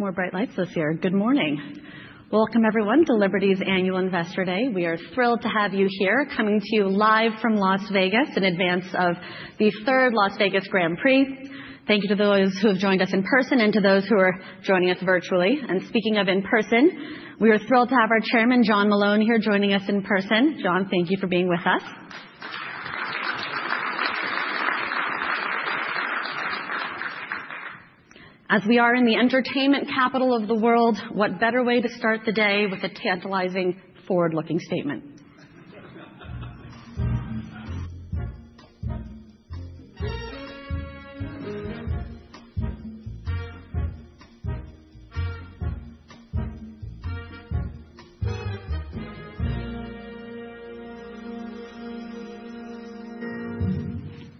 More bright lights this year. Good morning. Welcome, everyone, to Liberty's Annual Investor Day. We are thrilled to have you here, coming to you live from Las Vegas in advance of the third Las Vegas Grand Prix. Thank you to those who have joined us in person and to those who are joining us virtually. Speaking of in person, we are thrilled to have our Chairman, John Malone, here joining us in person. John, thank you for being with us. As we are in the entertainment capital of the world, what better way to start the day with a tantalizing, forward-looking statement?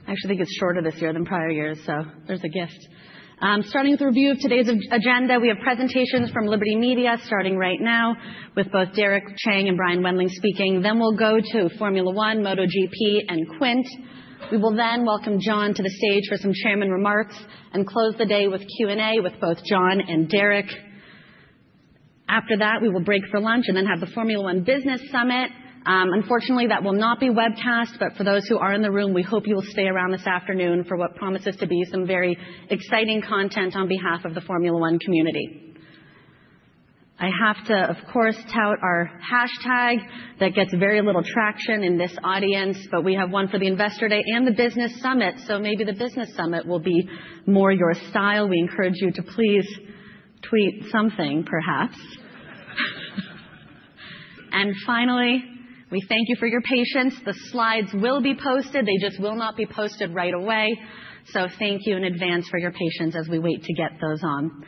I actually think it is shorter this year than prior years, so there is a gift. Starting with a review of today's agenda, we have presentations from Liberty Media starting right now, with both Derek Chang and Brian Wendling speaking. We will go to Formula One, MotoGP, and Quint. We will then welcome John to the stage for some Chairman remarks and close the day with Q&A with both John and Derek. After that, we will break for lunch and then have the Formula One Business Summit. Unfortunately, that will not be webcast, but for those who are in the room, we hope you will stay around this afternoon for what promises to be some very exciting content on behalf of the Formula One community. I have to, of course, tout our hashtag that gets very little traction in this audience, but we have one for the Investor Day and the Business Summit, so maybe the Business Summit will be more your style. We encourage you to please tweet something, perhaps. Finally, we thank you for your patience. The slides will be posted. They just will not be posted right away. Thank you in advance for your patience as we wait to get those on.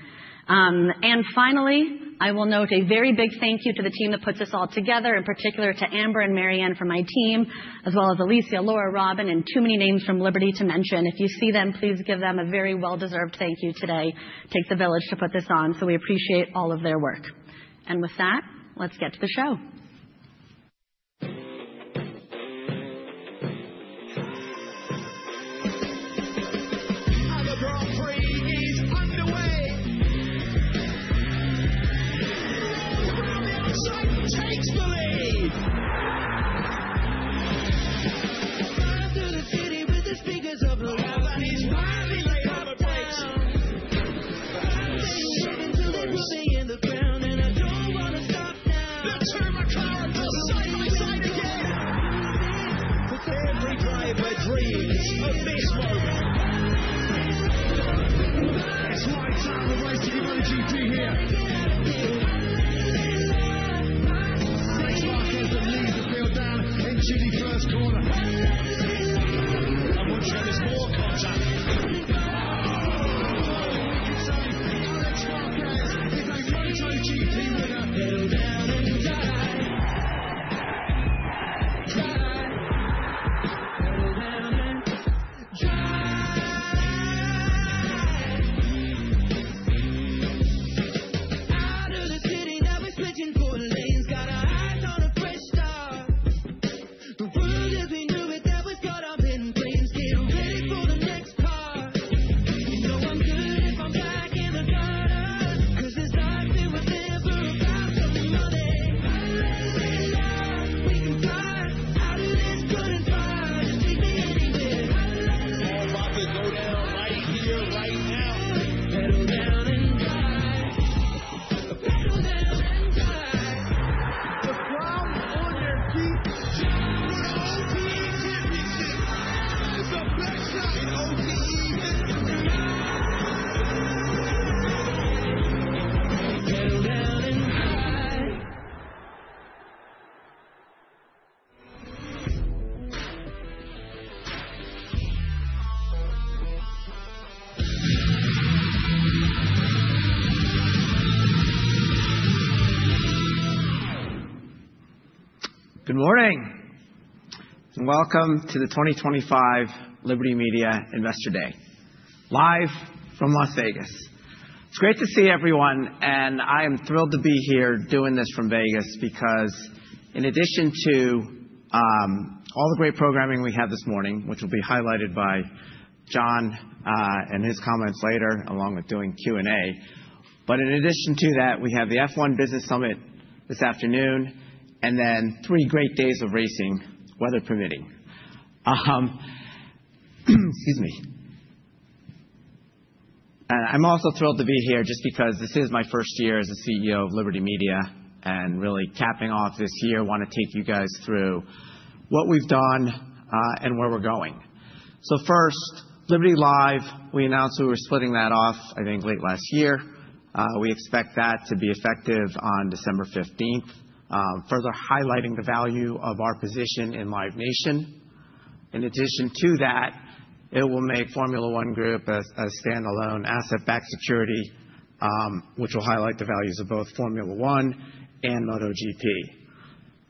Finally, I will note a very big thank you to the team that puts this all together, in particular to Amber and Marianne from my team, as well as Alicia, Laura, Robin, and too many names from Liberty to mention. If you see them, please give them a very well-deserved thank you today. It takes a village to put this on, so we appreciate all of their work. With that, let's get to the show. Good morning and welcome to the 2025 Liberty Media Investor Day, live from Las Vegas. It's great to see everyone, and I am thrilled to be here doing this from Vegas because, in addition to all the great programming we had this morning, which will be highlighted by John and his comments later, along with doing Q&A, in addition to that, we have the F1 Business Summit this afternoon, and then three great days of racing, weather permitting. Excuse me. I'm also thrilled to be here just because this is my first year as CEO of Liberty Media, and really tapping off this year, I want to take you guys through what we've done and where we're going. First, Liberty Live, we announced we were splitting that off, I think, late last year. We expect that to be effective on December 15th, further highlighting the value of our position in Live Nation. In addition to that, it will make Formula One Group a standalone asset-backed security, which will highlight the values of both Formula One and MotoGP.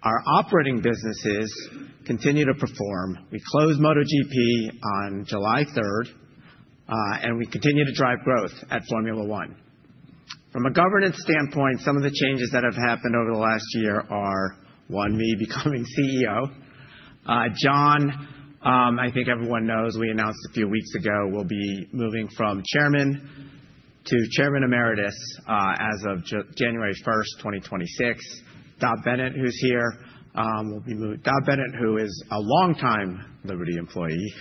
Our operating businesses continue to perform. We closed MotoGP on July 3rd, and we continue to drive growth at Formula One. From a governance standpoint, some of the changes that have happened over the last year are: one, me becoming CEO. John, I think everyone knows we announced a few weeks ago, will be moving from chairman to chairman emeritus as of January 1st, 2026. Dobb Bennett, who's here, will be moved. Dobb Bennett, who is a longtime Liberty employee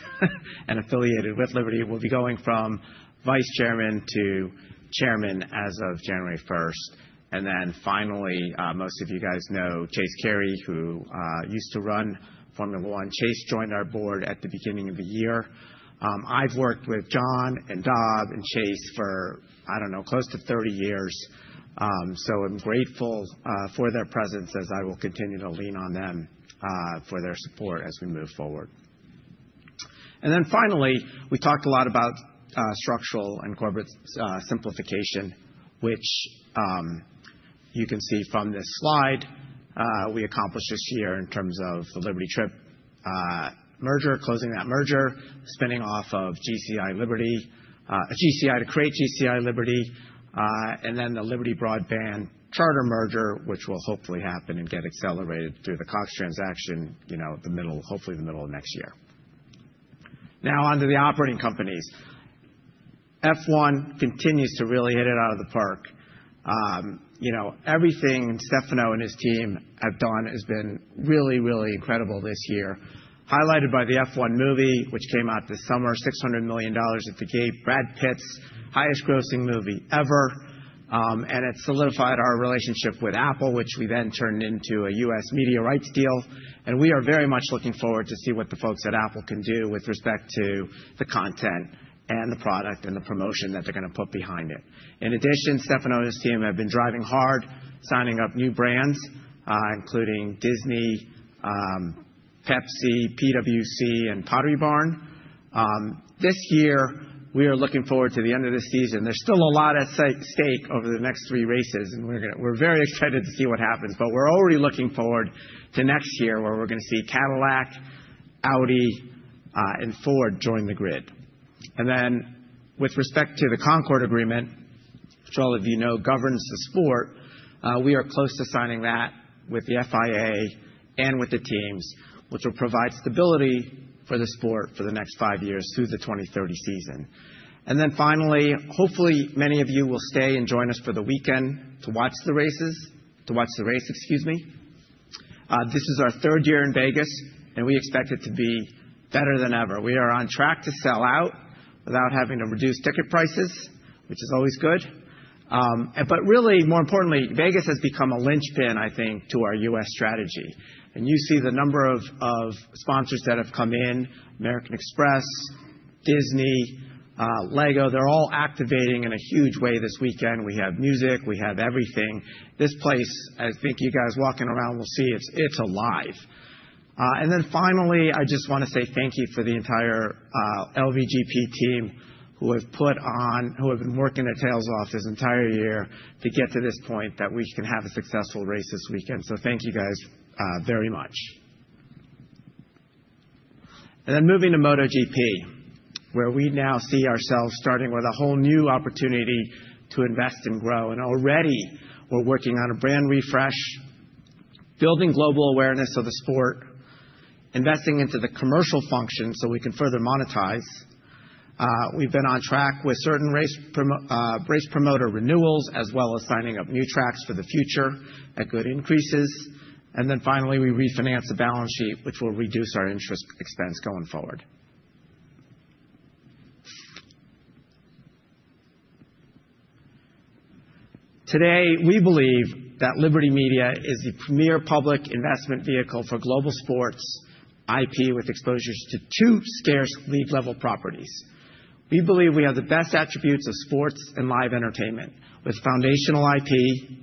and affiliated with Liberty, will be going from vice chairman to chairman as of January 1st. Finally, most of you guys know Chase Carey, who used to run Formula One. Chase joined our board at the beginning of the year. I've worked with John and Dobb and Chase for, I don't know, close to 30 years, so I'm grateful for their presence as I will continue to lean on them for their support as we move forward. Finally, we talked a lot about structural and corporate simplification, which you can see from this slide we accomplished this year in terms of the Liberty Trip merger, closing that merger, spinning off GCI Liberty, a GCI to create GCI Liberty, and then the Liberty Broadband Charter merger, which will hopefully happen and get accelerated through the Cox transaction, you know, hopefully the middle of next year. Now on to the operating companies. F1 continues to really hit it out of the park. You know, everything Stefano and his team have done has been really, really incredible this year, highlighted by the F1 movie, which came out this summer, $600 million at the gate, Brad Pitt's highest-grossing movie ever. It solidified our relationship with Apple, which we then turned into a U.S. media rights deal. We are very much looking forward to see what the folks at Apple can do with respect to the content and the product and the promotion that they're going to put behind it. In addition, Stefano and his team have been driving hard, signing up new brands, including Disney, Pepsi, PwC, and Pottery Barn. This year, we are looking forward to the end of the season. There's still a lot at stake over the next three races, and we're very excited to see what happens, but we're already looking forward to next year where we're going to see Cadillac, Audi, and Ford join the grid. With respect to the Concorde Agreement, which all of you know governs the sport, we are close to signing that with the FIA and with the teams, which will provide stability for the sport for the next five years through the 2030 season. Finally, hopefully many of you will stay and join us for the weekend to watch the races, to watch the race, excuse me. This is our third year in Vegas, and we expect it to be better than ever. We are on track to sell out without having to reduce ticket prices, which is always good. Really, more importantly, Vegas has become a linchpin, I think, to our U.S. strategy. You see the number of sponsors that have come in: American Express, Disney, Lego. They're all activating in a huge way this weekend. We have music. We have everything. This place, I think you guys walking around will see it's alive. Finally, I just want to say thank you for the entire LVGP team who have been working their tails off this entire year to get to this point that we can have a successful race this weekend. Thank you guys very much. Moving to MotoGP, where we now see ourselves starting with a whole new opportunity to invest and grow. Already we're working on a brand refresh, building global awareness of the sport, investing into the commercial function so we can further monetize. We've been on track with certain race promoter renewals, as well as signing up new tracks for the future at good increases. Finally, we refinance a balance sheet, which will reduce our interest expense going forward. Today, we believe that Liberty Media is the premier public investment vehicle for global sports IP with exposures to two scarce lead-level properties. We believe we have the best attributes of sports and live entertainment with foundational IP,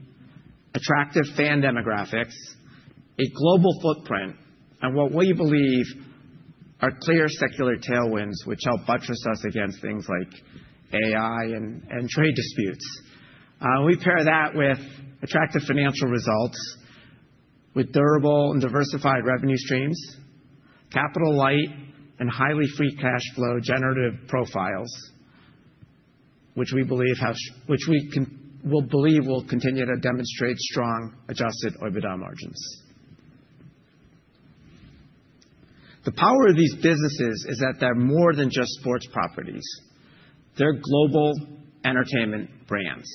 attractive fan demographics, a global footprint, and what we believe are clear secular tailwinds, which help buttress us against things like AI and trade disputes. We pair that with attractive financial results with durable and diversified revenue streams, capital light and highly free cash flow generative profiles, which we believe will continue to demonstrate strong adjusted EBITDA margins. The power of these businesses is that they're more than just sports properties. They're global entertainment brands.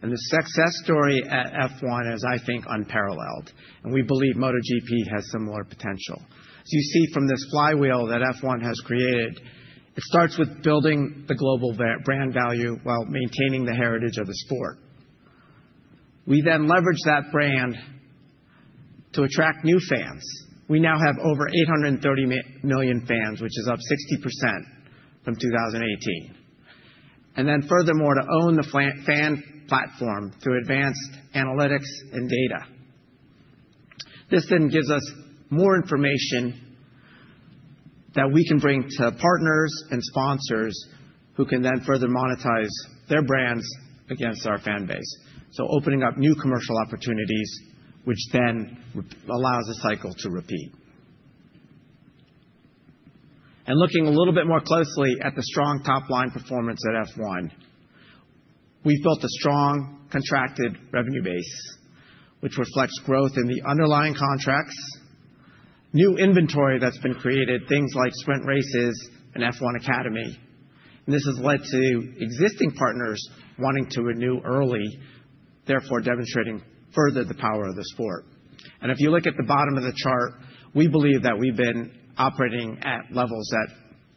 The success story at F1 is, I think, unparalleled. We believe MotoGP has similar potential. As you see from this flywheel that F1 has created, it starts with building the global brand value while maintaining the heritage of the sport. We then leverage that brand to attract new fans. We now have over 830 million fans, which is up 60% from 2018. Furthermore, to own the fan platform through advanced analytics and data. This then gives us more information that we can bring to partners and sponsors who can then further monetize their brands against our fan base. Opening up new commercial opportunities, which then allows a cycle to repeat. Looking a little bit more closely at the strong top-line performance at F1, we've built a strong contracted revenue base, which reflects growth in the underlying contracts, new inventory that's been created, things like sprint races and F1 Academy. This has led to existing partners wanting to renew early, therefore demonstrating further the power of the sport. If you look at the bottom of the chart, we believe that we've been operating at levels that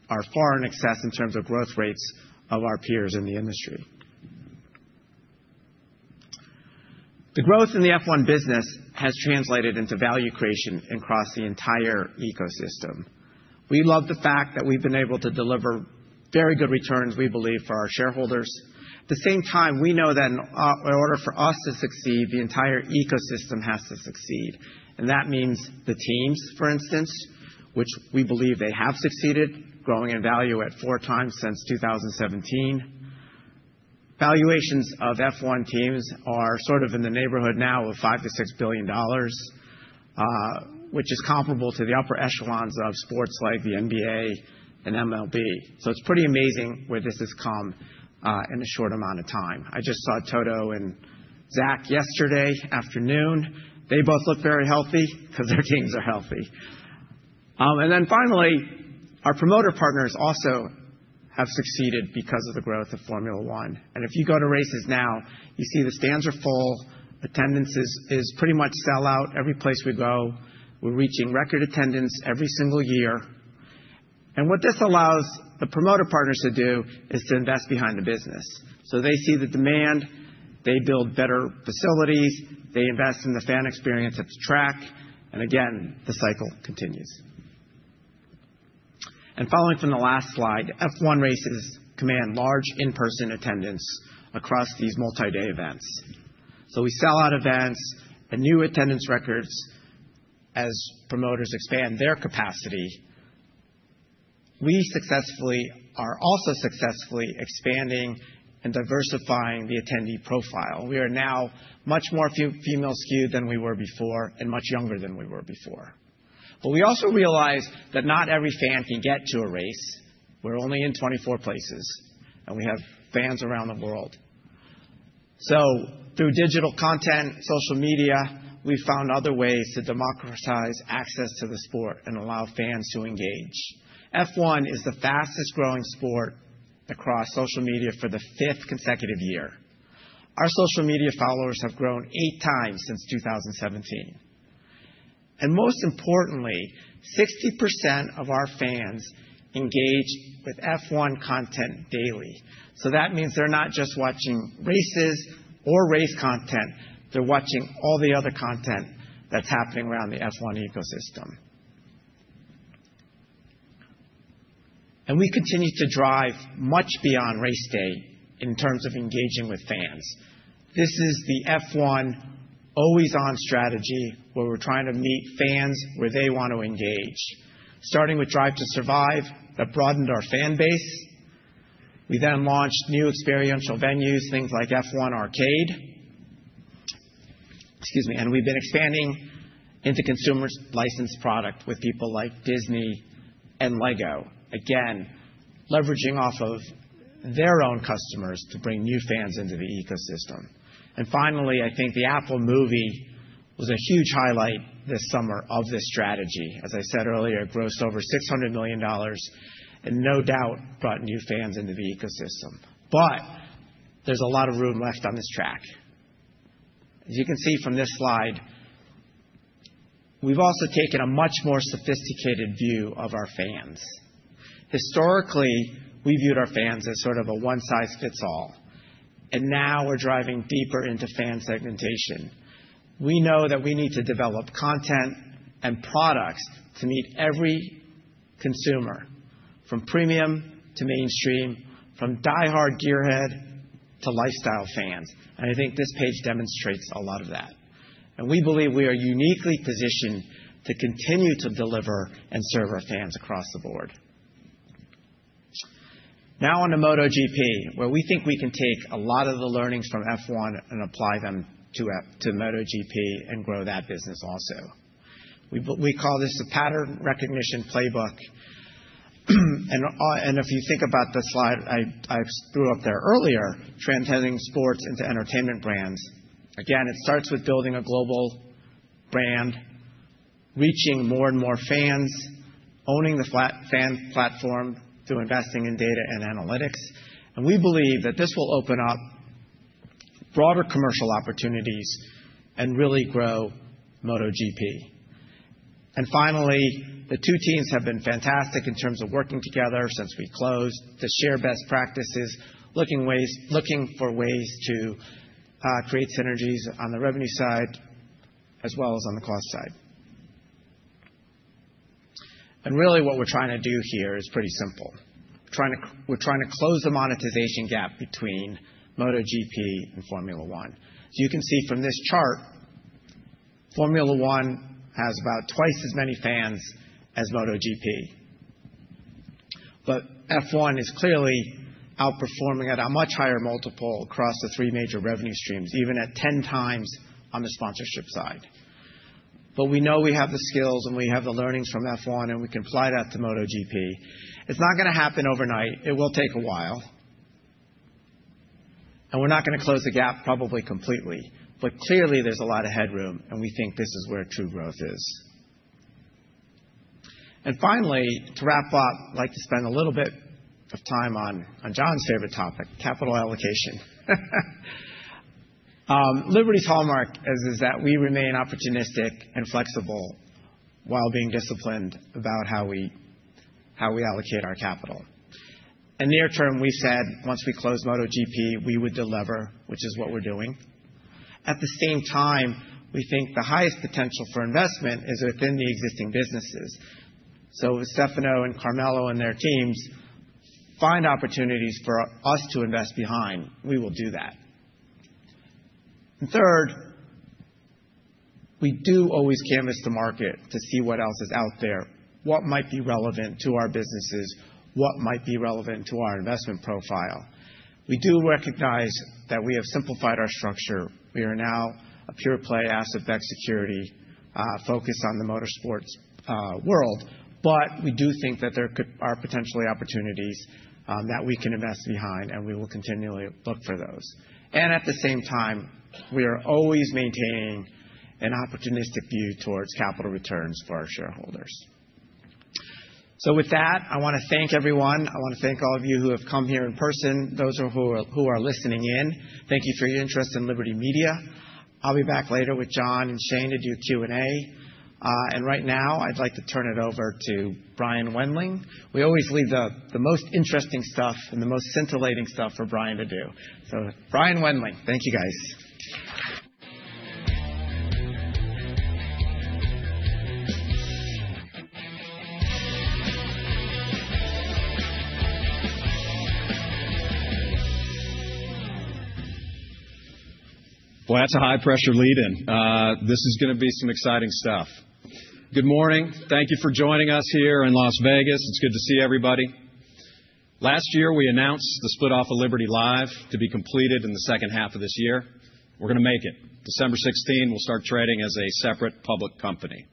are far in excess in terms of growth rates of our peers in the industry. The growth in the F1 business has translated into value creation across the entire ecosystem. We love the fact that we've been able to deliver very good returns, we believe, for our shareholders. At the same time, we know that in order for us to succeed, the entire ecosystem has to succeed. That means the teams, for instance, which we believe they have succeeded, growing in value at four times since 2017. Valuations of F1 teams are sort of in the neighborhood now of $5 billion-$6 billion, which is comparable to the upper echelons of sports like the NBA and MLB. It is pretty amazing where this has come in a short amount of time. I just saw Toto and Zach yesterday afternoon. They both look very healthy because their teams are healthy. Finally, our promoter partners also have succeeded because of the growth of Formula One. If you go to races now, you see the stands are full. Attendance is pretty much sell-out every place we go. We are reaching record attendance every single year. What this allows the promoter partners to do is to invest behind the business. They see the demand, they build better facilities, they invest in the fan experience at the track, and again, the cycle continues. Following from the last slide, F1 races command large in-person attendance across these multi-day events. We sell out events and new attendance records as promoters expand their capacity. We are also successfully expanding and diversifying the attendee profile. We are now much more female-skewed than we were before and much younger than we were before. We also realize that not every fan can get to a race. We're only in 24 places, and we have fans around the world. Through digital content, social media, we've found other ways to democratize access to the sport and allow fans to engage. F1 is the fastest-growing sport across social media for the fifth consecutive year. Our social media followers have grown eight times since 2017. Most importantly, 60% of our fans engage with F1 content daily. That means they're not just watching races or race content. They're watching all the other content that's happening around the F1 ecosystem. We continue to drive much beyond race day in terms of engaging with fans. This is the F1 always-on strategy where we're trying to meet fans where they want to engage, starting with Drive to Survive that broadened our fan base. We then launched new experiential venues, things like F1 Arcade. Excuse me. We've been expanding into consumer licensed product with people like Disney and Lego, again, leveraging off of their own customers to bring new fans into the ecosystem. Finally, I think the Apple movie was a huge highlight this summer of this strategy. As I said earlier, it grossed over $600 million and no doubt brought new fans into the ecosystem. There is a lot of room left on this track. As you can see from this slide, we have also taken a much more sophisticated view of our fans. Historically, we viewed our fans as sort of a one-size-fits-all. Now we are driving deeper into fan segmentation. We know that we need to develop content and products to meet every consumer, from premium to mainstream, from die-hard gearhead to lifestyle fans. I think this page demonstrates a lot of that. We believe we are uniquely positioned to continue to deliver and serve our fans across the board. Now on to MotoGP, where we think we can take a lot of the learnings from F1 and apply them to MotoGP and grow that business also. We call this a pattern recognition playbook. If you think about the slide I threw up there earlier, transcending sports into entertainment brands. Again, it starts with building a global brand, reaching more and more fans, owning the fan platform through investing in data and analytics. We believe that this will open up broader commercial opportunities and really grow MotoGP. Finally, the two teams have been fantastic in terms of working together since we closed to share best practices, looking for ways to create synergies on the revenue side as well as on the cost side. Really, what we're trying to do here is pretty simple. We're trying to close the monetization gap between MotoGP and Formula One. As you can see from this chart, Formula One has about twice as many fans as MotoGP. F1 is clearly outperforming at a much higher multiple across the three major revenue streams, even at 10 times on the sponsorship side. We know we have the skills and we have the learnings from F1, and we can apply that to MotoGP. It's not going to happen overnight. It will take a while. We're not going to close the gap probably completely. Clearly, there's a lot of headroom, and we think this is where true growth is. Finally, to wrap up, I'd like to spend a little bit of time on John's favorite topic, capital allocation. Liberty's hallmark is that we remain opportunistic and flexible while being disciplined about how we allocate our capital. Near term, we've said once we close MotoGP, we would deliver, which is what we're doing. At the same time, we think the highest potential for investment is within the existing businesses. If Stefano and Carmelo and their teams find opportunities for us to invest behind, we will do that. Third, we do always canvas the market to see what else is out there, what might be relevant to our businesses, what might be relevant to our investment profile. We do recognize that we have simplified our structure. We are now a pure play asset-backed security focused on the motorsports world. We do think that there are potentially opportunities that we can invest behind, and we will continually look for those. At the same time, we are always maintaining an opportunistic view towards capital returns for our shareholders. With that, I want to thank everyone. I want to thank all of you who have come here in person, those who are listening in. Thank you for your interest in Liberty Media. I'll be back later with John and Shane to do Q&A. Right now, I'd like to turn it over to Brian Wendling. We always leave the most interesting stuff and the most scintillating stuff for Brian to do. Brian Wendling, thank you, guys. That's a high-pressure lead-in. This is going to be some exciting stuff. Good morning. Thank you for joining us here in Las Vegas. It's good to see everybody. Last year, we announced the split-off of Liberty Live to be completed in the second half of this year. We're going to make it. December 16, we'll start trading as a separate public company.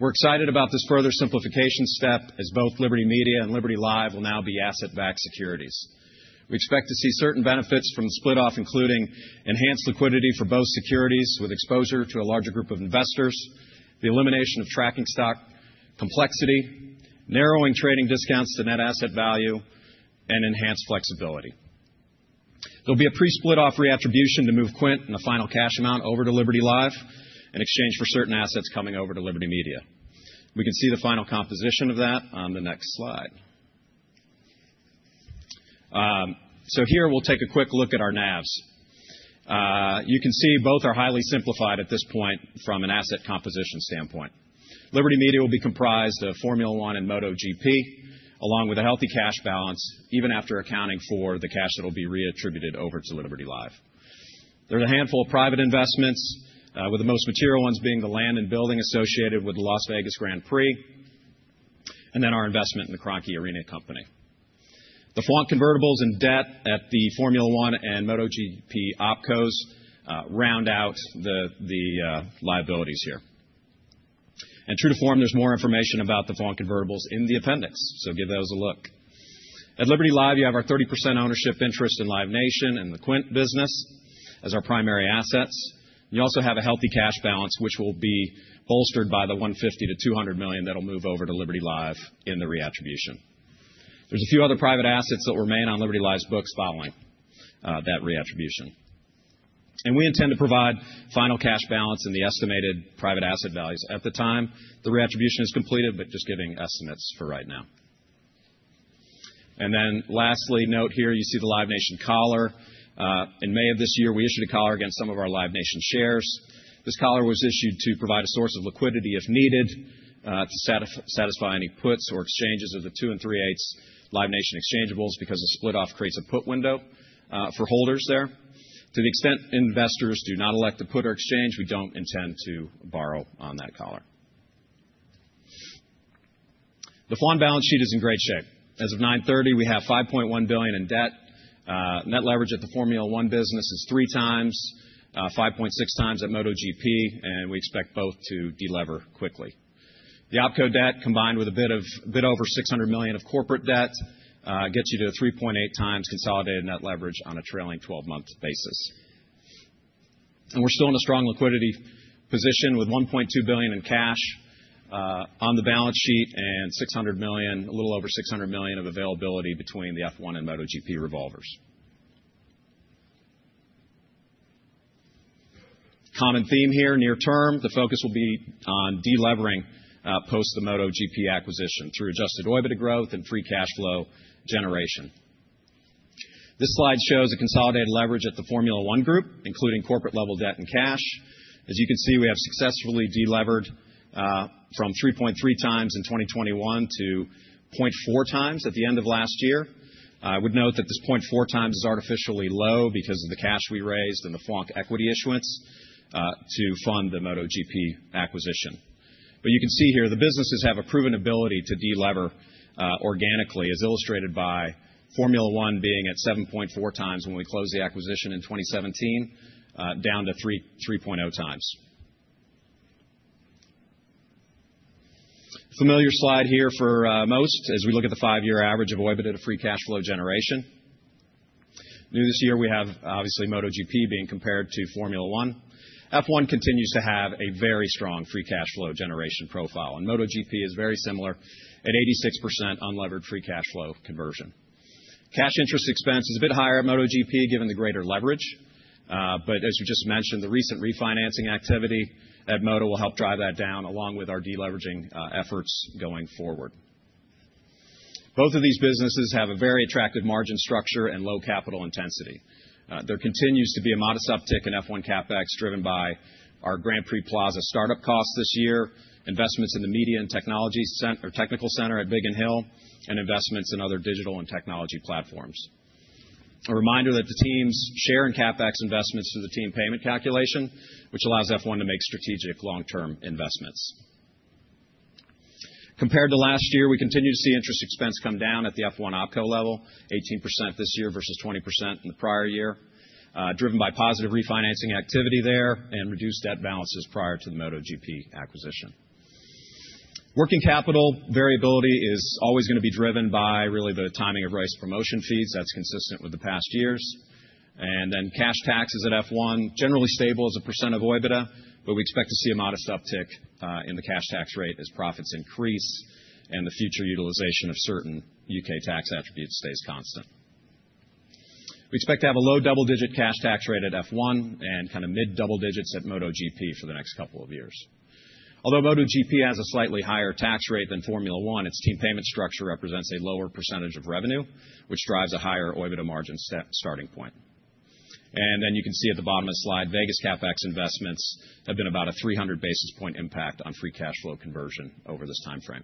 We're excited about this further simplification step as both Liberty Media and Liberty Live will now be asset-backed securities. We expect to see certain benefits from the split-off, including enhanced liquidity for both securities with exposure to a larger group of investors, the elimination of tracking stock complexity, narrowing trading discounts to net asset value, and enhanced flexibility. There'll be a pre-split-off reattribution to move Quint and the final cash amount over to Liberty Live in exchange for certain assets coming over to Liberty Media. We can see the final composition of that on the next slide. Here, we'll take a quick look at our navs. You can see both are highly simplified at this point from an asset composition standpoint. Liberty Media will be comprised of Formula One and MotoGP, along with a healthy cash balance, even after accounting for the cash that will be reattributed over to Liberty Live. There's a handful of private investments, with the most material ones being the land and building associated with the Las Vegas Grand Prix and then our investment in the Kroenke Arena Company. The F1 convertibles and debt at the Formula One and MotoGP opcos round out the liabilities here. True to form, there's more information about the F1 convertibles in the appendix. Give those a look. At Liberty Live, you have our 30% ownership interest in Live Nation and the Quint business as our primary assets. You also have a healthy cash balance, which will be bolstered by the $150-$200 million that'll move over to Liberty Live in the reattribution. There's a few other private assets that will remain on Liberty Live's books following that reattribution. We intend to provide final cash balance and the estimated private asset values at the time the reattribution is completed, but just giving estimates for right now. Lastly, note here, you see the Live Nation collar. In May of this year, we issued a collar against some of our Live Nation shares. This collar was issued to provide a source of liquidity if needed to satisfy any puts or exchanges of the two and three-eighths Live Nation exchangeables because the split-off creates a put window for holders there. To the extent investors do not elect to put or exchange, we do not intend to borrow on that collar. The Formula One Group balance sheet is in great shape. As of 9/30, we have $5.1 billion in debt. Net leverage at the Formula One business is three times, 5.6 times at MotoGP, and we expect both to deliver quickly. The opco debt, combined with a bit over $600 million of corporate debt, gets you to 3.8 times consolidated net leverage on a trailing 12-month basis. We're still in a strong liquidity position with $1.2 billion in cash on the balance sheet and a little over $600 million of availability between the F1 and MotoGP revolvers. Common theme here near term, the focus will be on delivering post the MotoGP acquisition through adjusted EBITDA growth and free cash flow generation. This slide shows the consolidated leverage at the Formula One Group, including corporate-level debt and cash. As you can see, we have successfully delivered from 3.3 times in 2021 to 0.4 times at the end of last year. I would note that this 0.4 times is artificially low because of the cash we raised and the F1 equity issuance to fund the MotoGP acquisition. You can see here, the businesses have a proven ability to deliver organically, as illustrated by Formula One being at 7.4 times when we closed the acquisition in 2017, down to 3.0 times. Familiar slide here for most as we look at the five-year average of EBITDA to free cash flow generation. New this year, we have obviously MotoGP being compared to Formula One. F1 continues to have a very strong free cash flow generation profile. MotoGP is very similar at 86% unlevered free cash flow conversion. Cash interest expense is a bit higher at MotoGP given the greater leverage. As we just mentioned, the recent refinancing activity at Moto will help drive that down along with our deleveraging efforts going forward. Both of these businesses have a very attractive margin structure and low capital intensity. There continues to be a modest uptick in F1 CapEx driven by our Grand Prix Plaza startup costs this year, investments in the media and technical center at Biggin Hill, and investments in other digital and technology platforms. A reminder that the teams share in CapEx investments through the team payment calculation, which allows F1 to make strategic long-term investments. Compared to last year, we continue to see interest expense come down at the F1 opco level, 18% this year versus 20% in the prior year, driven by positive refinancing activity there and reduced debt balances prior to the MotoGP acquisition. Working capital variability is always going to be driven by really the timing of race promotion fees, that's consistent with the past years. Cash taxes at F1, generally stable as a % of EBITDA, but we expect to see a modest uptick in the cash tax rate as profits increase and the future utilization of certain U.K. tax attributes stays constant. We expect to have a low double-digit cash tax rate at F1 and kind of mid-double digits at MotoGP for the next couple of years. Although MotoGP has a slightly higher tax rate than Formula One, its team payment structure represents a lower percentage of revenue, which drives a higher EBITDA margin starting point. You can see at the bottom of the slide, Vegas CapEx investments have been about a 300 basis point impact on free cash flow conversion over this timeframe.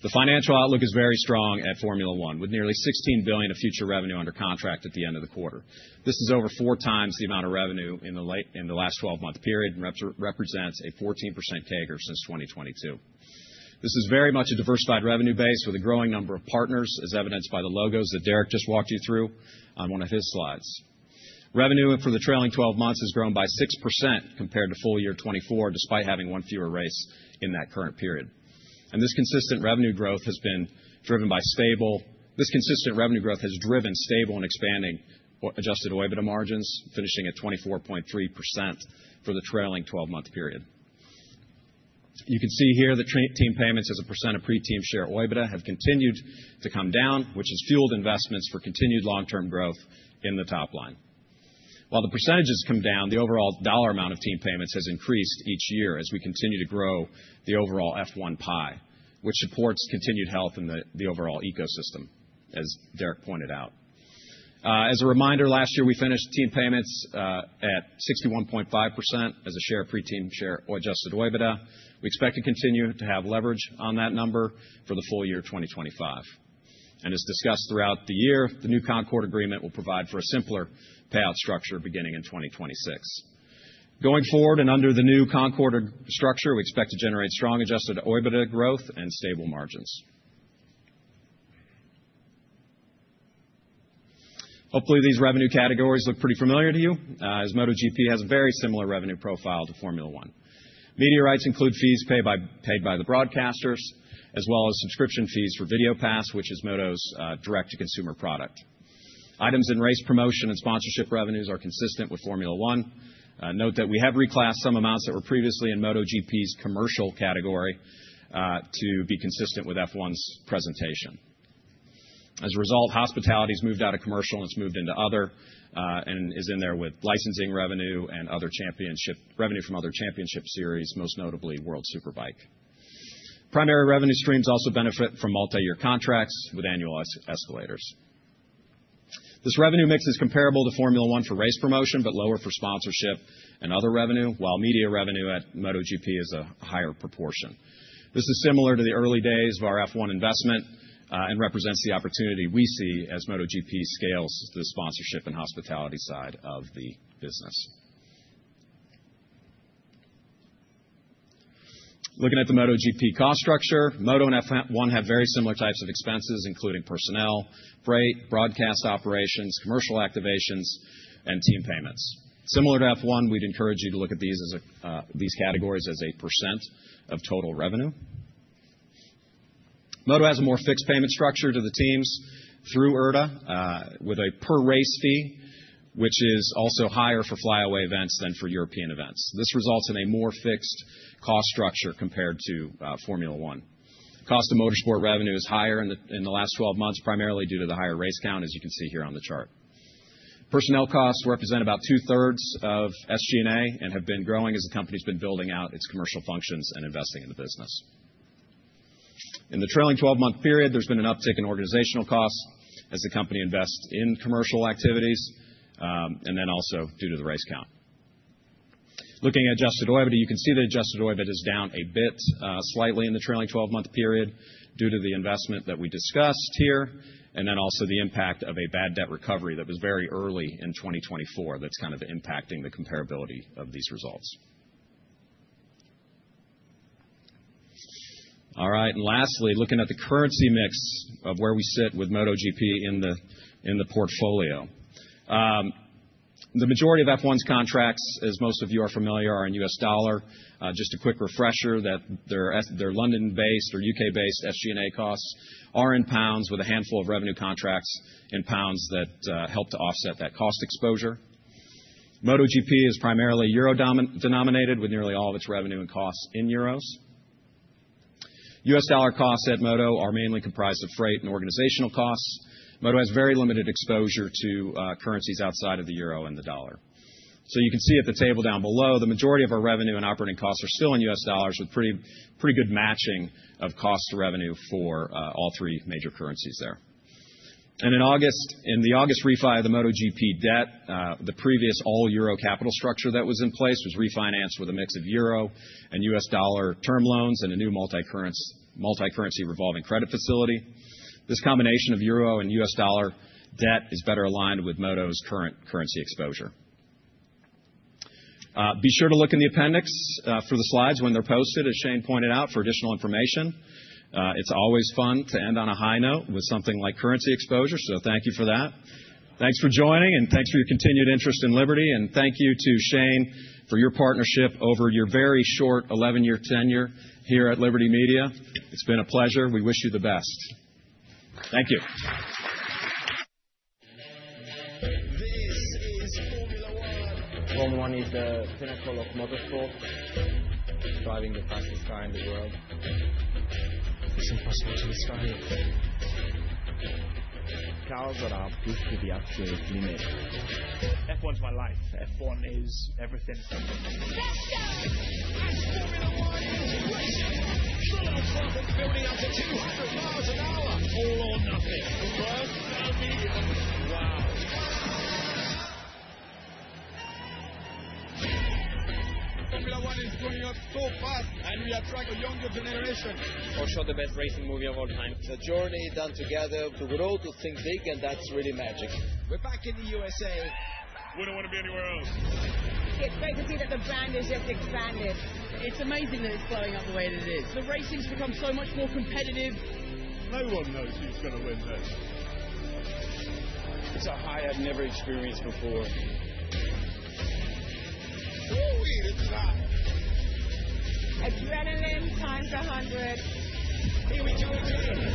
The financial outlook is very strong at Formula One, with nearly $16 billion of future revenue under contract at the end of the quarter. This is over four times the amount of revenue in the last 12-month period and represents a 14% CAGR since 2022. This is very much a diversified revenue base with a growing number of partners, as evidenced by the logos that Derek just walked you through on one of his slides. Revenue for the trailing 12 months has grown by 6% compared to full year 2024, despite having one fewer race in that current period. This consistent revenue growth has been driven by stable. This consistent revenue growth has driven stable and expanding adjusted EBITDA margins, finishing at 24.3% for the trailing 12-month period. You can see here that team payments as a % of pre-team share EBITDA have continued to come down, which has fueled investments for continued long-term growth in the top line. While the % has come down, the overall dollar amount of team payments has increased each year as we continue to grow the overall F1 pie, which supports continued health in the overall ecosystem, as Derek pointed out. As a reminder, last year, we finished team payments at 61.5% as a share of pre-team share adjusted EBITDA. We expect to continue to have leverage on that number for the full year 2025. As discussed throughout the year, the new Concorde Agreement will provide for a simpler payout structure beginning in 2026. Going forward and under the new Concorde structure, we expect to generate strong adjusted EBITDA growth and stable margins. Hopefully, these revenue categories look pretty familiar to you, as MotoGP has a very similar revenue profile to Formula One. Media rights include fees paid by the broadcasters, as well as subscription fees for VideoPass, which is MotoGP's direct-to-consumer product. Items in race promotion and sponsorship revenues are consistent with Formula One. Note that we have reclassed some amounts that were previously in MotoGP's commercial category to be consistent with F1's presentation. As a result, hospitality has moved out of commercial and it's moved into other and is in there with licensing revenue and other championship revenue from other championship series, most notably World Superbike. Primary revenue streams also benefit from multi-year contracts with annual escalators. This revenue mix is comparable to Formula One for race promotion, but lower for sponsorship and other revenue, while media revenue at MotoGP is a higher proportion. This is similar to the early days of our F1 investment and represents the opportunity we see as MotoGP scales the sponsorship and hospitality side of the business. Looking at the MotoGP cost structure, Moto and F1 have very similar types of expenses, including personnel, freight, broadcast operations, commercial activations, and team payments. Similar to F1, we'd encourage you to look at these categories as a % of total revenue. Moto has a more fixed payment structure to the teams through IRDA with a per-race fee, which is also higher for fly-away events than for European events. This results in a more fixed cost structure compared to Formula One. Cost of motorsport revenue is higher in the last 12 months, primarily due to the higher race count, as you can see here on the chart. Personnel costs represent about two-thirds of SG&A and have been growing as the company's been building out its commercial functions and investing in the business. In the trailing 12-month period, there's been an uptick in organizational costs as the company invests in commercial activities and then also due to the race count. Looking at adjusted EBITDA, you can see that adjusted EBITDA is down a bit slightly in the trailing 12-month period due to the investment that we discussed here and then also the impact of a bad debt recovery that was very early in 2024 that's kind of impacting the comparability of these results. Lastly, looking at the currency mix of where we sit with MotoGP in the portfolio. The majority of F1's contracts, as most of you are familiar, are in U.S. dollar. Just a quick refresher that their London-based or U.K.-based SG&A costs are in pounds with a handful of revenue contracts in pounds that help to offset that cost exposure. MotoGP is primarily euro-denominated with nearly all of its revenue and costs in euros. U.S. dollar costs at Moto are mainly comprised of freight and organizational costs. Moto has very limited exposure to currencies outside of the euro and the dollar. You can see at the table down below, the majority of our revenue and operating costs are still in U.S. dollars with pretty good matching of cost to revenue for all three major currencies there. In the August refi of the MotoGP debt, the previous all-euro capital structure that was in place was refinanced with a mix of euro and U.S. dollar term loans and a new multi-currency revolving credit facility. This combination of euro and U.S. dollar debt is better aligned with Moto's current currency exposure. Be sure to look in the appendix for the slides when they're posted, as Shane pointed out, for additional information. It's always fun to end on a high note with something like currency exposure, so thank you for that. Thanks for joining and thanks for your continued interest in Liberty, and thank you to Shane for your partnership over your very short 11-year tenure here at Liberty Media. It's been a pleasure. We wish you the best. Thank you. This is Formula One. Formula One is the pinnacle of motorsport. Driving the fastest car in the world. It's impossible to describe it. Cars that are pushed to the absolute limit. F1's my life. F1 is everything. Special as Formula One is racing. The little cars are building up to 200 miles an hour. All or nothing. Converged down the end. Wow. Formula One is going up so fast, and we attract a younger generation. For sure, the best racing movie of all time. The journey done together to grow to think big, and that's really magic. We're back in the U.S.A. We don't want to be anywhere else. It's great to see that the brand has just expanded. It's amazing that it's blowing up the way that it is. The racing's become so much more competitive. No one knows who's going to win this. It's a high I've never experienced before. Ooh, it's hot. Adrenaline times 100. Here we go again.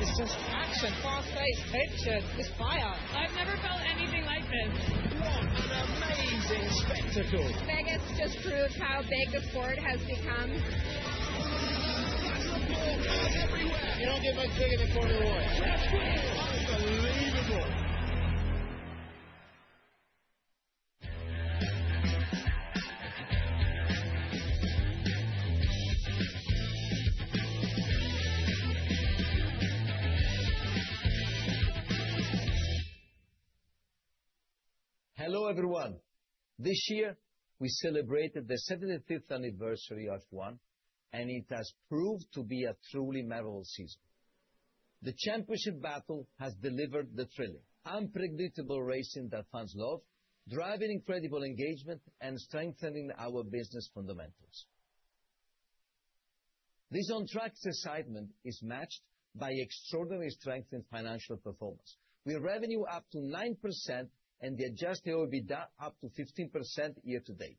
It's just action, fast pace, tension. It's fire. I've never felt anything like this. What an amazing spectacle. Vegas just proved how big the sport has become. Flash report, cars everywhere. You don't get much bigger than Formula One. That's great. Unbelievable. Hello everyone. This year, we celebrated the 75th anniversary of F1, and it has proved to be a truly memorable season. The championship battle has delivered the thrilling, unpredictable racing that fans love, driving incredible engagement and strengthening our business fundamentals. This on-track excitement is matched by extraordinary strength in financial performance, with revenue up 9% and the adjusted EBITDA up 15% year to date.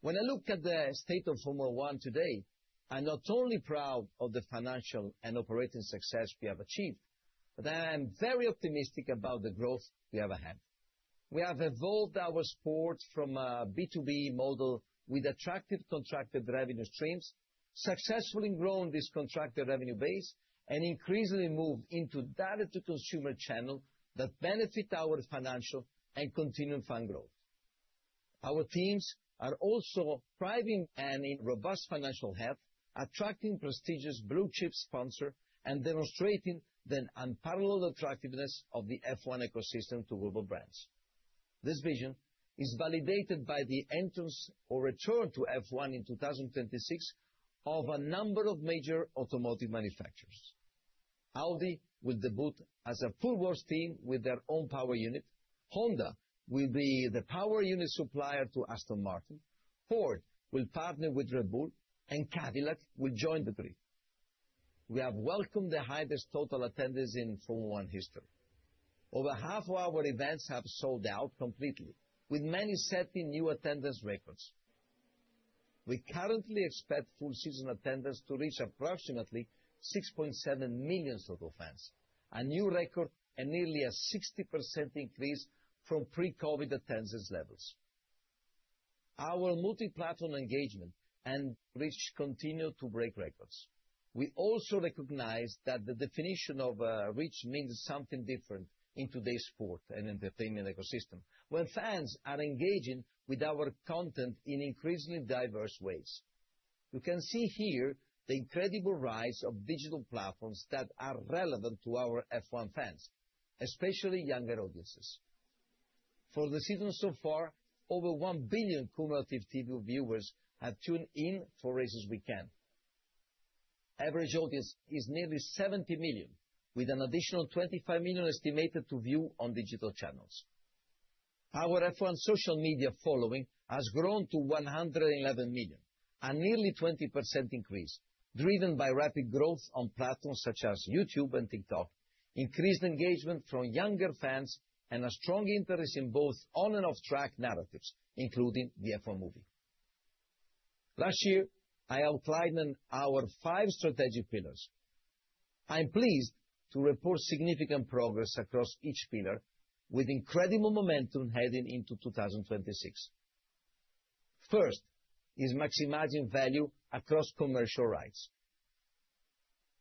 When I look at the state of Formula One today, I'm not only proud of the financial and operating success we have achieved, but I am very optimistic about the growth we have ahead. We have evolved our sport from a B2B model with attractive contracted revenue streams, successfully grown this contracted revenue base, and increasingly moved into direct-to-consumer channels that benefit our financial and continuing fan growth. Our teams are also thriving and in robust financial health, attracting prestigious blue-chip sponsors and demonstrating the unparalleled attractiveness of the F1 ecosystem to global brands. This vision is validated by the entrance or return to F1 in 2026 of a number of major automotive manufacturers. Audi will debut as a full-force team with their own power unit. Honda will be the power unit supplier to Aston Martin. Ford will partner with Red Bull, and Cadillac will join the group. We have welcomed the highest total attendance in Formula One history. Over half of our events have sold out completely, with many setting new attendance records. We currently expect full-season attendance to reach approximately 6.7 million total fans, a new record and nearly a 60% increase from pre-COVID attendance levels. Our multi-platform engagement and reach continue to break records. We also recognize that the definition of reach means something different in today's sport and entertainment ecosystem when fans are engaging with our content in increasingly diverse ways. You can see here the incredible rise of digital platforms that are relevant to our F1 fans, especially younger audiences. For the season so far, over 1 billion cumulative TV viewers have tuned in for races weekend. Average audience is nearly 70 million, with an additional 25 million estimated to view on digital channels. Our F1 social media following has grown to 111 million, a nearly 20% increase driven by rapid growth on platforms such as YouTube and TikTok, increased engagement from younger fans, and a strong interest in both on- and off-track narratives, including the F1 movie. Last year, I outlined our five strategic pillars. I'm pleased to report significant progress across each pillar with incredible momentum heading into 2026. First is maximizing value across commercial rights.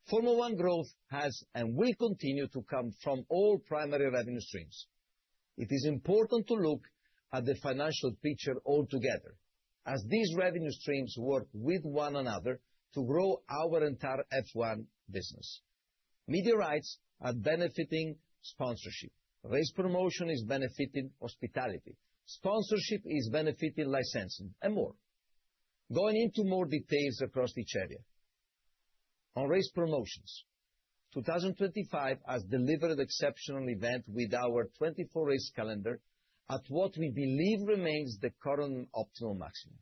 Formula One growth has and will continue to come from all primary revenue streams. It is important to look at the financial picture altogether as these revenue streams work with one another to grow our entire F1 business. Media rights are benefiting sponsorship. Race promotion is benefiting hospitality. Sponsorship is benefiting licensing and more. Going into more details across each area. On race promotions, 2025 has delivered exceptional events with our 24 race calendar at what we believe remains the current optimal maximum.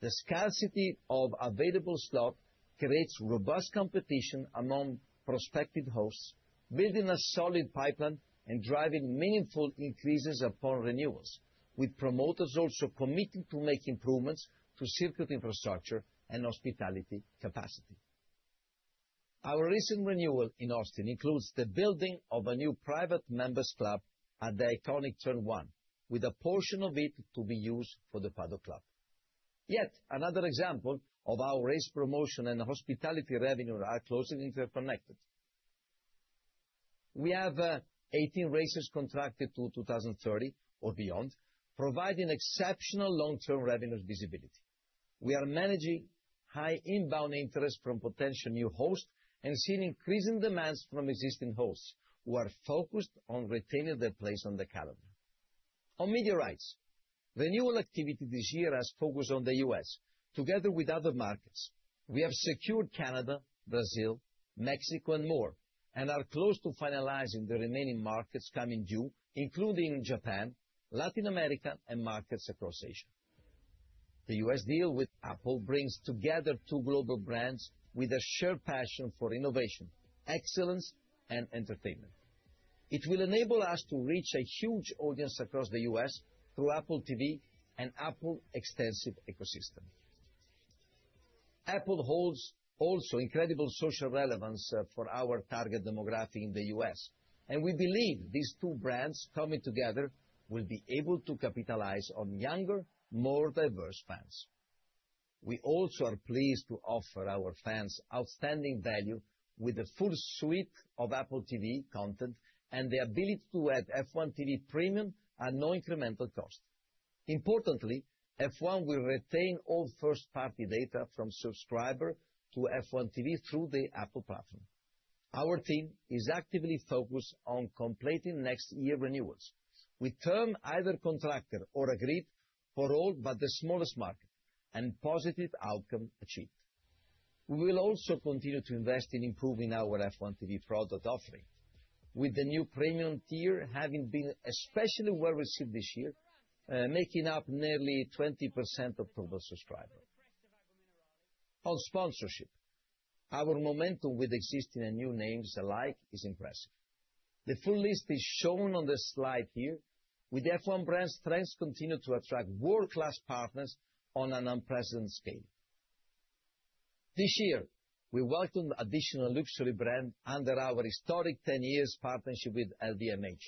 The scarcity of available slots creates robust competition among prospective hosts, building a solid pipeline and driving meaningful increases upon renewals, with promoters also committing to make improvements to circuit infrastructure and hospitality capacity. Our recent renewal in Austin includes the building of a new private members' club at the iconic Turn 1, with a portion of it to be used for the Paddock Club. Yet another example of how race promotion and hospitality revenues are closely interconnected. We have 18 races contracted to 2030 or beyond, providing exceptional long-term revenue visibility. We are managing high inbound interest from potential new hosts and seeing increasing demands from existing hosts who are focused on retaining their place on the calendar. On media rights, renewal activity this year has focused on the U.S., together with other markets. We have secured Canada, Brazil, Mexico, and more, and are close to finalizing the remaining markets coming due, including Japan, Latin America, and markets across Asia. The U.S. deal with Apple brings together two global brands with a shared passion for innovation, excellence, and entertainment. It will enable us to reach a huge audience across the U.S. through Apple TV and Apple's extensive ecosystem. Apple holds also incredible social relevance for our target demographic in the U.S., and we believe these two brands coming together will be able to capitalize on younger, more diverse fans. We also are pleased to offer our fans outstanding value with the full suite of Apple TV content and the ability to add F1 TV Premium at no incremental cost. Importantly, F1 will retain all first-party data from subscribers to F1 TV through the Apple platform. Our team is actively focused on completing next year's renewals, with term either contracted or agreed for all but the smallest market and positive outcome achieved. We will also continue to invest in improving our F1 TV product offering, with the new Premium tier having been especially well received this year, making up nearly 20% of total subscribers. On sponsorship, our momentum with existing and new names alike is impressive. The full list is shown on the slide here, with the F1 brand's strengths continuing to attract world-class partners on an unprecedented scale. This year, we welcomed the additional luxury brand under our historic 10-year partnership with LVMH.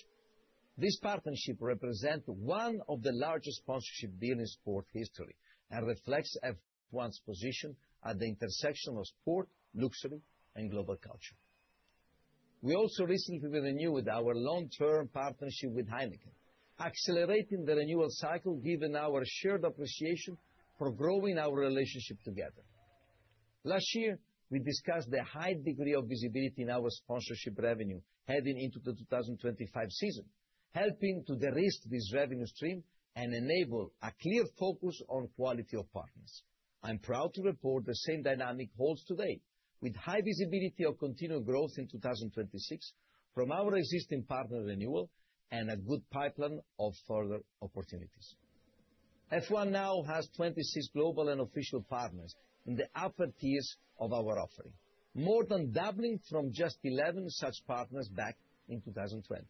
This partnership represents one of the largest sponsorship deals in sport history and reflects F1's position at the intersection of sport, luxury, and global culture. We also recently renewed our long-term partnership with Heineken, accelerating the renewal cycle given our shared appreciation for growing our relationship together. Last year, we discussed the high degree of visibility in our sponsorship revenue heading into the 2025 season, helping to de-risk this revenue stream and enable a clear focus on quality of partners. I'm proud to report the same dynamic holds today, with high visibility of continued growth in 2026 from our existing partner renewal and a good pipeline of further opportunities. F1 now has 26 global and official partners in the upper tiers of our offering, more than doubling from just 11 such partners back in 2020.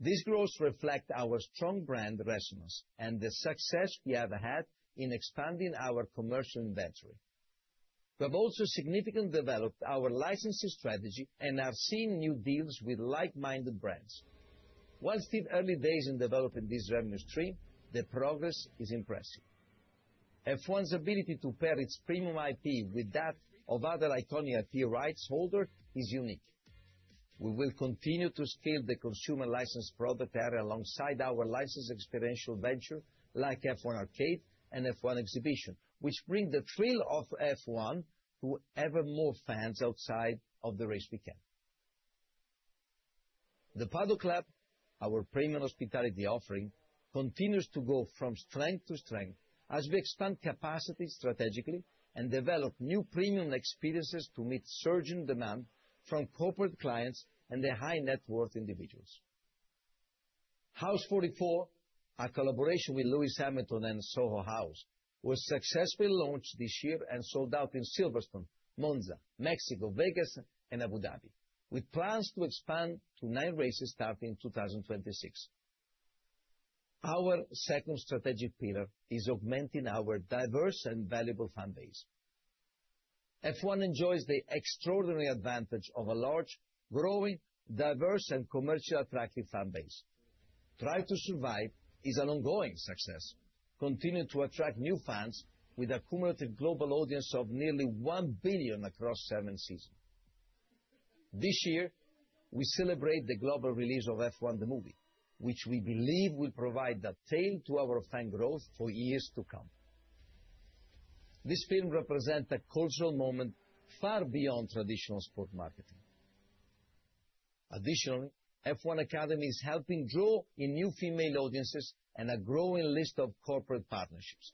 These growths reflect our strong brand resonance and the success we have had in expanding our commercial inventory. We have also significantly developed our licensing strategy and have seen new deals with like-minded brands. While still early days in developing this revenue stream, the progress is impressive. F1's ability to pair its premium IP with that of other Iconia tier rights holders is unique. We will continue to scale the consumer license product area alongside our licensed experiential ventures like F1 Arcade and F1 Exhibition, which bring the thrill of F1 to ever more fans outside of the race weekend. The Paddock Club, our premium hospitality offering, continues to go from strength to strength as we expand capacity strategically and develop new premium experiences to meet surging demand from corporate clients and high net worth individuals. House 44, a collaboration with Lewis Hamilton and Soho House, was successfully launched this year and sold out in Silverstone, Monza, Mexico, Vegas, and Abu Dhabi, with plans to expand to nine races starting in 2026. Our second strategic pillar is augmenting our diverse and valuable fan base. F1 enjoys the extraordinary advantage of a large, growing, diverse, and commercially attractive fan base. Drive to Survive is an ongoing success, continuing to attract new fans with a cumulative global audience of nearly 1 billion across seven seasons. This year, we celebrate the global release of F1: The Movie, which we believe will provide the tail to our fan growth for years to come. This film represents a cultural moment far beyond traditional sport marketing. Additionally, F1 Academy is helping grow in new female audiences and a growing list of corporate partnerships.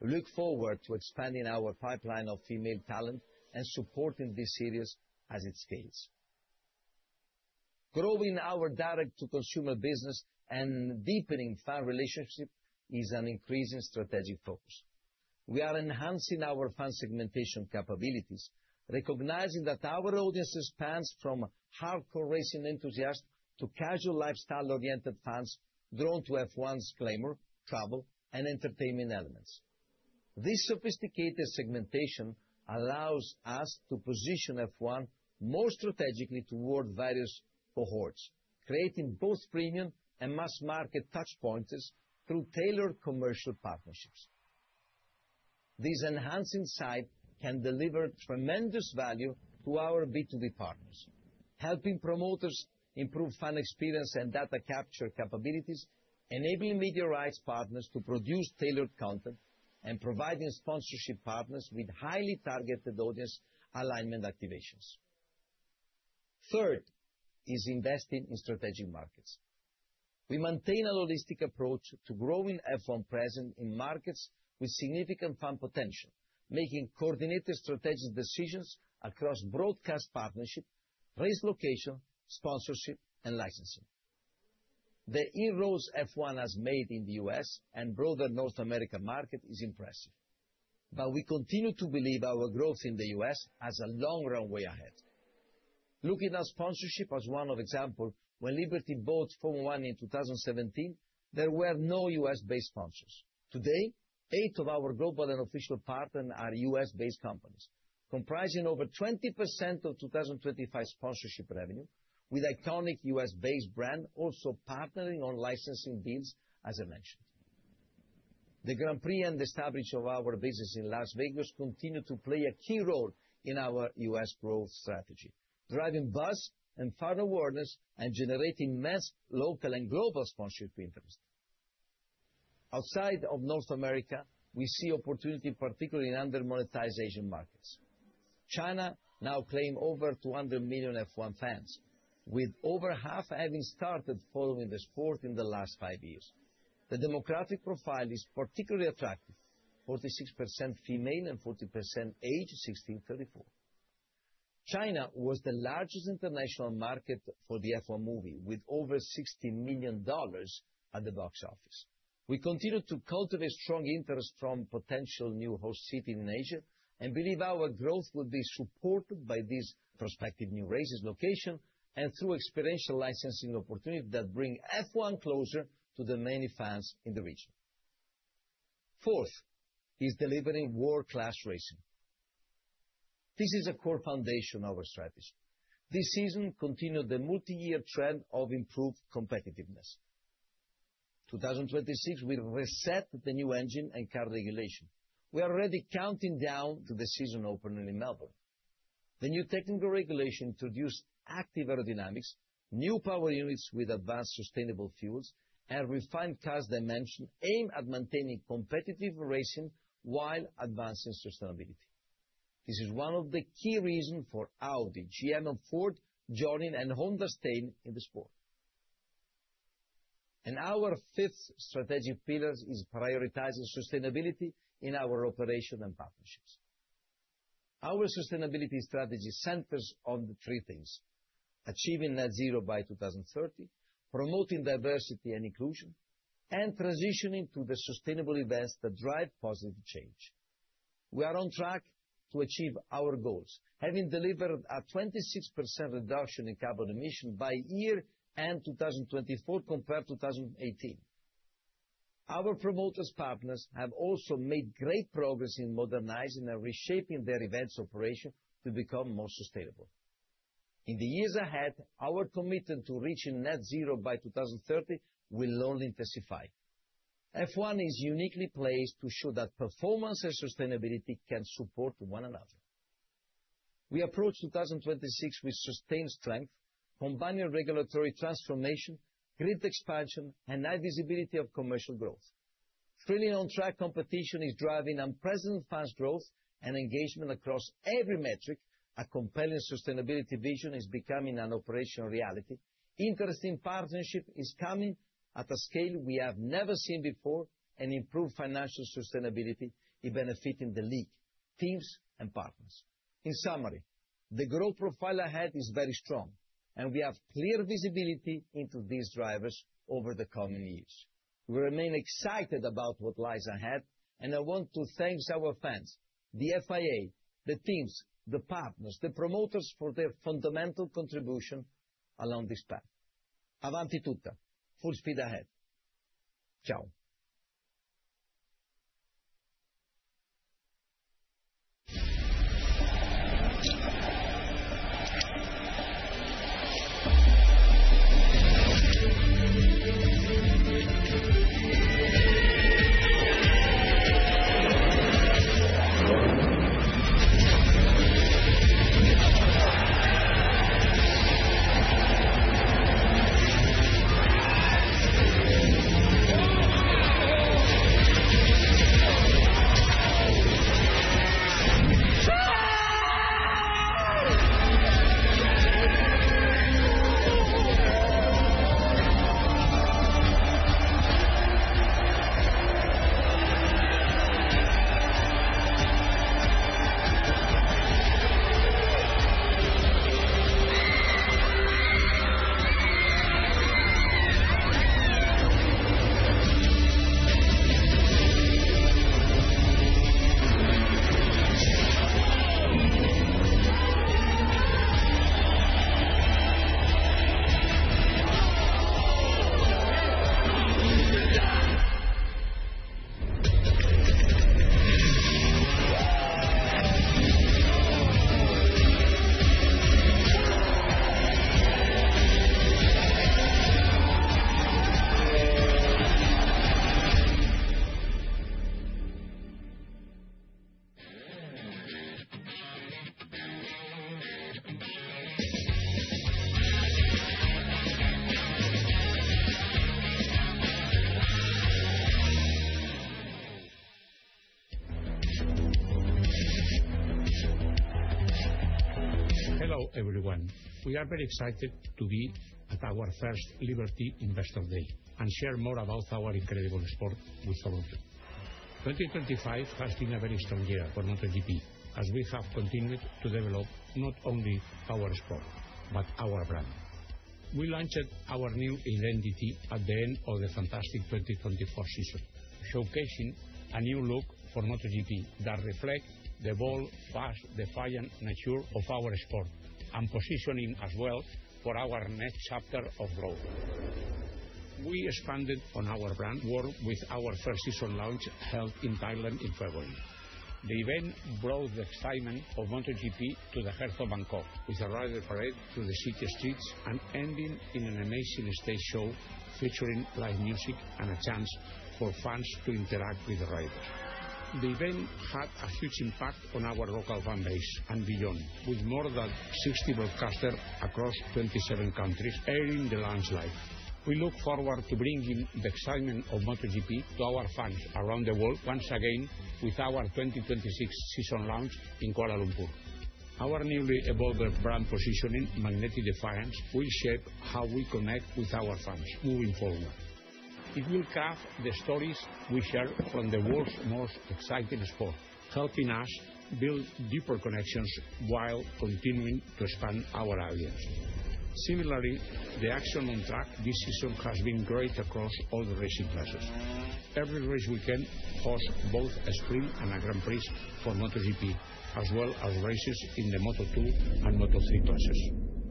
We look forward to expanding our pipeline of female talent and supporting this series as it scales. Growing our direct-to-consumer business and deepening fan relationships is an increasing strategic focus. We are enhancing our fan segmentation capabilities, recognizing that our audience spans from hardcore racing enthusiasts to casual lifestyle-oriented fans drawn to F1's glamour, travel, and entertainment elements. This sophisticated segmentation allows us to position F1 more strategically toward various cohorts, creating both premium and mass-market touchpoints through tailored commercial partnerships. This enhancing side can deliver tremendous value to our B2B partners, helping promoters improve fan experience and data capture capabilities, enabling media rights partners to produce tailored content, and providing sponsorship partners with highly targeted audience alignment activations. Third is investing in strategic markets. We maintain a holistic approach to growing F1 presence in markets with significant fan potential, making coordinated strategic decisions across broadcast partnership, race location, sponsorship, and licensing. The e-rolls F1 has made in the U.S. and broader North America market is impressive, but we continue to believe our growth in the U.S. has a long runway ahead. Looking at sponsorship as one of examples, when Liberty bought Formula One in 2017, there were no U.S.-based sponsors. Today, eight of our global and official partners are U.S.-based companies, comprising over 20% of 2025 sponsorship revenue, with iconic U.S.-based brands also partnering on licensing deals, as I mentioned. The Grand Prix and the establishment of our business in Las Vegas continue to play a key role in our U.S. growth strategy, driving buzz and fan awareness and generating mass local and global sponsorship interest. Outside of North America, we see opportunity, particularly in under-monetized Asian markets. China now claims over 200 million F1 fans, with over half having started following the sport in the last five years. The demographic profile is particularly attractive: 46% female and 40% aged 16 to 34. China was the largest international market for the F1 Movie, with over $60 million at the box office. We continue to cultivate strong interest from potential new host cities in Asia and believe our growth will be supported by these prospective new races, locations, and through experiential licensing opportunities that bring F1 closer to the many fans in the region. Fourth is delivering world-class racing. This is a core foundation of our strategy. This season continues the multi-year trend of improved competitiveness. In 2026, we reset the new engine and car regulation. We are already counting down to the season opening in Melbourne. The new technical regulation introduced active aerodynamics, new power units with advanced sustainable fuels, and refined cars dimension aimed at maintaining competitive racing while advancing sustainability. This is one of the key reasons for Audi, GM, and Ford joining and Honda staying in the sport. Our fifth strategic pillar is prioritizing sustainability in our operation and partnerships. Our sustainability strategy centers on three things: achieving net zero by 2030, promoting diversity and inclusion, and transitioning to the sustainable events that drive positive change. We are on track to achieve our goals, having delivered a 26% reduction in carbon emissions by year-end 2024 compared to 2018. Our promoters' partners have also made great progress in modernizing and reshaping their events' operations to become more sustainable. In the years ahead, our commitment to reaching net zero by 2030 will only intensify. F1 is uniquely placed to show that performance and sustainability can support one another. We approach 2026 with sustained strength, combining regulatory transformation, grid expansion, and high visibility of commercial growth. Trailing on track, competition is driving unprecedented fans' growth and engagement across every metric. A compelling sustainability vision is becoming an operational reality. Interesting partnerships are coming at a scale we have never seen before and improved financial sustainability is benefiting the league, teams, and partners. In summary, the growth profile ahead is very strong, and we have clear visibility into these drivers over the coming years. We remain excited about what lies ahead, and I want to thank our fans, the FIA, the teams, the partners, and the promoters for their fundamental contribution along this path. Avanti tutta, full speed ahead. Ciao. Hello everyone. We are very excited to be at our first Liberty Investor Day and share more about our incredible sport with all of you. 2025 has been a very strong year for MotoGP, as we have continued to develop not only our sport but our brand. We launched our new identity at the end of the fantastic 2024 season, showcasing a new look for MotoGP that reflects the bold, fast, defiant, mature nature of our sport and positioning us well for our next chapter of growth. We expanded on our brand world with our first season launch held in Thailand in February. The event brought the excitement of MotoGP to the heart of Bangkok, with a rider parade through the city streets and ending in an amazing stage show featuring live music and a chance for fans to interact with the riders. The event had a huge impact on our local fan base and beyond, with more than 60 broadcasters across 27 countries airing the launch. We look forward to bringing the excitement of MotoGP to our fans around the world once again with our 2026 season launch in Kuala Lumpur. Our newly evolved brand positioning, magnetic defiance, will shape how we connect with our fans moving forward. It will carve the stories we share from the world's most exciting sport, helping us build deeper connections while continuing to expand our audience. Similarly, the action on track this season has been great across all the racing classes. Every race weekend hosts both a sprint and a Grand Prix for MotoGP, as well as races in the Moto2 and Moto3 classes.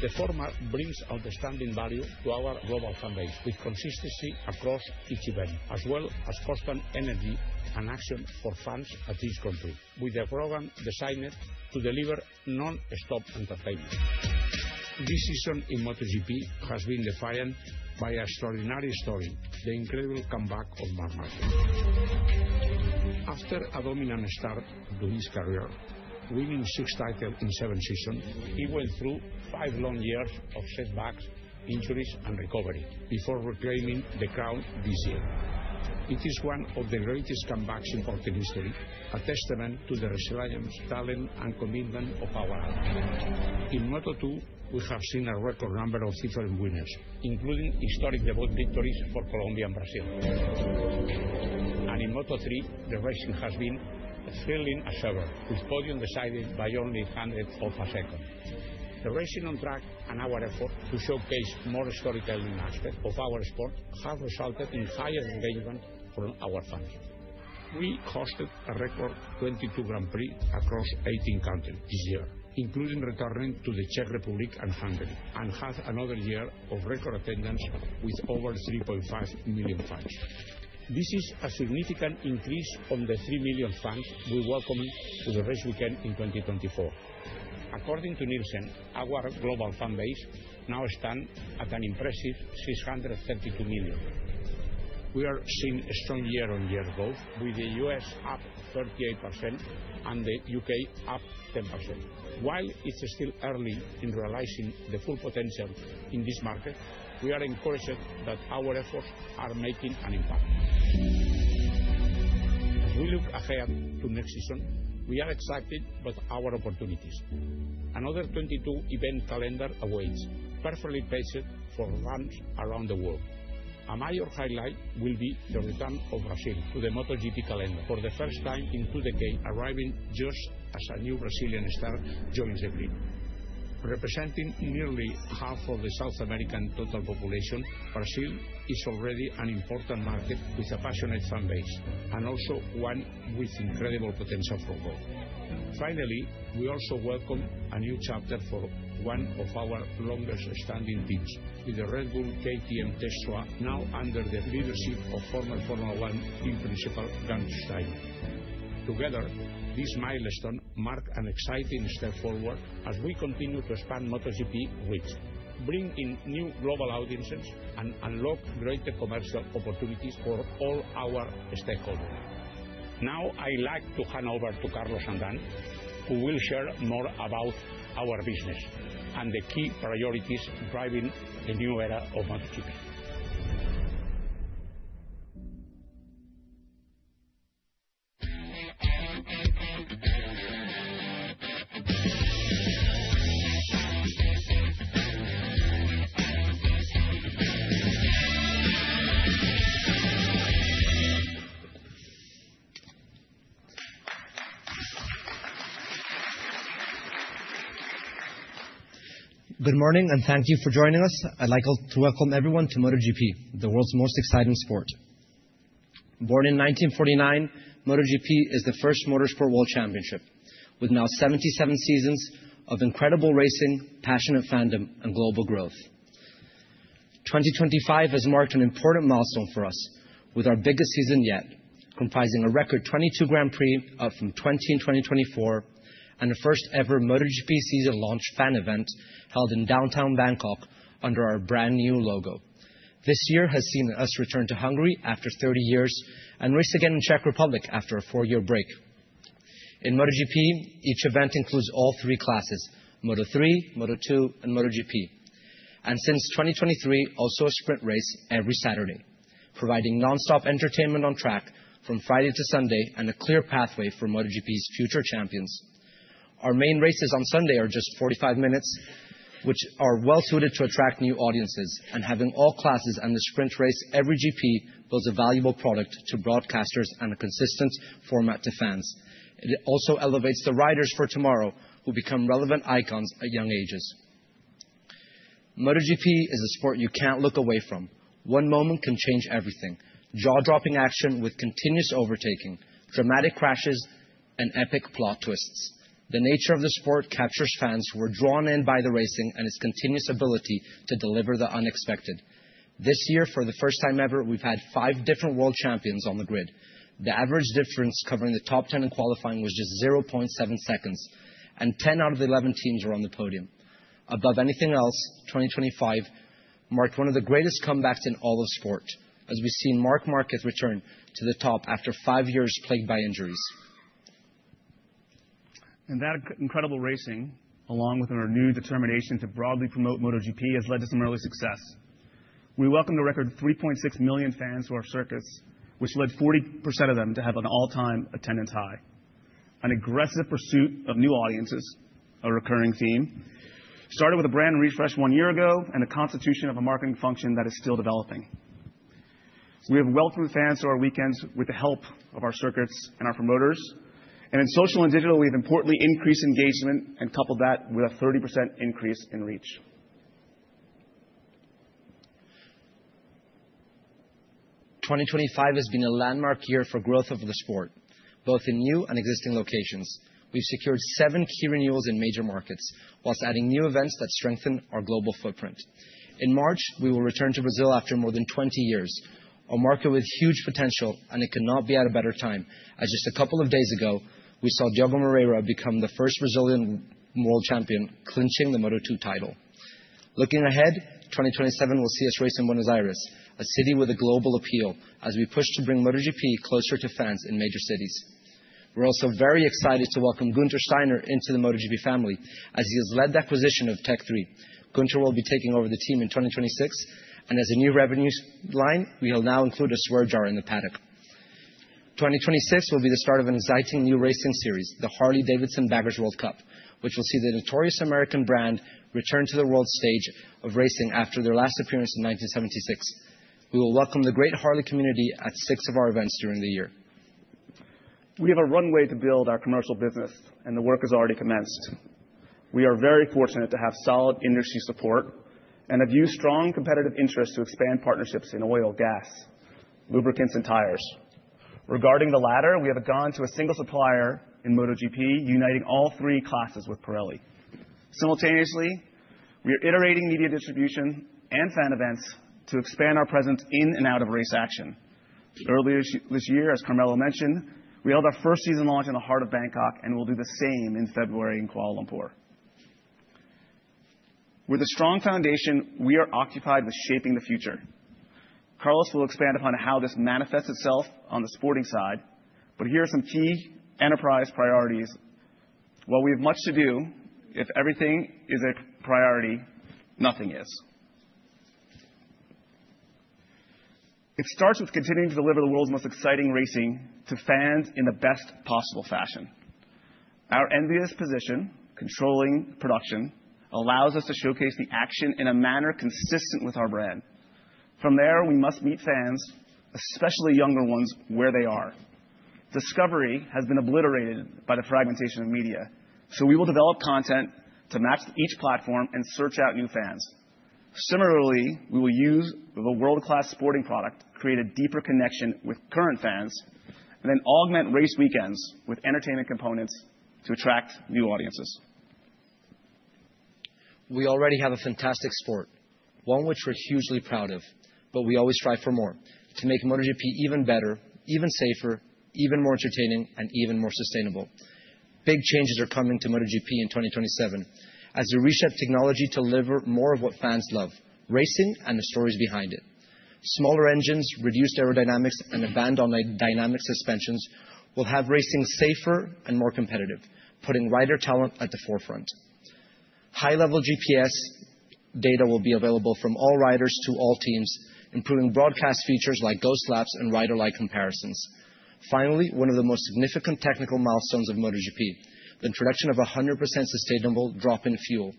The format brings outstanding value to our global fan base with consistency across each event, as well as constant energy and action for fans at each country, with a program designed to deliver non-stop entertainment. This season in MotoGP has been defiant by an extraordinary story: the incredible comeback of Marc Marquez. After a dominant start to his career, winning six titles in seven seasons, he went through five long years of setbacks, injuries, and recovery before reclaiming the crown this year. It is one of the greatest comebacks in MotoGP's history, a testament to the resilience, talent, and commitment of our heart. In Moto2, we have seen a record number of different winners, including historic debut victories for Colombia and Brazil. In Moto3, the racing has been thrilling as ever, with podiums decided by only hundredths of a second. The racing on track and our effort to showcase more storytelling aspects of our sport have resulted in higher engagement from our fans. We hosted a record 22 Grand Prix across 18 countries this year, including returning to the Czech Republic and Hungary, and had another year of record attendance with over 3.5 million fans. This is a significant increase on the 3 million fans we welcomed to the race weekend in 2024. According to Nielsen, our global fan base now stands at an impressive 632 million. We are seeing a strong year-on-year growth, with the U.S. up 38% and the U.K. up 10%. While it's still early in realizing the full potential in this market, we are encouraged that our efforts are making an impact. As we look ahead to next season, we are excited about our opportunities. Another 22-event calendar awaits, perfectly paced for fans around the world. A major highlight will be the return of Brazil to the MotoGP calendar for the first time in two decades, arriving just as a new Brazilian star joins the grid. Representing nearly half of the South American total population, Brazil is already an important market with a passionate fan base and also one with incredible potential for growth. Finally, we also welcome a new chapter for one of our longest-standing teams, with the Red Bull KTM Tech3 now under the leadership of former Formula One team principal Gunther Steiner. Together, this milestone marks an exciting step forward as we continue to expand MotoGP reach, bring in new global audiences, and unlock greater commercial opportunities for all our stakeholders. Now, I'd like to hand over to Carlos Ezpeleta, who will share more about our business and the key priorities driving the new era of MotoGP. Good morning, and thank you for joining us. I'd like to welcome everyone to MotoGP, the world's most exciting sport. Born in 1949, MotoGP is the first Motorsport World Championship, with now 77 seasons of incredible racing, passionate fandom, and global growth. 2025 has marked an important milestone for us, with our biggest season yet, comprising a record 22 Grand Prix up from 20 in 2024 and a first-ever MotoGP season-launched fan event held in downtown Bangkok under our brand-new logo. This year has seen us return to Hungary after 30 years and race again in the Czech Republic after a four-year break. In MotoGP, each event includes all three classes: Moto3, Moto2, and MotoGP. Since 2023, also a sprint race every Saturday, providing nonstop entertainment on track from Friday to Sunday and a clear pathway for MotoGP's future champions. Our main races on Sunday are just 45 minutes, which are well-suited to attract new audiences. Having all classes and the sprint race every GP builds a valuable product to broadcasters and a consistent format to fans. It also elevates the riders for tomorrow, who become relevant icons at young ages. MotoGP is a sport you can't look away from. One moment can change everything: jaw-dropping action with continuous overtaking, dramatic crashes, and epic plot twists. The nature of the sport captures fans who are drawn in by the racing and its continuous ability to deliver the unexpected. This year, for the first time ever, we've had five different world champions on the grid. The average difference covering the top 10 in qualifying was just 0.7 seconds, and 10 out of the 11 teams were on the podium. Above anything else, 2025 marked one of the greatest comebacks in all of sport, as we've seen Marc Marquez return to the top after five years plagued by injuries. In that incredible racing, along with our new determination to broadly promote MotoGP, has led to some early success. We welcomed a record 3.6 million fans to our circuits, which led 40% of them to have an all-time attendance high. An aggressive pursuit of new audiences, a recurring theme, started with a brand refresh one year ago and the constitution of a marketing function that is still developing. We have welcomed fans to our weekends with the help of our circuits and our promoters. In social and digital, we've importantly increased engagement and coupled that with a 30% increase in reach. 2025 has been a landmark year for growth of the sport, both in new and existing locations. We've secured seven key renewals in major markets whilst adding new events that strengthen our global footprint. In March, we will return to Brazil after more than 20 years, a market with huge potential, and it could not be at a better time, as just a couple of days ago, we saw Diogo Pereira become the first Brazilian world champion, clinching the Moto2 title. Looking ahead, 2027 will see us racing in Buenos Aires, a city with a global appeal, as we push to bring MotoGP closer to fans in major cities. We're also very excited to welcome Gunther Steiner into the MotoGP family, as he has led the acquisition of Tech3. Gunther will be taking over the team in 2026, and as a new revenue line, we will now include a swear jar in the paddock. 2026 will be the start of an exciting new racing series, the Harley-Davidson Baggers World Cup, which will see the notorious American brand return to the world stage of racing after their last appearance in 1976. We will welcome the great Harley community at six of our events during the year. We have a runway to build our commercial business, and the work has already commenced. We are very fortunate to have solid industry support and have used strong competitive interests to expand partnerships in oil, gas, lubricants, and tires. Regarding the latter, we have gone to a single supplier in MotoGP, uniting all three classes with Pirelli. Simultaneously, we are iterating media distribution and fan events to expand our presence in and out of race action. Earlier this year, as Carmelo mentioned, we held our first season launch in the heart of Bangkok, and we'll do the same in February in Kuala Lumpur. With a strong foundation, we are occupied with shaping the future. Carlos will expand upon how this manifests itself on the sporting side, but here are some key enterprise priorities. While we have much to do, if everything is a priority, nothing is. It starts with continuing to deliver the world's most exciting racing to fans in the best possible fashion. Our envious position, controlling production, allows us to showcase the action in a manner consistent with our brand. From there, we must meet fans, especially younger ones, where they are. Discovery has been obliterated by the fragmentation of media, so we will develop content to match each platform and search out new fans. Similarly, we will use the world-class sporting product to create a deeper connection with current fans and then augment race weekends with entertainment components to attract new audiences. We already have a fantastic sport, one which we're hugely proud of, but we always strive for more to make MotoGP even better, even safer, even more entertaining, and even more sustainable. Big changes are coming to MotoGP in 2027 as we reshape technology to deliver more of what fans love: racing and the stories behind it. Smaller engines, reduced aerodynamics, and abandoned dynamic suspensions will have racing safer and more competitive, putting rider talent at the forefront. High-level GPS data will be available from all riders to all teams, improving broadcast features like ghost laps and rider-like comparisons. Finally, one of the most significant technical milestones of MotoGP: the introduction of a 100% sustainable drop-in fuel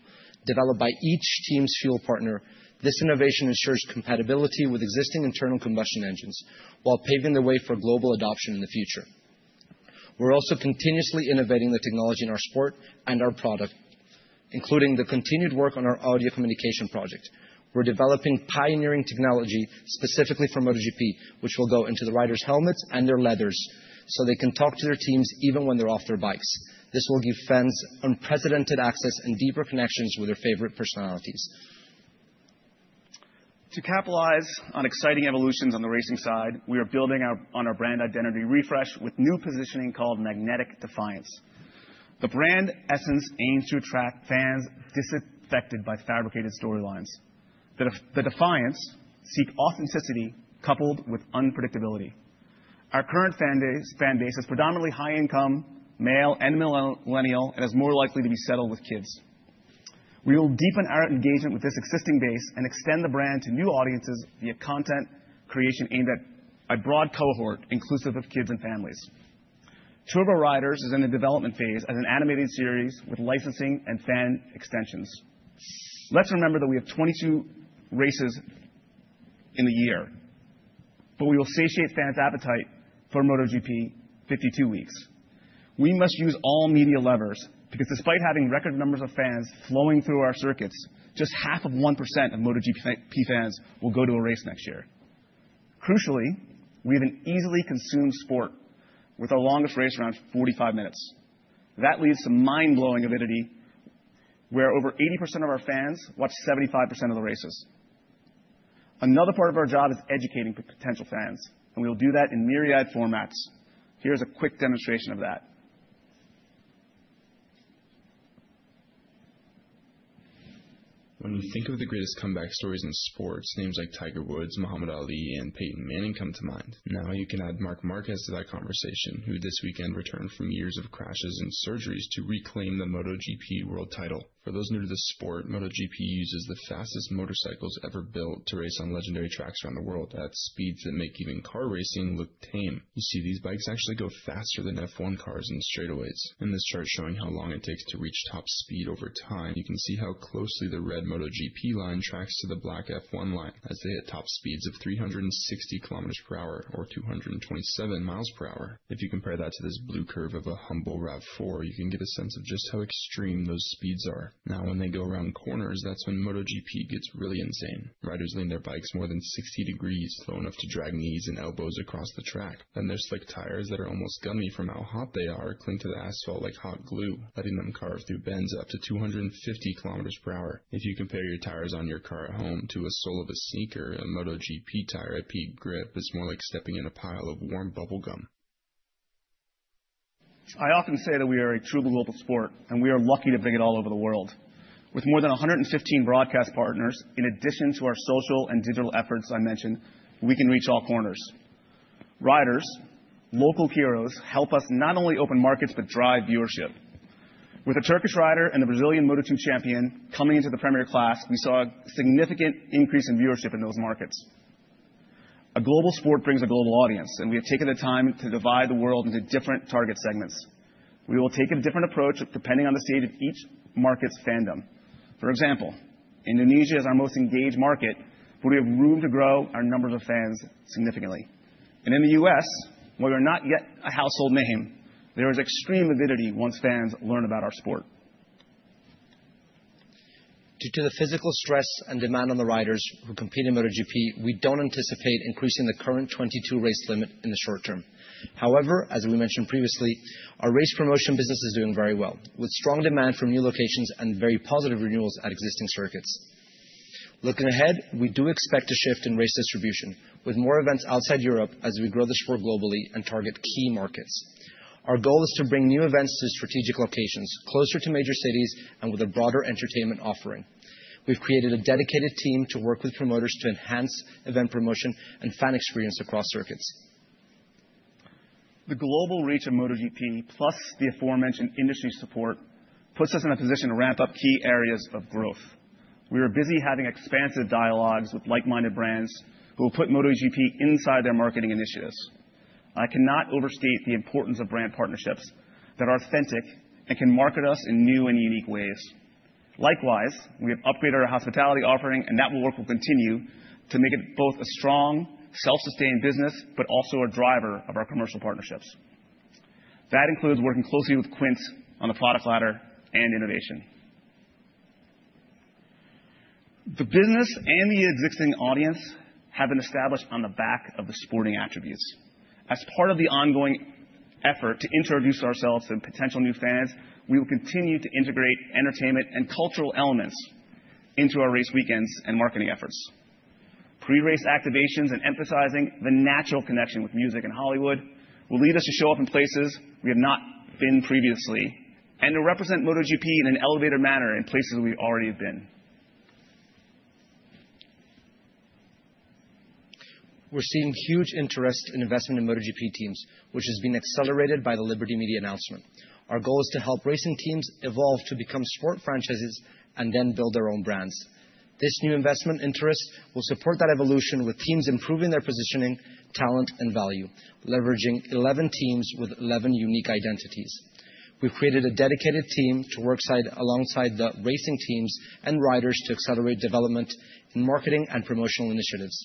developed by each team's fuel partner. This innovation ensures compatibility with existing internal combustion engines while paving the way for global adoption in the future. We are also continuously innovating the technology in our sport and our product, including the continued work on our audio communication project. We are developing pioneering technology specifically for MotoGP, which will go into the riders' helmets and their leathers so they can talk to their teams even when they are off their bikes. This will give fans unprecedented access and deeper connections with their favorite personalities. To capitalize on exciting evolutions on the racing side, we are building on our brand identity refresh with new positioning called Magnetic Defiance. The brand essence aims to attract fans disaffected by fabricated storylines. The Defiance seeks authenticity coupled with unpredictability. Our current fan base is predominantly high-income, male, and millennial, and is more likely to be settled with kids. We will deepen our engagement with this existing base and extend the brand to new audiences via content creation aimed at a broad cohort inclusive of kids and families. Turbo Riders is in the development phase as an animated series with licensing and fan extensions. Let's remember that we have 22 races in the year, but we will satiate fans' appetite for MotoGP in 52 weeks. We must use all media levers because, despite having record numbers of fans flowing through our circuits, just half of 1% of MotoGP fans will go to a race next year. Crucially, we have an easily consumed sport, with our longest race around 45 minutes. That leads to mind-blowing avidity, where over 80% of our fans watch 75% of the races. Another part of our job is educating potential fans, and we'll do that in myriad formats. Here's a quick demonstration of that. When we think of the greatest comeback stories in sports, names like Tiger Woods, Muhammad Ali, and Peyton Manning come to mind. Now you can add Marc Marquez to that conversation, who this weekend returned from years of crashes and surgeries to reclaim the MotoGP world title. For those new to the sport, MotoGP uses the fastest motorcycles ever built to race on legendary tracks around the world at speeds that make even car racing look tame. You see these bikes actually go faster than F1 cars in straightaways. In this chart showing how long it takes to reach top speed over time, you can see how closely the red MotoGP line tracks to the black F1 line as they hit top speeds of 360 kilometers per hour, or 227 miles per hour. If you compare that to this blue curve of a humble RAV4, you can get a sense of just how extreme those speeds are. Now, when they go around corners, that's when MotoGP gets really insane. Riders lean their bikes more than 60 degrees, low enough to drag knees and elbows across the track. Then their slick tires that are almost gummy from how hot they are cling to the asphalt like hot glue, letting them carve through bends up to 250 kilometers per hour. If you compare your tires on your car at home to a sole of a sneaker, a MotoGP tire at peak grip is more like stepping in a pile of warm bubblegum. I often say that we are a true global sport, and we are lucky to bring it all over the world. With more than 115 broadcast partners, in addition to our social and digital efforts I mentioned, we can reach all corners. Riders, local heroes, help us not only open markets but drive viewership. With a Turkish rider and the Brazilian Moto2 champion coming into the premier class, we saw a significant increase in viewership in those markets. A global sport brings a global audience, and we have taken the time to divide the world into different target segments. We will take a different approach depending on the stage of each market's fandom. For example, Indonesia is our most engaged market, but we have room to grow our numbers of fans significantly. In the U.S., while we are not yet a household name, there is extreme avidity once fans learn about our sport. Due to the physical stress and demand on the riders who compete in MotoGP, we do not anticipate increasing the current 22 race limit in the short term. However, as we mentioned previously, our race promotion business is doing very well, with strong demand from new locations and very positive renewals at existing circuits. Looking ahead, we do expect a shift in race distribution, with more events outside Europe as we grow the sport globally and target key markets. Our goal is to bring new events to strategic locations, closer to major cities, and with a broader entertainment offering. We've created a dedicated team to work with promoters to enhance event promotion and fan experience across circuits. The global reach of MotoGP, plus the aforementioned industry support, puts us in a position to ramp up key areas of growth. We are busy having expansive dialogues with like-minded brands who will put MotoGP inside their marketing initiatives. I cannot overstate the importance of brand partnerships that are authentic and can market us in new and unique ways. Likewise, we have upgraded our hospitality offering, and that work will continue to make it both a strong, self-sustained business but also a driver of our commercial partnerships. That includes working closely with QuintEvents on the product ladder and innovation. The business and the existing audience have been established on the back of the sporting attributes. As part of the ongoing effort to introduce ourselves to potential new fans, we will continue to integrate entertainment and cultural elements into our race weekends and marketing efforts. Pre-race activations and emphasizing the natural connection with music and Hollywood will lead us to show up in places we have not been previously and to represent MotoGP in an elevated manner in places we already have been. We're seeing huge interest in investment in MotoGP teams, which has been accelerated by the Liberty Media announcement. Our goal is to help racing teams evolve to become sport franchises and then build their own brands. This new investment interest will support that evolution, with teams improving their positioning, talent, and value, leveraging 11 teams with 11 unique identities. We've created a dedicated team to work alongside the racing teams and riders to accelerate development in marketing and promotional initiatives.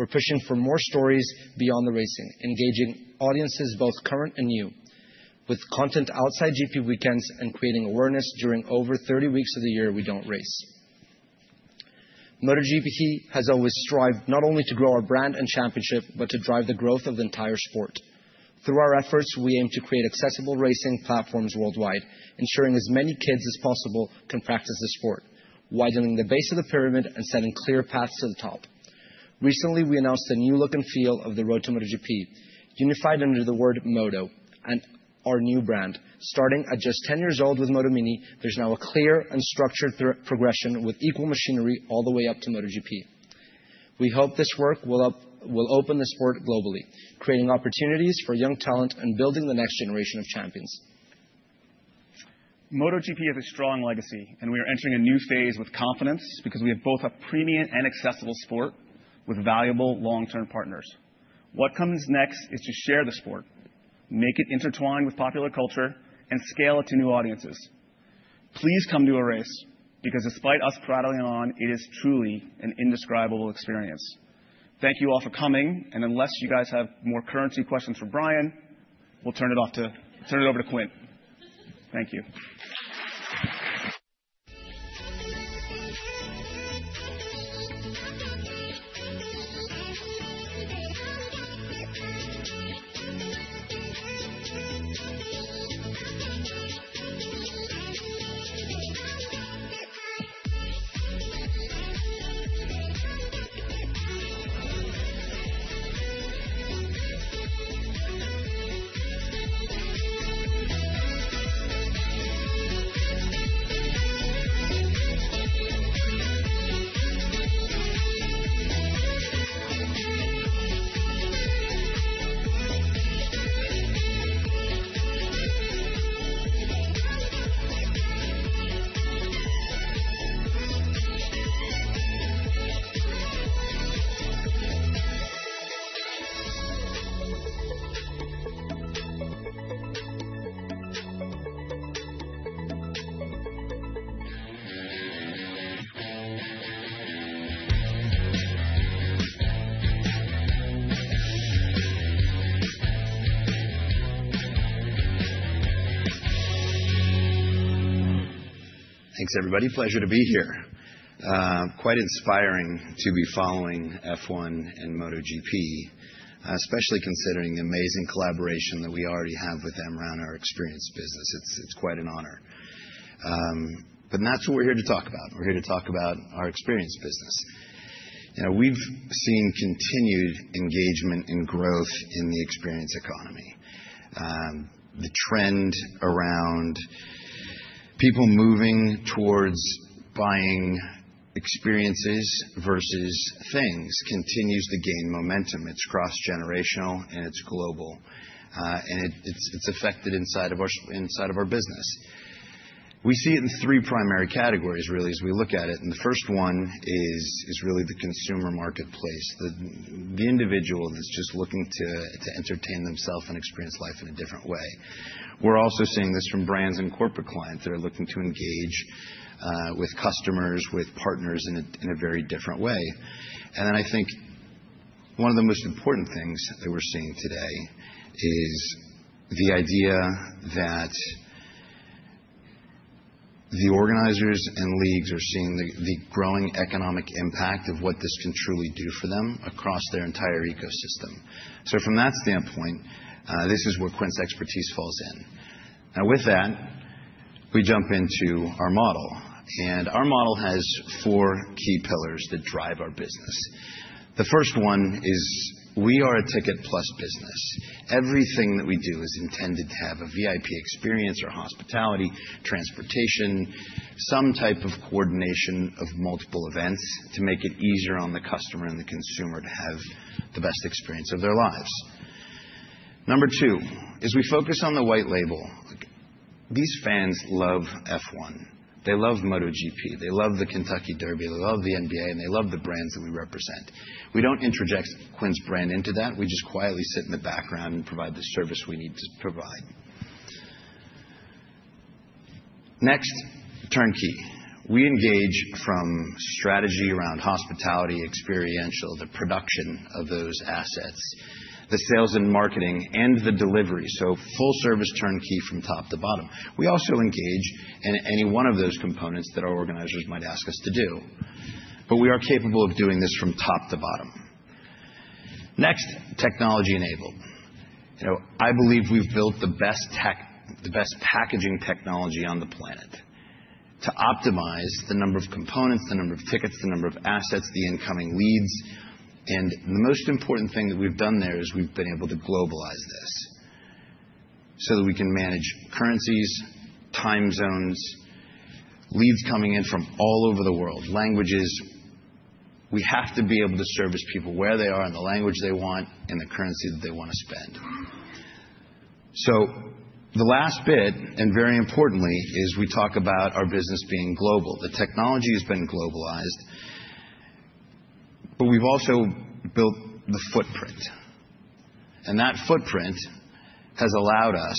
We're pushing for more stories beyond the racing, engaging audiences both current and new, with content outside GP weekends and creating awareness during over 30 weeks of the year we don't race. MotoGP has always strived not only to grow our brand and championship but to drive the growth of the entire sport. Through our efforts, we aim to create accessible racing platforms worldwide, ensuring as many kids as possible can practice the sport, widening the base of the pyramid and setting clear paths to the top. Recently, we announced the new look and feel of the Road to MotoGP, unified under the word Moto and our new brand. Starting at just 10 years old with Moto Mini, there's now a clear and structured progression with equal machinery all the way up to MotoGP. We hope this work will open the sport globally, creating opportunities for young talent and building the next generation of champions. MotoGP has a strong legacy, and we are entering a new phase with confidence because we have both a premium and accessible sport with valuable long-term partners. What comes next is to share the sport, make it intertwined with popular culture, and scale it to new audiences. Please come to a race because, despite us rattling on, it is truly an indescribable experience. Thank you all for coming, and unless you guys have more currency questions for Brian, we'll turn it off to turn it over to Quint. Thank you. Thanks, everybody. Pleasure to be here. Quite inspiring to be following F1 and MotoGP, especially considering the amazing collaboration that we already have with them around our experience business. It's quite an honor. We're here to talk about our experience business. We've seen continued engagement and growth in the experience economy. The trend around people moving towards buying experiences versus things continues to gain momentum. It's cross-generational, and it's global, and it's affected inside of our business. We see it in three primary categories, really, as we look at it. The first one is really the consumer marketplace, the individual that's just looking to entertain themselves and experience life in a different way. We're also seeing this from brands and corporate clients that are looking to engage with customers, with partners in a very different way. I think one of the most important things that we're seeing today is the idea that the organizers and leagues are seeing the growing economic impact of what this can truly do for them across their entire ecosystem. From that standpoint, this is where QuintEvents' expertise falls in. Now, with that, we jump into our model. Our model has four key pillars that drive our business. The first one is we are a ticket-plus business. Everything that we do is intended to have a VIP experience or hospitality, transportation, some type of coordination of multiple events to make it easier on the customer and the consumer to have the best experience of their lives. Number two, as we focus on the white label, these fans love F1. They love MotoGP. They love the Kentucky Derby. They love the NBA, and they love the brands that we represent. We do not interject QuintEvents' brand into that. We just quietly sit in the background and provide the service we need to provide. Next, turnkey. We engage from strategy around hospitality, experiential, the production of those assets, the sales and marketing, and the delivery. Full-service turnkey from top to bottom. We also engage in any one of those components that our organizers might ask us to do. We are capable of doing this from top to bottom. Next, technology-enabled. I believe we have built the best packaging technology on the planet to optimize the number of components, the number of tickets, the number of assets, the incoming leads. The most important thing that we've done there is we've been able to globalize this so that we can manage currencies, time zones, leads coming in from all over the world, languages. We have to be able to service people where they are, in the language they want, in the currency that they want to spend. The last bit, and very importantly, is we talk about our business being global. The technology has been globalized, but we've also built the footprint. That footprint has allowed us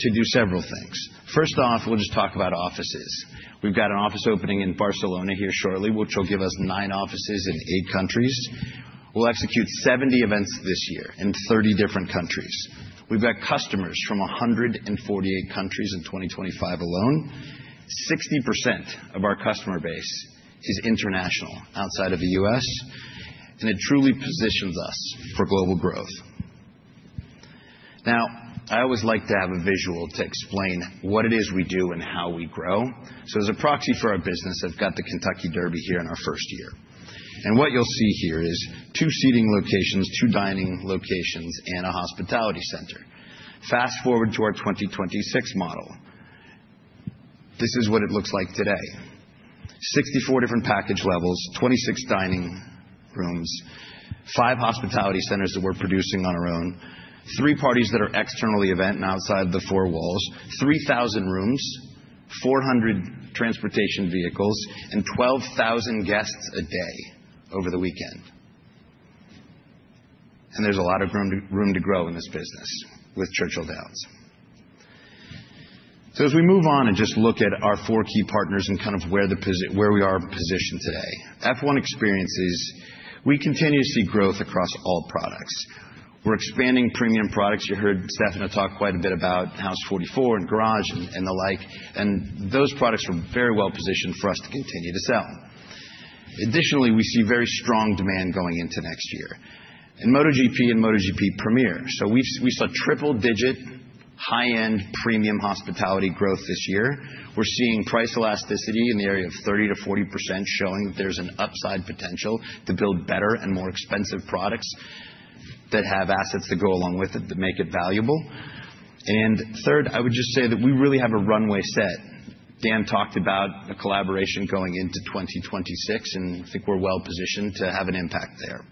to do several things. First off, we'll just talk about offices. We've got an office opening in Barcelona here shortly, which will give us nine offices in eight countries. We'll execute 70 events this year in 30 different countries. We've got customers from 148 countries in 2025 alone. 60% of our customer base is international outside of the U.S., and it truly positions us for global growth. I always like to have a visual to explain what it is we do and how we grow. As a proxy for our business, I've got the Kentucky Derby here in our first year. What you'll see here is two seating locations, two dining locations, and a hospitality center. Fast forward to our 2026 model. This is what it looks like today: 64 different package levels, 26 dining rooms, five hospitality centers that we're producing on our own, three parties that are externally event and outside of the four walls, 3,000 rooms, 400 transportation vehicles, and 12,000 guests a day over the weekend. There's a lot of room to grow in this business with Churchill Downs. As we move on and just look at our four key partners and kind of where we are positioned today, F1 experiences, we continue to see growth across all products. We're expanding premium products. You heard Stefano talk quite a bit about House 44 and Garage and the like. Those products are very well positioned for us to continue to sell. Additionally, we see very strong demand going into next year in MotoGP and MotoGP Premier. We saw triple-digit high-end premium hospitality growth this year. We're seeing price elasticity in the area of 30-40%, showing that there's an upside potential to build better and more expensive products that have assets that go along with it that make it valuable. Third, I would just say that we really have a runway set. Dan talked about a collaboration going into 2026, and I think we're well positioned to have an impact there.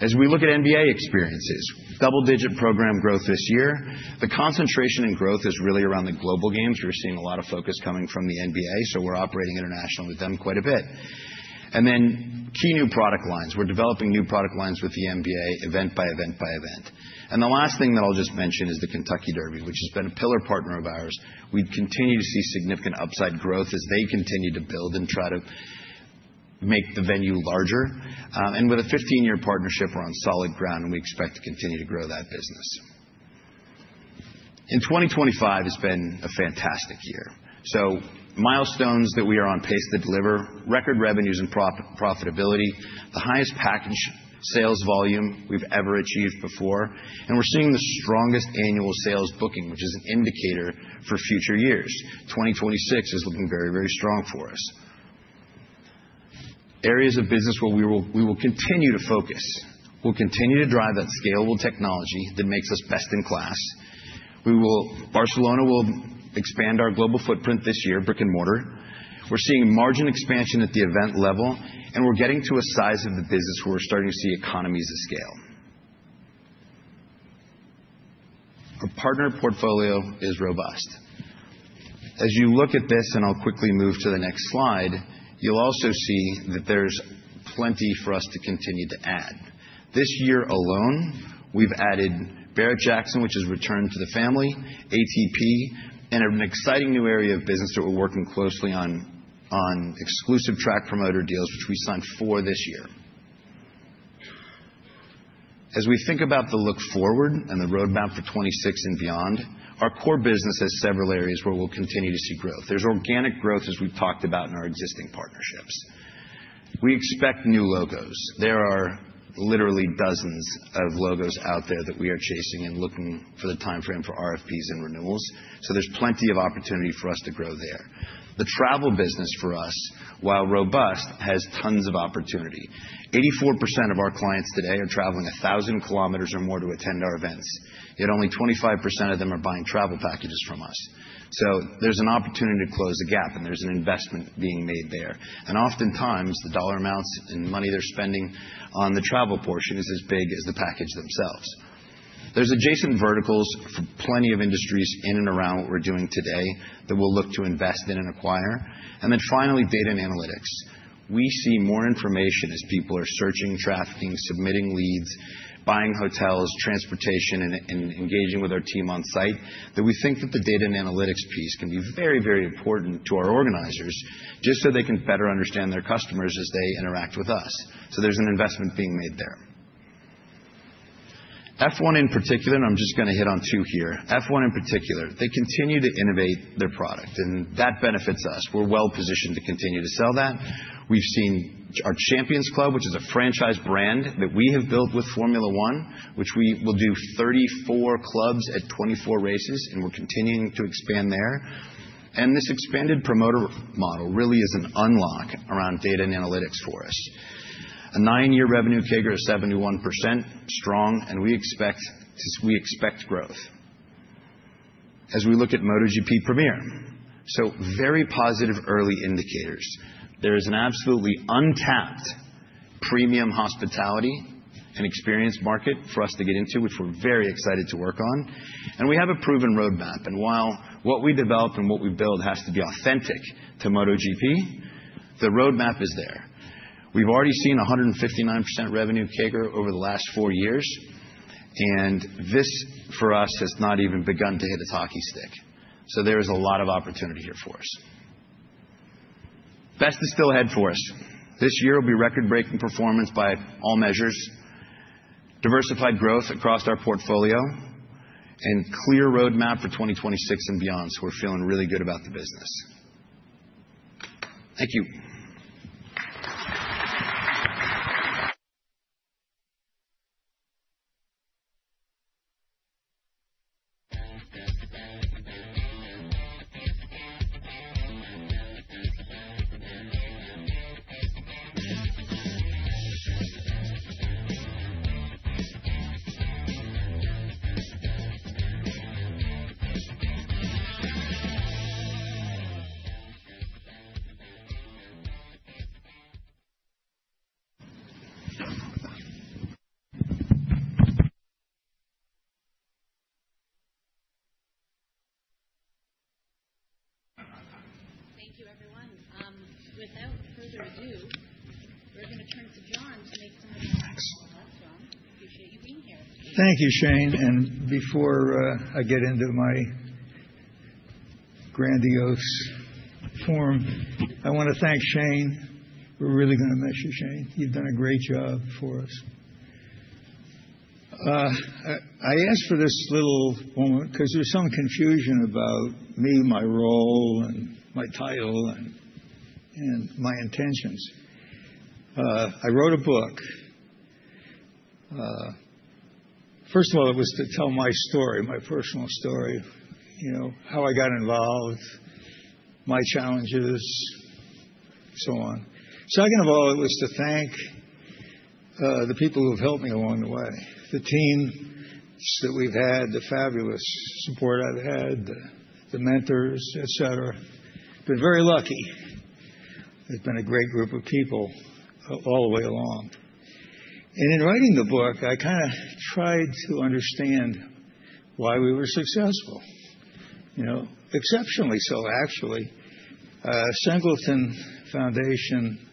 As we look at NBA experiences, double-digit program growth this year. The concentration in growth is really around the global games. We're seeing a lot of focus coming from the NBA, so we're operating internationally with them quite a bit. Key new product lines. We're developing new product lines with the NBA event by event by event. The last thing that I'll just mention is the Kentucky Derby, which has been a pillar partner of ours. We continue to see significant upside growth as they continue to build and try to make the venue larger. With a 15-year partnership, we're on solid ground, and we expect to continue to grow that business. In 2025, it's been a fantastic year. Milestones that we are on pace to deliver: record revenues and profitability, the highest package sales volume we've ever achieved before. We're seeing the strongest annual sales booking, which is an indicator for future years. 2026 is looking very, very strong for us. Areas of business where we will continue to focus. We'll continue to drive that scalable technology that makes us best in class. Barcelona will expand our global footprint this year, brick and mortar. We're seeing margin expansion at the event level, and we're getting to a size of the business where we're starting to see economies of scale. Our partner portfolio is robust. As you look at this, and I'll quickly move to the next slide, you'll also see that there's plenty for us to continue to add. This year alone, we've added Barrett Jackson, which has returned to the family, ATP, and an exciting new area of business that we're working closely on exclusive track promoter deals, which we signed for this year. As we think about the look forward and the roadmap for 2026 and beyond, our core business has several areas where we'll continue to see growth. There's organic growth, as we've talked about in our existing partnerships. We expect new logos. There are literally dozens of logos out there that we are chasing and looking for the time frame for RFPs and renewals. There's plenty of opportunity for us to grow there. The travel business for us, while robust, has tons of opportunity. 84% of our clients today are traveling 1,000 km or more to attend our events, yet only 25% of them are buying travel packages from us. There is an opportunity to close the gap, and there is an investment being made there. Oftentimes, the dollar amounts and money they are spending on the travel portion is as big as the package themselves. There are adjacent verticals for plenty of industries in and around what we are doing today that we will look to invest in and acquire. Finally, data and analytics. We see more information as people are searching, trafficking, submitting leads, buying hotels, transportation, and engaging with our team on site that we think that the data and analytics piece can be very, very important to our organizers just so they can better understand their customers as they interact with us. There is an investment being made there. F1 in particular, and I am just going to hit on two here. F1 in particular, they continue to innovate their product, and that benefits us. We're well positioned to continue to sell that. We've seen our Champions Club, which is a franchise brand that we have built with Formula One, which we will do 34 clubs at 24 races, and we're continuing to expand there. This expanded promoter model really is an unlock around data and analytics for us. A nine-year revenue CAGR of 71%, strong, and we expect growth. As we look at MotoGP Premier, very positive early indicators. There is an absolutely untapped premium hospitality and experience market for us to get into, which we're very excited to work on. We have a proven roadmap. While what we develop and what we build has to be authentic to MotoGP, the roadmap is there. We've already seen 159% revenue CAGR over the last four years, and this for us has not even begun to hit its hockey stick. There is a lot of opportunity here for us. Best is still ahead for us. This year will be record-breaking performance by all measures, diversified growth across our portfolio, and clear roadmap for 2026 and beyond. We are feeling really good about the business. Thank you. Thank you, everyone. Without further ado, we're going to turn to John to make some of the next slots. John, appreciate you being here. Thank you, Shane. Before I get into my grandiose form, I want to thank Shane. We're really going to miss you, Shane. You've done a great job for us. I asked for this little moment because there's some confusion about me, my role, my title, and my intentions. I wrote a book. First of all, it was to tell my story, my personal story, how I got involved, my challenges, so on. Second of all, it was to thank the people who have helped me along the way, the teams that we've had, the fabulous support I've had, the mentors, et cetera. I've been very lucky. There's been a great group of people all the way along. In writing the book, I kind of tried to understand why we were successful, exceptionally so, actually. Singleton Foundation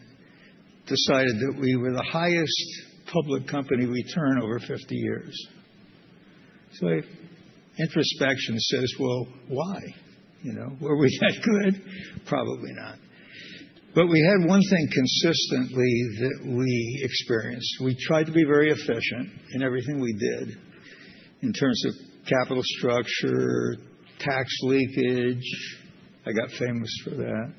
decided that we were the highest public company return over 50 years. Introspection says, well, why? Were we that good? Probably not. We had one thing consistently that we experienced. We tried to be very efficient in everything we did in terms of capital structure, tax leakage. I got famous for that.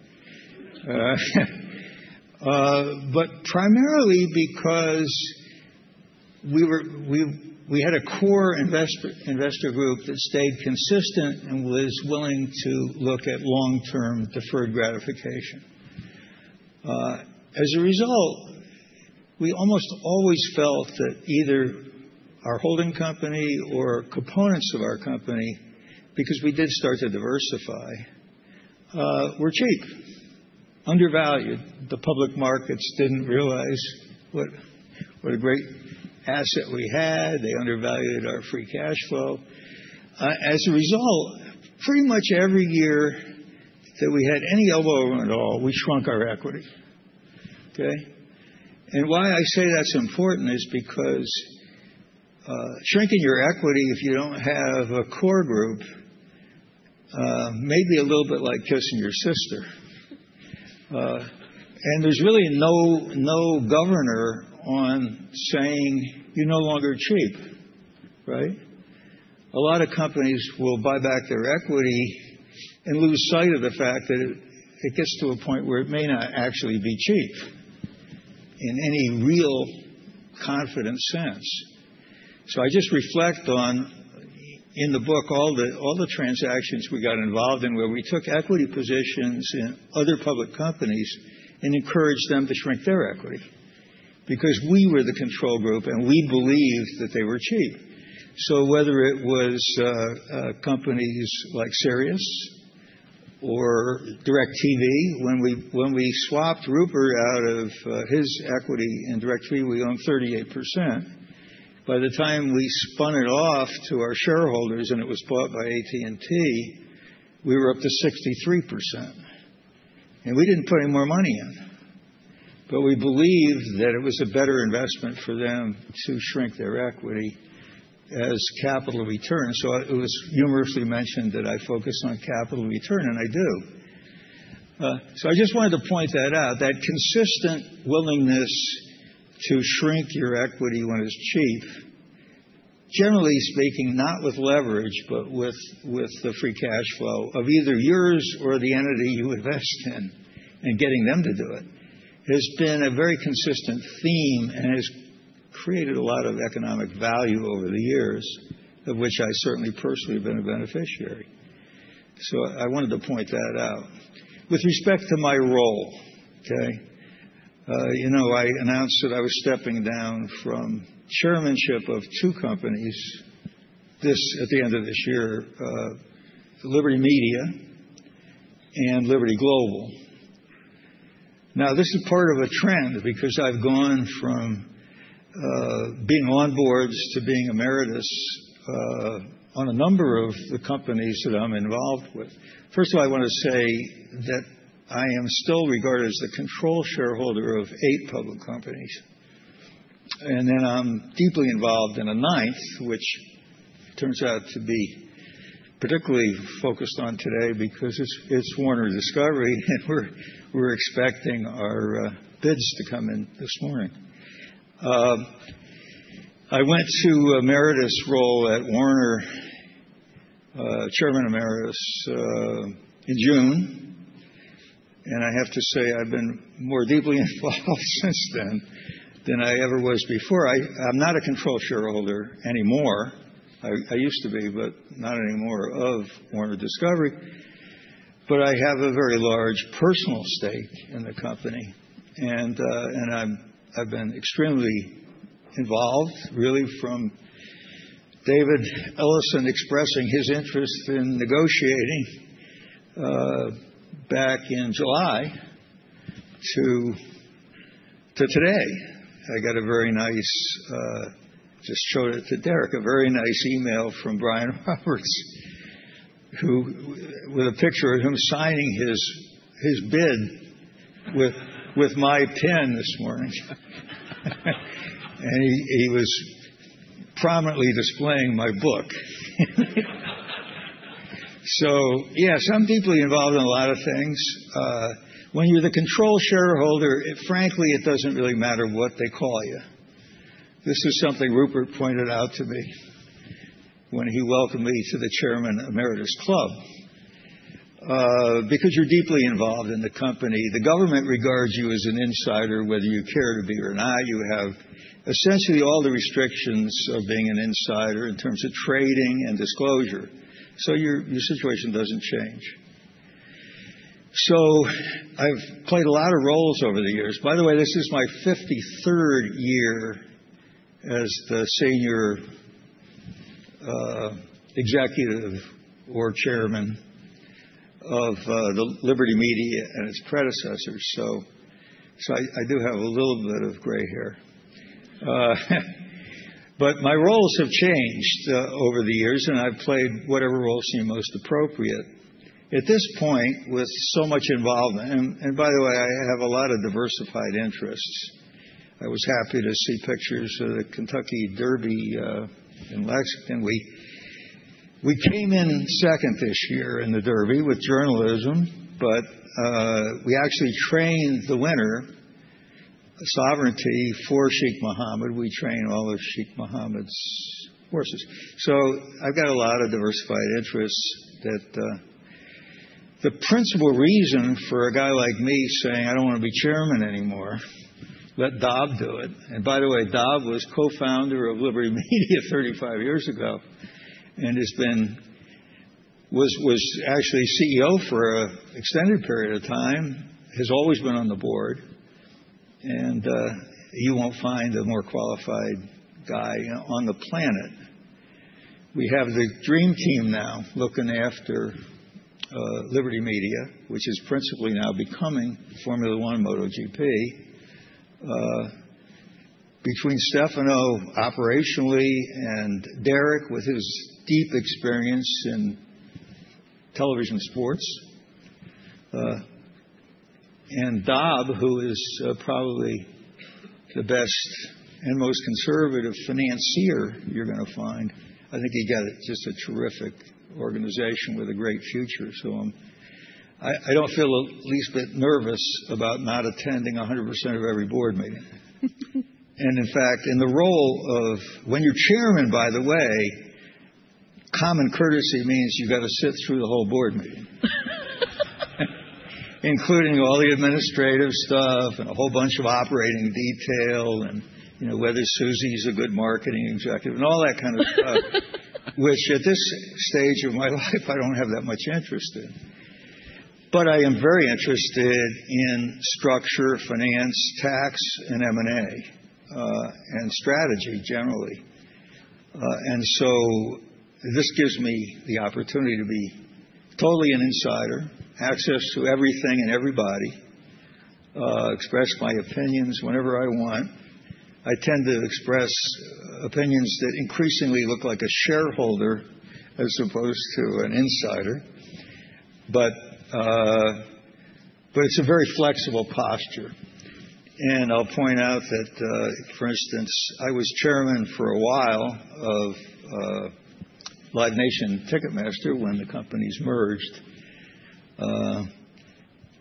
Primarily because we had a core investor group that stayed consistent and was willing to look at long-term deferred gratification. As a result, we almost always felt that either our holding company or components of our company, because we did start to diversify, were cheap, undervalued. The public markets did not realize what a great asset we had. They undervalued our free cash flow. As a result, pretty much every year that we had any elbow around at all, we shrunk our equity. Okay? Why I say that's important is because shrinking your equity if you don't have a core group may be a little bit like kissing your sister. There's really no governor on saying you're no longer cheap, right? A lot of companies will buy back their equity and lose sight of the fact that it gets to a point where it may not actually be cheap in any real confidence sense. I just reflect on in the book, all the transactions we got involved in where we took equity positions in other public companies and encouraged them to shrink their equity because we were the control group and we believed that they were cheap. Whether it was companies like Sirius or DirecTV, when we swapped Rupert out of his equity in DirecTV, we owned 38%. By the time we spun it off to our shareholders and it was bought by AT&T, we were up to 63%. We did not put any more money in. We believed that it was a better investment for them to shrink their equity as capital return. It was numerously mentioned that I focus on capital return, and I do. I just wanted to point that out, that consistent willingness to shrink your equity when it is cheap, generally speaking, not with leverage, but with the free cash flow of either yours or the entity you invest in and getting them to do it, has been a very consistent theme and has created a lot of economic value over the years, of which I certainly personally have been a beneficiary. I wanted to point that out. With respect to my role, okay? You know I announced that I was stepping down from chairmanship of two companies at the end of this year, Liberty Media and Liberty Global. Now, this is part of a trend because I've gone from being on boards to being emeritus on a number of the companies that I'm involved with. First of all, I want to say that I am still regarded as the control shareholder of eight public companies. And then I'm deeply involved in a ninth, which turns out to be particularly focused on today because it's Warner Discovery and we're expecting our bids to come in this morning. I went to emeritus role at Warner, chairman emeritus in June. I have to say I've been more deeply involved since then than I ever was before. I'm not a control shareholder anymore. I used to be, but not anymore of Warner Discovery. I have a very large personal stake in the company. I have been extremely involved, really, from David Ellison expressing his interest in negotiating back in July to today. I got a very nice, just showed it to Derek, a very nice email from Brian Roberts, with a picture of him signing his bid with my pen this morning. He was prominently displaying my book. Yeah, I am deeply involved in a lot of things. When you're the control shareholder, frankly, it does not really matter what they call you. This is something Rupert pointed out to me when he welcomed me to the chairman emeritus club. Because you're deeply involved in the company, the government regards you as an insider, whether you care to be or not. You have essentially all the restrictions of being an insider in terms of trading and disclosure. Your situation does not change. I have played a lot of roles over the years. By the way, this is my 53rd year as the senior executive or Chairman of Liberty Media and its predecessors. I do have a little bit of gray hair. My roles have changed over the years, and I have played whatever roles seem most appropriate. At this point, with so much involvement, and by the way, I have a lot of diversified interests. I was happy to see pictures of the Kentucky Derby in Lexington. We came in second this year in the Derby with Journalism, but we actually trained the winner, Sovereignty, for Sheikh Mohammed. We trained all of Sheikh Mohammed's horses. I've got a lot of diversified interests that the principal reason for a guy like me saying, "I don't want to be chairman anymore, let Dobb do it." By the way, Dobb was co-founder of Liberty Media 35 years ago and was actually CEO for an extended period of time, has always been on the board. You won't find a more qualified guy on the planet. We have the dream team now looking after Liberty Media, which is principally now becoming Formula One MotoGP, between Stefano operationally and Derek with his deep experience in television sports. Dobb, who is probably the best and most conservative financier you're going to find, I think he got just a terrific organization with a great future. I don't feel at least a bit nervous about not attending 100% of every board meeting. In fact, in the role of when you're chairman, by the way, common courtesy means you've got to sit through the whole board meeting, including all the administrative stuff and a whole bunch of operating detail and whether Susie's a good marketing executive and all that kind of stuff, which at this stage of my life, I don't have that much interest in. I am very interested in structure, finance, tax, and M&A, and strategy generally. This gives me the opportunity to be totally an insider, access to everything and everybody, express my opinions whenever I want. I tend to express opinions that increasingly look like a shareholder as opposed to an insider. It's a very flexible posture. I'll point out that, for instance, I was chairman for a while of Live Nation Ticketmaster when the companies merged.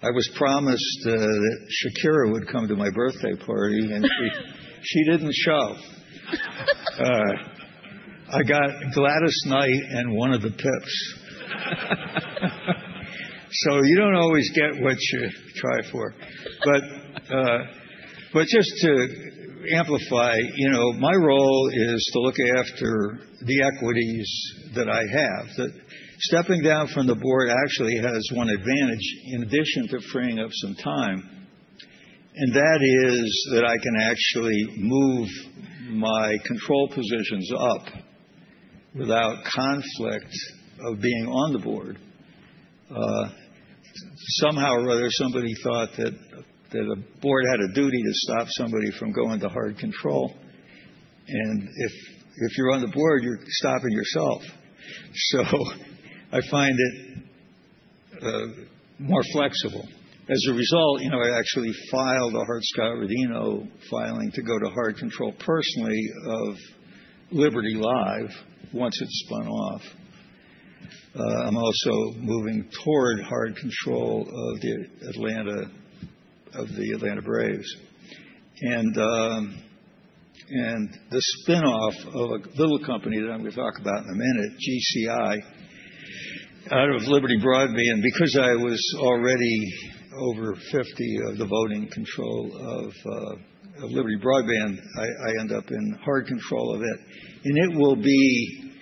I was promised that Shakira would come to my birthday party, and she didn't show. I got Gladys Knight and one of the Pips. You don't always get what you try for. Just to amplify, my role is to look after the equities that I have. Stepping down from the board actually has one advantage in addition to freeing up some time. That is that I can actually move my control positions up without conflict of being on the board. Somehow or other, somebody thought that a board had a duty to stop somebody from going to hard control. If you're on the board, you're stopping yourself. I find it more flexible. As a result, I actually filed a hard Sky Readino filing to go to hard control personally of Liberty Live once it's spun off. I'm also moving toward hard control of the Atlanta Braves. The spinoff of a little company that I'm going to talk about in a minute, GCI, out of Liberty Broadband. Because I was already over 50% of the voting control of Liberty Broadband, I end up in hard control of it. It will be,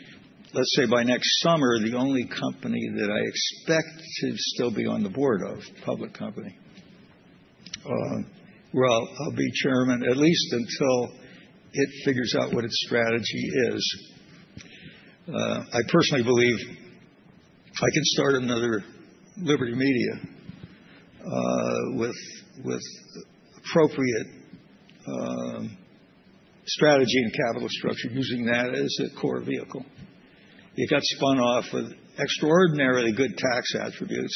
let's say by next summer, the only company that I expect to still be on the board of, public company. I'll be chairman at least until it figures out what its strategy is. I personally believe I can start another Liberty Media with appropriate strategy and capital structure using that as a core vehicle. It got spun off with extraordinarily good tax attributes.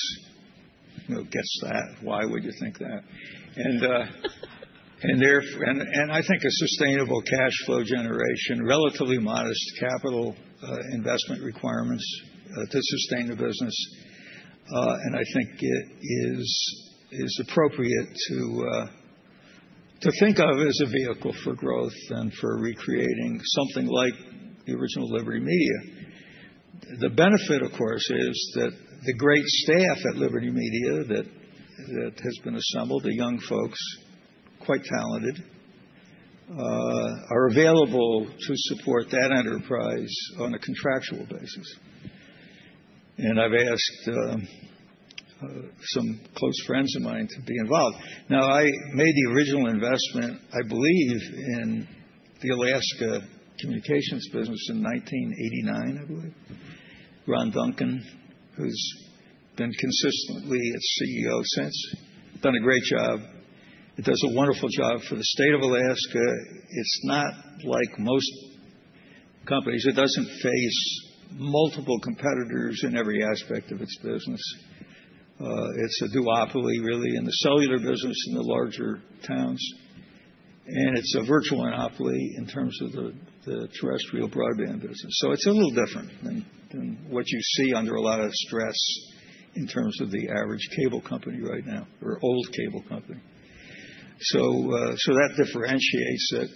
Who gets that? Why would you think that? I think a sustainable cash flow generation, relatively modest capital investment requirements to sustain the business. I think it is appropriate to think of as a vehicle for growth and for recreating something like the original Liberty Media. The benefit, of course, is that the great staff at Liberty Media that has been assembled, the young folks, quite talented, are available to support that enterprise on a contractual basis. I have asked some close friends of mine to be involved. I made the original investment, I believe, in the Alaska communications business in 1989, I believe. Ron Duncan, who's been consistently its CEO since, done a great job. It does a wonderful job for the state of Alaska. It's not like most companies. It doesn't face multiple competitors in every aspect of its business. It's a duopoly, really, in the cellular business and the larger towns. It's a virtual monopoly in terms of the terrestrial broadband business. It's a little different than what you see under a lot of stress in terms of the average cable company right now or old cable company. That differentiates it.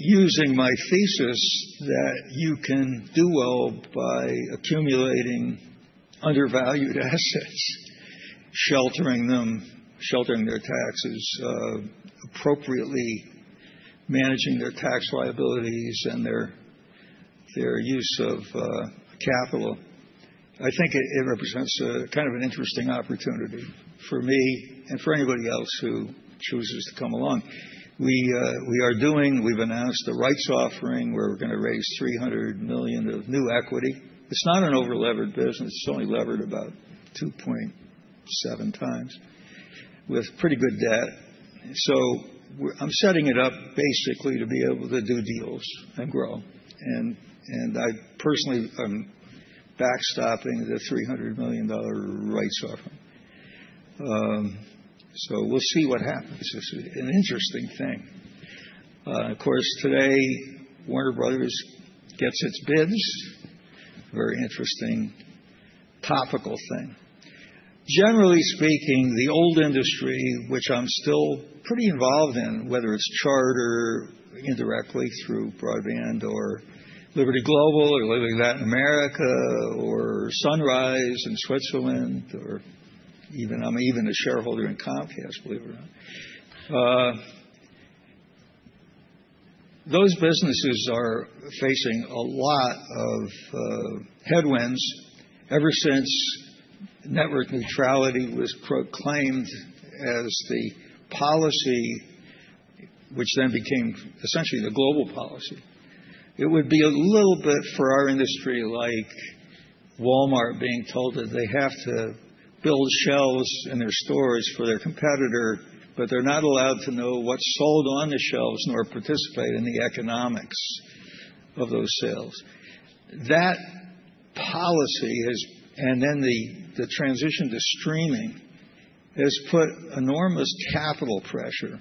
Using my thesis that you can do well by accumulating undervalued assets, sheltering them, sheltering their taxes appropriately, managing their tax liabilities and their use of capital, I think it represents kind of an interesting opportunity for me and for anybody else who chooses to come along. We are doing, we've announced a rights offering where we're going to raise $300 million of new equity. It's not an over-levered business. It's only levered about 2.7 times with pretty good debt. I'm setting it up basically to be able to do deals and grow. I personally am backstopping the $300 million rights offering. We'll see what happens. It's an interesting thing. Of course, today, Warner Brothers gets its bids. Very interesting topical thing. Generally speaking, the old industry, which I'm still pretty involved in, whether it's Charter indirectly through Broadband or Liberty Global or Living Latin America or Sunrise in Switzerland, or I'm even a shareholder in Comcast, believe it or not. Those businesses are facing a lot of headwinds ever since network neutrality was proclaimed as the policy, which then became essentially the global policy. It would be a little bit for our industry like Walmart being told that they have to build shelves in their stores for their competitor, but they're not allowed to know what's sold on the shelves nor participate in the economics of those sales. That policy has, and then the transition to streaming has put enormous capital pressure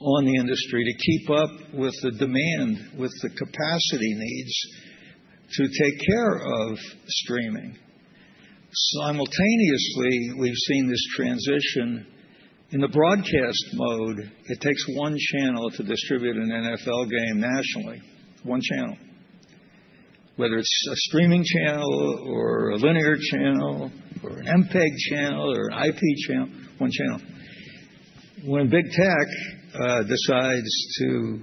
on the industry to keep up with the demand, with the capacity needs to take care of streaming. Simultaneously, we've seen this transition in the broadcast mode. It takes one channel to distribute an NFL game nationally. One channel. Whether it's a streaming channel or a linear channel or an MPEG channel or an IP channel, one channel. When big tech decides to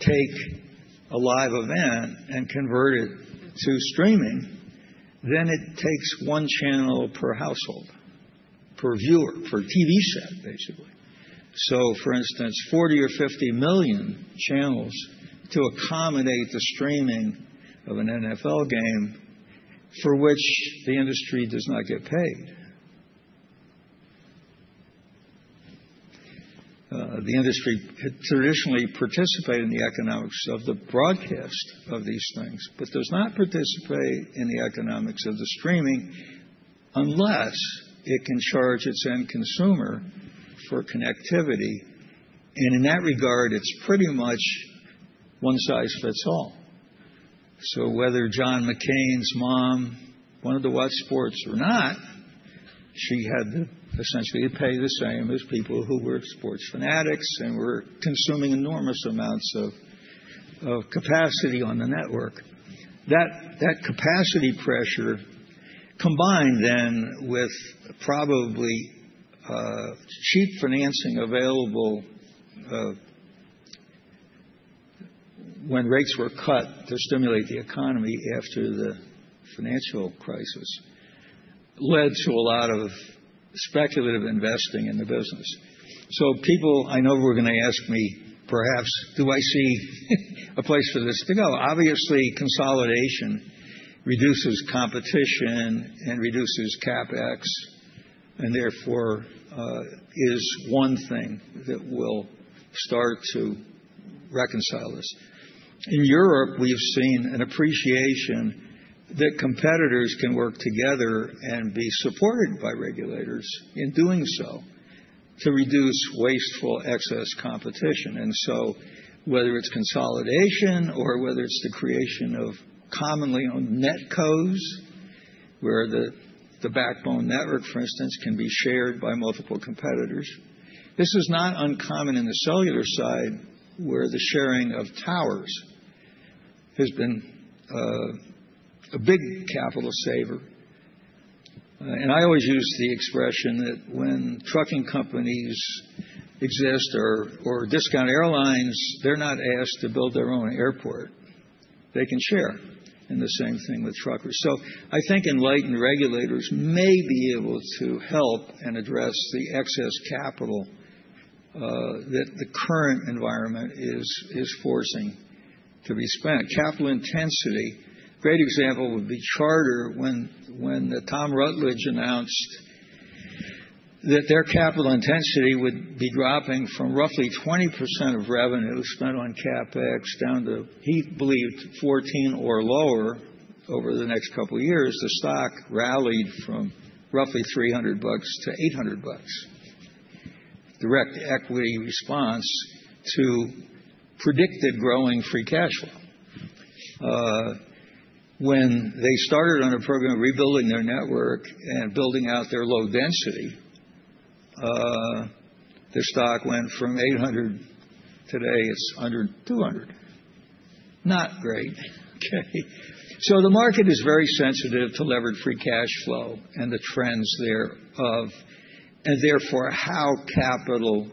take a live event and convert it to streaming, it takes one channel per household, per viewer, per TV set, basically. For instance, 40 or 50 million channels to accommodate the streaming of an NFL game for which the industry does not get paid. The industry could traditionally participate in the economics of the broadcast of these things, but does not participate in the economics of the streaming unless it can charge its end consumer for connectivity. In that regard, it's pretty much one size fits all. Whether John McCain's mom wanted to watch sports or not, she had to essentially pay the same as people who were sports fanatics and were consuming enormous amounts of capacity on the network. That capacity pressure combined then with probably cheap financing available when rates were cut to stimulate the economy after the financial crisis led to a lot of speculative investing in the business. People, I know, are going to ask me perhaps, do I see a place for this to go? Obviously, consolidation reduces competition and reduces CapEx, and therefore is one thing that will start to reconcile this. In Europe, we've seen an appreciation that competitors can work together and be supported by regulators in doing so to reduce wasteful excess competition. Whether it's consolidation or whether it's the creation of commonly owned netcos, where the backbone network, for instance, can be shared by multiple competitors, this is not uncommon in the cellular side where the sharing of towers has been a big capital saver. I always use the expression that when trucking companies exist or discount airlines, they're not asked to build their own airport. They can share. The same thing with truckers. I think enlightened regulators may be able to help and address the excess capital that the current environment is forcing to be spent. Capital intensity, great example would be Charter when Tom Rutledge announced that their capital intensity would be dropping from roughly 20% of revenue spent on CapEx down to, he believed, 14% or lower over the next couple of years. The stock rallied from roughly $300 to $800. Direct equity response to predicted growing free cash flow. When they started on a program rebuilding their network and building out their low density, their stock went from $800. Today, it's under $200. Not great. Okay. The market is very sensitive to levered free cash flow and the trends thereof and therefore how capital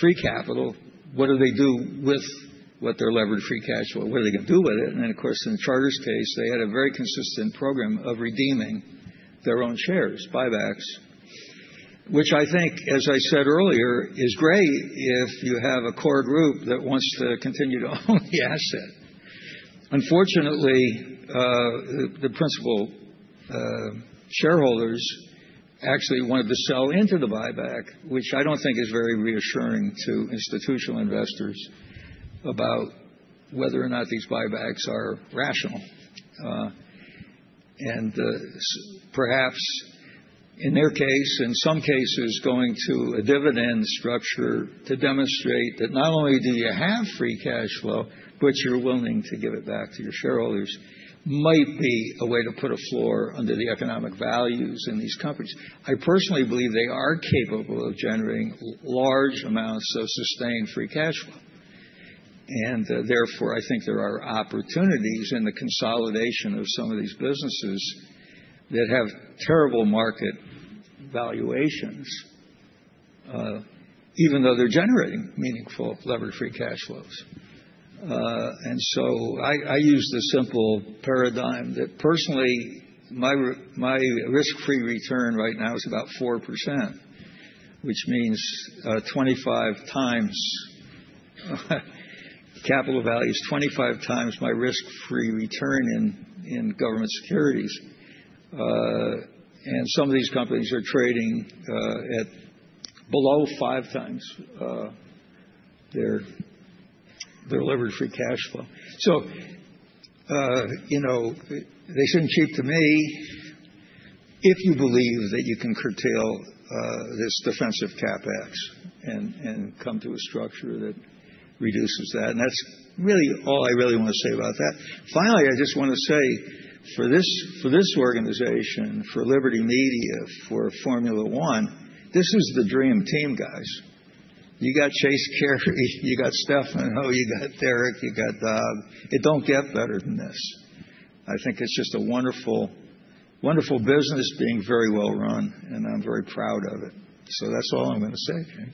free capital, what do they do with what their levered free cash flow, what are they going to do with it? Of course, in Charter's case, they had a very consistent program of redeeming their own shares, buybacks, which I think, as I said earlier, is great if you have a core group that wants to continue to own the asset. Unfortunately, the principal shareholders actually wanted to sell into the buyback, which I do not think is very reassuring to institutional investors about whether or not these buybacks are rational. Perhaps in their case, in some cases, going to a dividend structure to demonstrate that not only do you have free cash flow, but you are willing to give it back to your shareholders might be a way to put a floor under the economic values in these companies. I personally believe they are capable of generating large amounts of sustained free cash flow. Therefore, I think there are opportunities in the consolidation of some of these businesses that have terrible market valuations, even though they're generating meaningful levered free cash flows. I use the simple paradigm that personally, my risk-free return right now is about 4%, which means 25 times capital value is 25 times my risk-free return in government securities. Some of these companies are trading at below five times their levered free cash flow. They seem cheap to me if you believe that you can curtail this defensive CapEx and come to a structure that reduces that. That's really all I really want to say about that. Finally, I just want to say for this organization, for Liberty Media, for Formula One, this is the dream team, guys. You got Chase Carey, you got Stefano, you got Derek, you got Dobb. It don't get better than this. I think it's just a wonderful, wonderful business being very well run, and I'm very proud of it. That's all I'm going to say.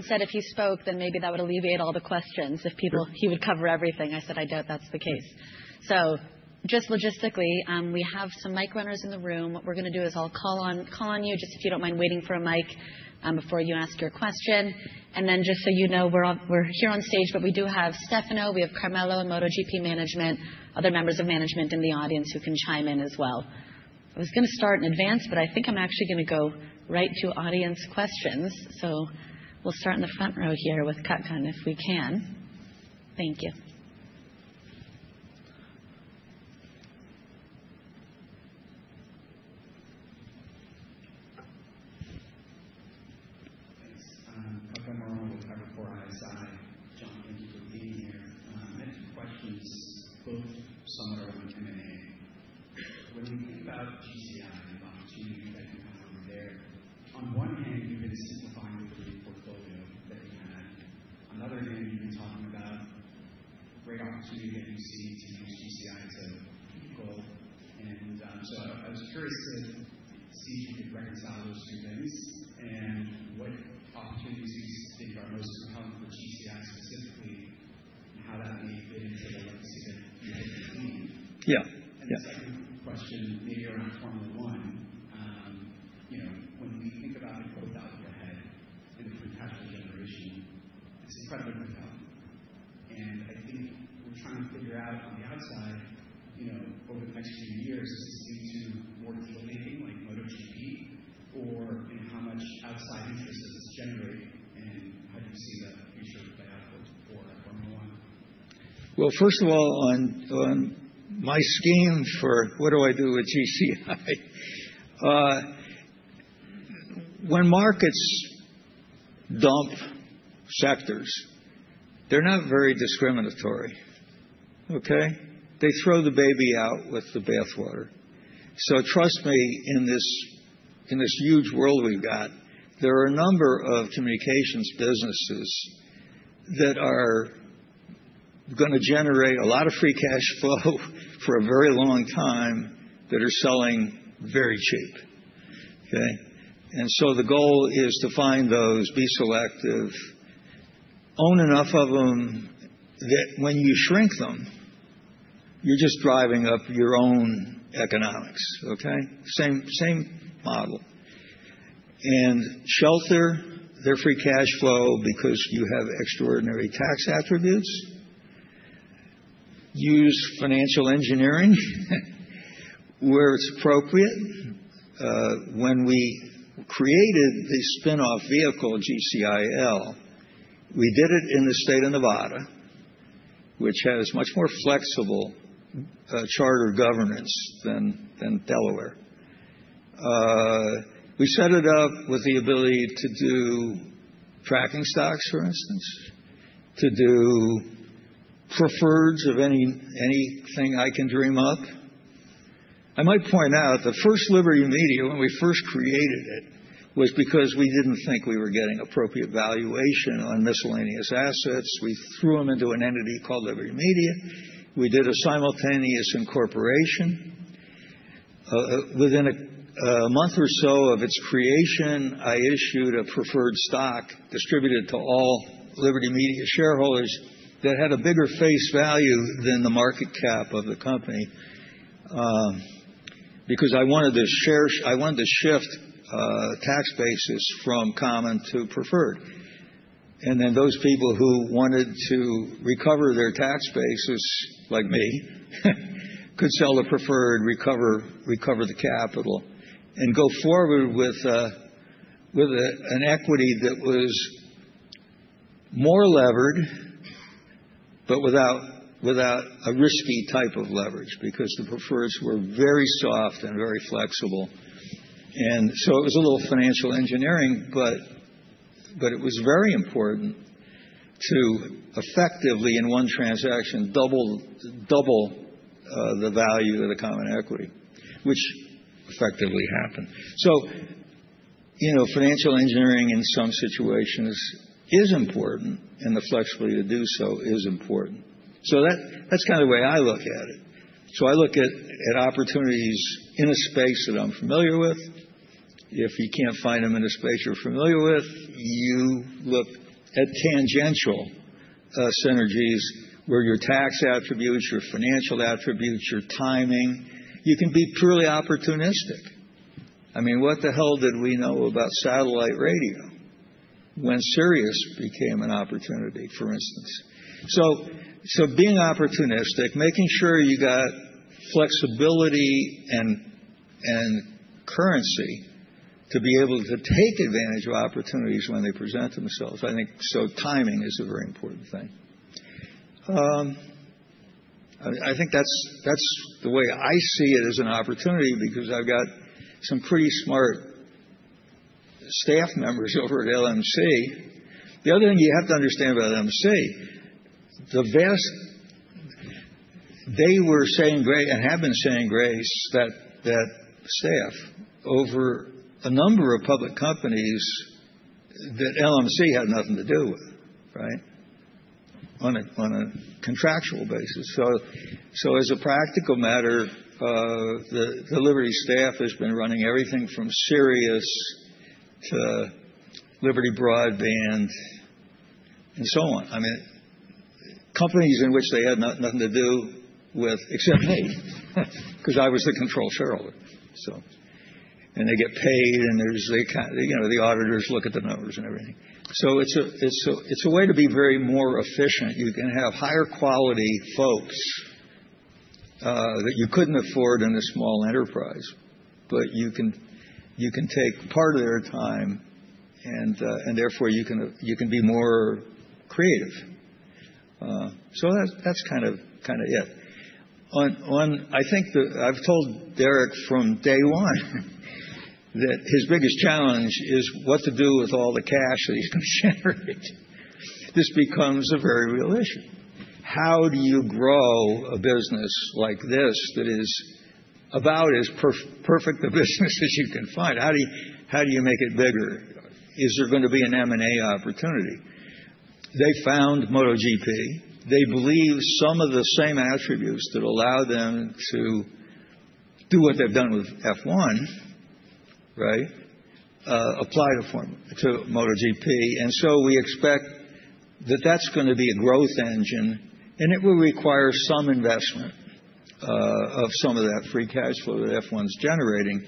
John said if you spoke, then maybe that would alleviate all the questions. If people, he would cover everything. I said, I doubt that's the case. Just logistically, we have some mic runners in the room. What we're going to do is I'll call on you just if you don't mind waiting for a mic before you ask your question. Just so you know, we're here on stage, but we do have Stefano, we have Carmelo and MotoGP management, other members of management in the audience who can chime in as well. I was going to start in advance, but I think I'm actually going to go right to audience questions. We'll start in the front row here with Katkan if we can. Thank you. Thanks. Dr. Morrow, Wells Fargo for ISI. John, thank you for being here. I have two questions, both somewhat around M&A. When you think about GCI and the opportunity that you have over there, on one hand, you've been simplifying the portfolio that you had. On the other hand, you've been talking about great opportunity that you see to use GCI to keep goal. I was curious to see if you could reconcile those two things and what opportunities you think are most compelling for GCI specifically and how that may fit into the legacy that you've been completing. The second question, maybe around Formula One, when we think about the growth out of your head and the perpetual generation, it's incredibly compelling. I think we're trying to figure out on the outside over the next few years, is this lead to more deal-making like MotoGP or how much outside interest does this generate and how do you see the future play out for Formula One? First of all, my scheme for what do I do with GCI? When markets dump sectors, they're not very discriminatory. Okay? They throw the baby out with the bathwater. Trust me, in this huge world we've got, there are a number of communications businesses that are going to generate a lot of free cash flow for a very long time that are selling very cheap. Okay? The goal is to find those, be selective, own enough of them that when you shrink them, you're just driving up your own economics. Okay? Same model. Shelter their free cash flow because you have extraordinary tax attributes. Use financial engineering where it's appropriate. When we created the spinoff vehicle, GCI Liberty, we did it in the state of Nevada, which has much more flexible charter governance than Delaware. We set it up with the ability to do tracking stocks, for instance, to do preferreds of anything I can dream up. I might point out the first Liberty Media, when we first created it, was because we did not think we were getting appropriate valuation on miscellaneous assets. We threw them into an entity called Liberty Media. We did a simultaneous incorporation. Within a month or so of its creation, I issued a preferred stock distributed to all Liberty Media shareholders that had a bigger face value than the market cap of the company because I wanted to shift tax bases from common to preferred. Those people who wanted to recover their tax bases, like me, could sell the preferred, recover the capital, and go forward with an equity that was more levered, but without a risky type of leverage because the preferreds were very soft and very flexible. It was a little financial engineering, but it was very important to effectively, in one transaction, double the value of the common equity, which effectively happened. Financial engineering in some situations is important, and the flexibility to do so is important. That is kind of the way I look at it. I look at opportunities in a space that I'm familiar with. If you can't find them in a space you're familiar with, you look at tangential synergies where your tax attributes, your financial attributes, your timing, you can be purely opportunistic. I mean, what the hell did we know about satellite radio when Sirius became an opportunity, for instance? Being opportunistic, making sure you got flexibility and currency to be able to take advantage of opportunities when they present themselves. I think timing is a very important thing. I think that's the way I see it as an opportunity because I've got some pretty smart staff members over at LMC. The other thing you have to understand about LMC, they were saying great and have been saying great staff over a number of public companies that LMC had nothing to do with, right? On a contractual basis. As a practical matter, the Liberty staff has been running everything from Sirius to Liberty Broadband and so on. I mean, companies in which they had nothing to do with except me because I was the control shareholder. They get paid, and the auditors look at the numbers and everything. It is a way to be very more efficient. You can have higher quality folks that you could not afford in a small enterprise, but you can take part of their time, and therefore you can be more creative. That is kind of it. I think I have told Derek from day one that his biggest challenge is what to do with all the cash that he is going to generate. This becomes a very real issue. How do you grow a business like this that is about as perfect a business as you can find? How do you make it bigger? Is there going to be an M&A opportunity? They found MotoGP. They believe some of the same attributes that allow them to do what they have done with F1, right? Apply to MotoGP. We expect that that's going to be a growth engine, and it will require some investment of some of that free cash flow that F1's generating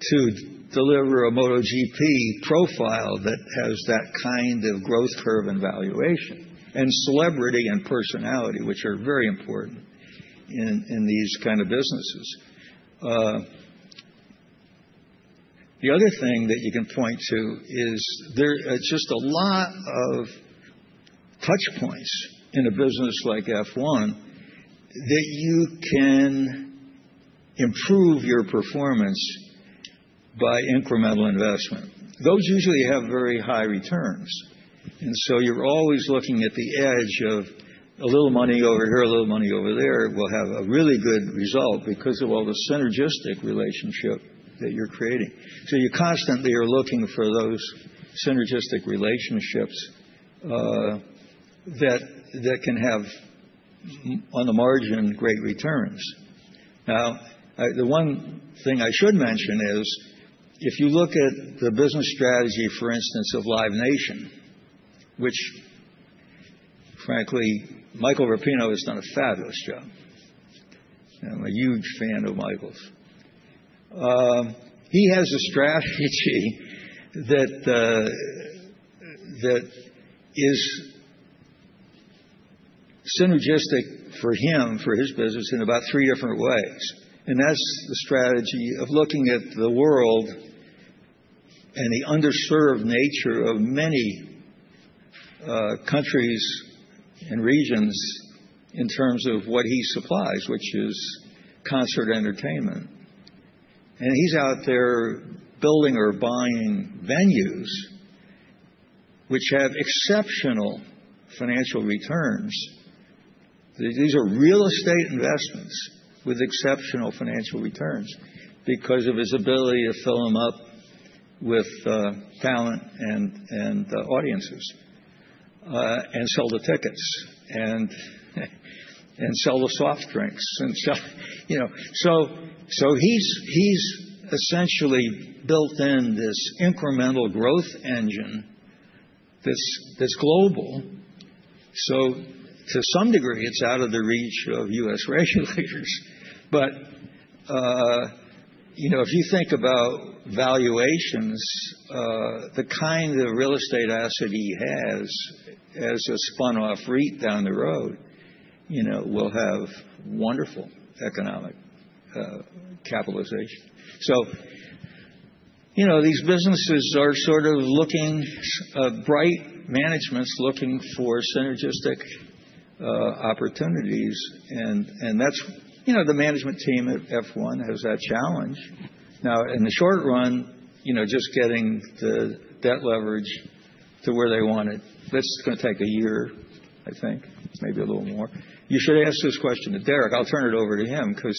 to deliver a MotoGP profile that has that kind of growth curve and valuation and celebrity and personality, which are very important in these kinds of businesses. The other thing that you can point to is there's just a lot of touch points in a business like F1 that you can improve your performance by incremental investment. Those usually have very high returns. You're always looking at the edge of a little money over here, a little money over there will have a really good result because of all the synergistic relationship that you're creating. You constantly are looking for those synergistic relationships that can have, on the margin, great returns. Now, the one thing I should mention is if you look at the business strategy, for instance, of Live Nation, which frankly, Michael Rapino has done a fabulous job. I'm a huge fan of Michael's. He has a strategy that is synergistic for him, for his business, in about three different ways. That's the strategy of looking at the world and the underserved nature of many countries and regions in terms of what he supplies, which is concert entertainment. He's out there building or buying venues, which have exceptional financial returns. These are real estate investments with exceptional financial returns because of his ability to fill them up with talent and audiences and sell the tickets and sell the soft drinks. He's essentially built in this incremental growth engine that's global. To some degree, it's out of the reach of US regulators. If you think about valuations, the kind of real estate asset he has as a spun-off REIT down the road will have wonderful economic capitalization. These businesses are sort of looking bright, management is looking for synergistic opportunities. That is the management team at F1 has that challenge. Now, in the short run, just getting the debt leverage to where they want it, that is going to take a year, I think, maybe a little more. You should ask this question to Derek. I'll turn it over to him because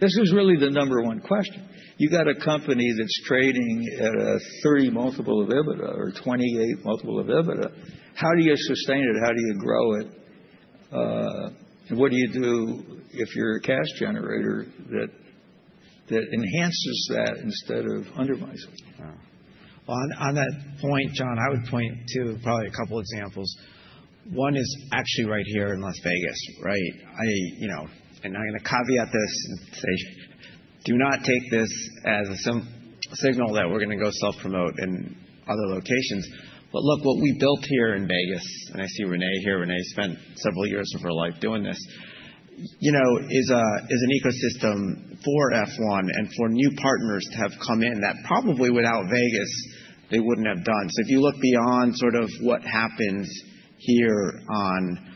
this is really the number one question. You've got a company that is trading at a 30 multiple of EBITDA or 28 multiple of EBITDA. How do you sustain it? How do you grow it? What do you do if you are a cash generator that enhances that instead of undermines it? Wow. On that point, John, I would point to probably a couple of examples. One is actually right here in Las Vegas, right? I am going to caveat this and say, do not take this as a signal that we are going to go self-promote in other locations. Look, what we built here in Vegas, and I see Renee here. Renee spent several years of her life doing this, is an ecosystem for F1 and for new partners to have come in that probably without Vegas, they would not have done. If you look beyond sort of what happens here on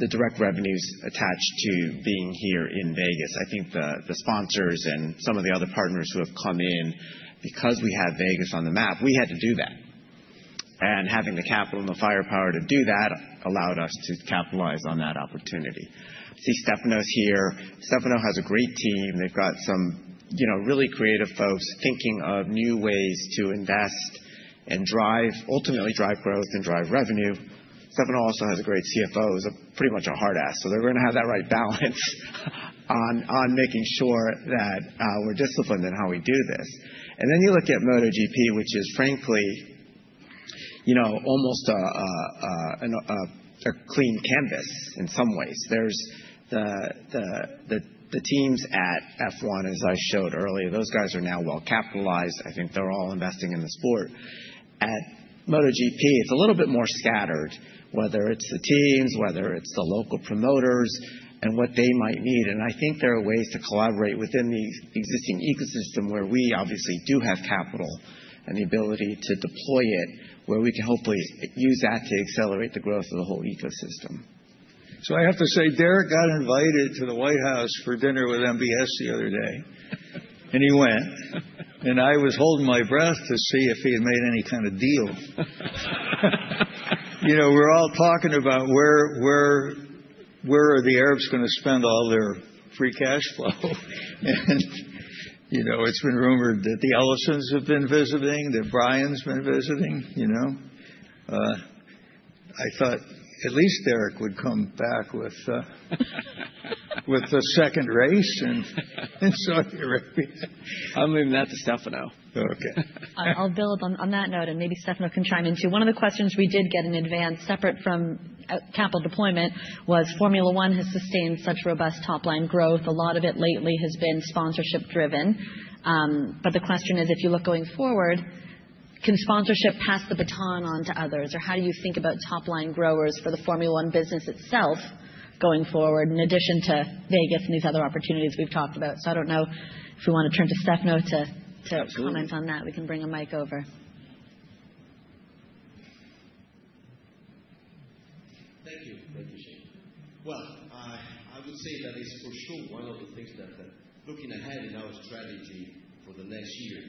the direct revenues attached to being here in Vegas, I think the sponsors and some of the other partners who have come in, because we have Vegas on the map, we had to do that. Having the capital and the firepower to do that allowed us to capitalize on that opportunity. I see Stefano's here. Stefano has a great team. They've got some really creative folks thinking of new ways to invest and ultimately drive growth and drive revenue. Stefano also has a great CFO. He's pretty much a hard ass. They're going to have that right balance on making sure that we're disciplined in how we do this. You look at MotoGP, which is frankly almost a clean canvas in some ways. There's the teams at F1, as I showed earlier. Those guys are now well capitalized. I think they're all investing in the sport. At MotoGP, it's a little bit more scattered, whether it's the teams, whether it's the local promoters and what they might need. I think there are ways to collaborate within the existing ecosystem where we obviously do have capital and the ability to deploy it, where we can hopefully use that to accelerate the growth of the whole ecosystem. I have to say, Derek got invited to the White House for dinner with MBS the other day. He went, and I was holding my breath to see if he had made any kind of deal. We're all talking about where are the Arabs going to spend all their free cash flow? It's been rumored that the Ellisons have been visiting, that Brian's been visiting. I thought at least Derek would come back with a second race in Saudi Arabia. I'm moving that to Stefano. Okay. I'll build on that note, and maybe Stefano can chime in too. One of the questions we did get in advance, separate from capital deployment, was Formula One has sustained such robust top-line growth. A lot of it lately has been sponsorship-driven. The question is, if you look going forward, can sponsorship pass the baton on to others? How do you think about top-line growers for the Formula One business itself going forward, in addition to Vegas and these other opportunities we've talked about? I don't know if we want to turn to Stefano to comment on that. We can bring a mic over. Thank you. I appreciate it. I would say that it's for sure one of the things that looking ahead in our strategy for the next year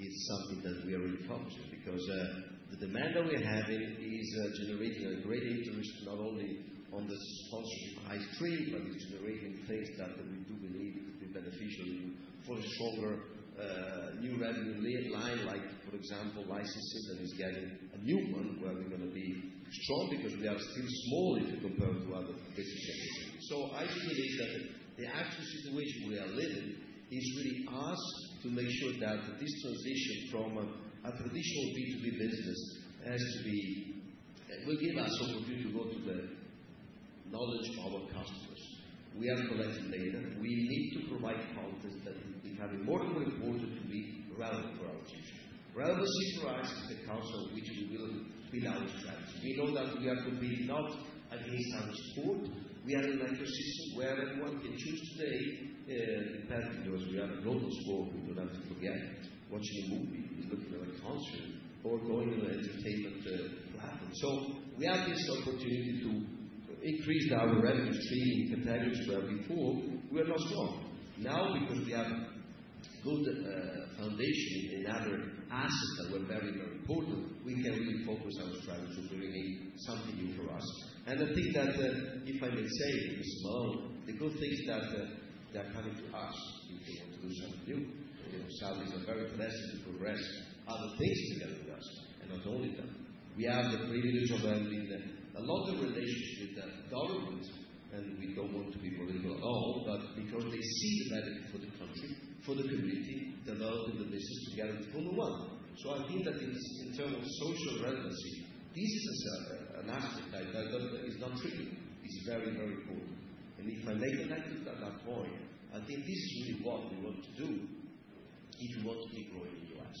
is something that we are in contact with because the demand that we're having is generating a great interest, not only on the sponsorship ice cream, but it's generating things that we do believe could be beneficial for a stronger new revenue line, like, for example, licensing that is getting a new one where we're going to be strong because we are still small if you compare to other businesses. I think it is that the actual situation we are living is really us to make sure that this transition from a traditional B2B business has to be will give us opportunity to go to the knowledge of our customers. We are collecting data. We need to provide content that is becoming more and more important to be relevant for our future. Relevancy for us is the concept which we will build our strategy. We know that we have to be not against our sport. We have an ecosystem where everyone can choose today depending because we have a global sport. We do not have to forget watching a movie, looking at a concert, or going on an entertainment platform. We have this opportunity to increase our revenue stream in categories where before we were not strong. Now, because we have good foundation in other assets that were very, very important, we can really focus our strategy to bring in something new for us. I think that if I may say, the small, the good things that are coming to us if we want to do something new, Saudi is very blessed to progress other things together with us. Not only that, we have the privilege of having a lot of relations with the government, and we do not want to be political at all, but because they see the benefit for the country, for the community, developing the business together with Formula One. I think that in terms of social relevancy, this is an aspect that is not trivial. It is very, very important. If I make a network at that point, I think this is really what we want to do if we want to keep growing in the U.S.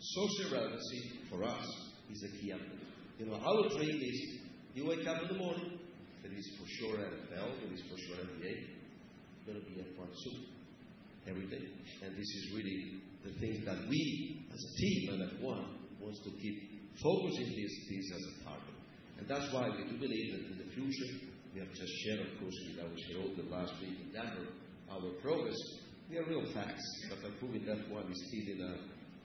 Social relevancy for us is a key element. Our dream is you wake up in the morning, there is for sure an Apple, there is for sure an NBA, you're going to be at F1 soon, every day. This is really the things that we as a team and F1 want to keep focusing these things as a target. That is why we do believe that in the future, we have just shared, of course, with our herald the last week in Denver, our progress. We have real facts that are proving that F1 is still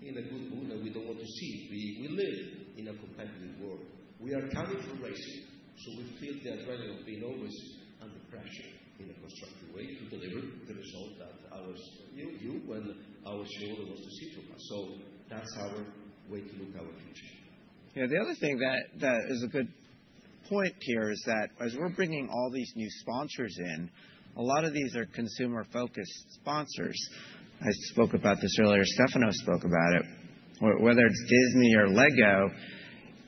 in a good mood, and we do not want to see it. We live in a competitive world. We are coming from racing, so we feel the adrenaline of being always under pressure in a constructive way to deliver the result that you and our shareholder wants to see from us. That is our way to look at our future. Yeah. The other thing that is a good point here is that as we're bringing all these new sponsors in, a lot of these are consumer-focused sponsors. I spoke about this earlier. Stefano spoke about it. Whether it's Disney or Lego,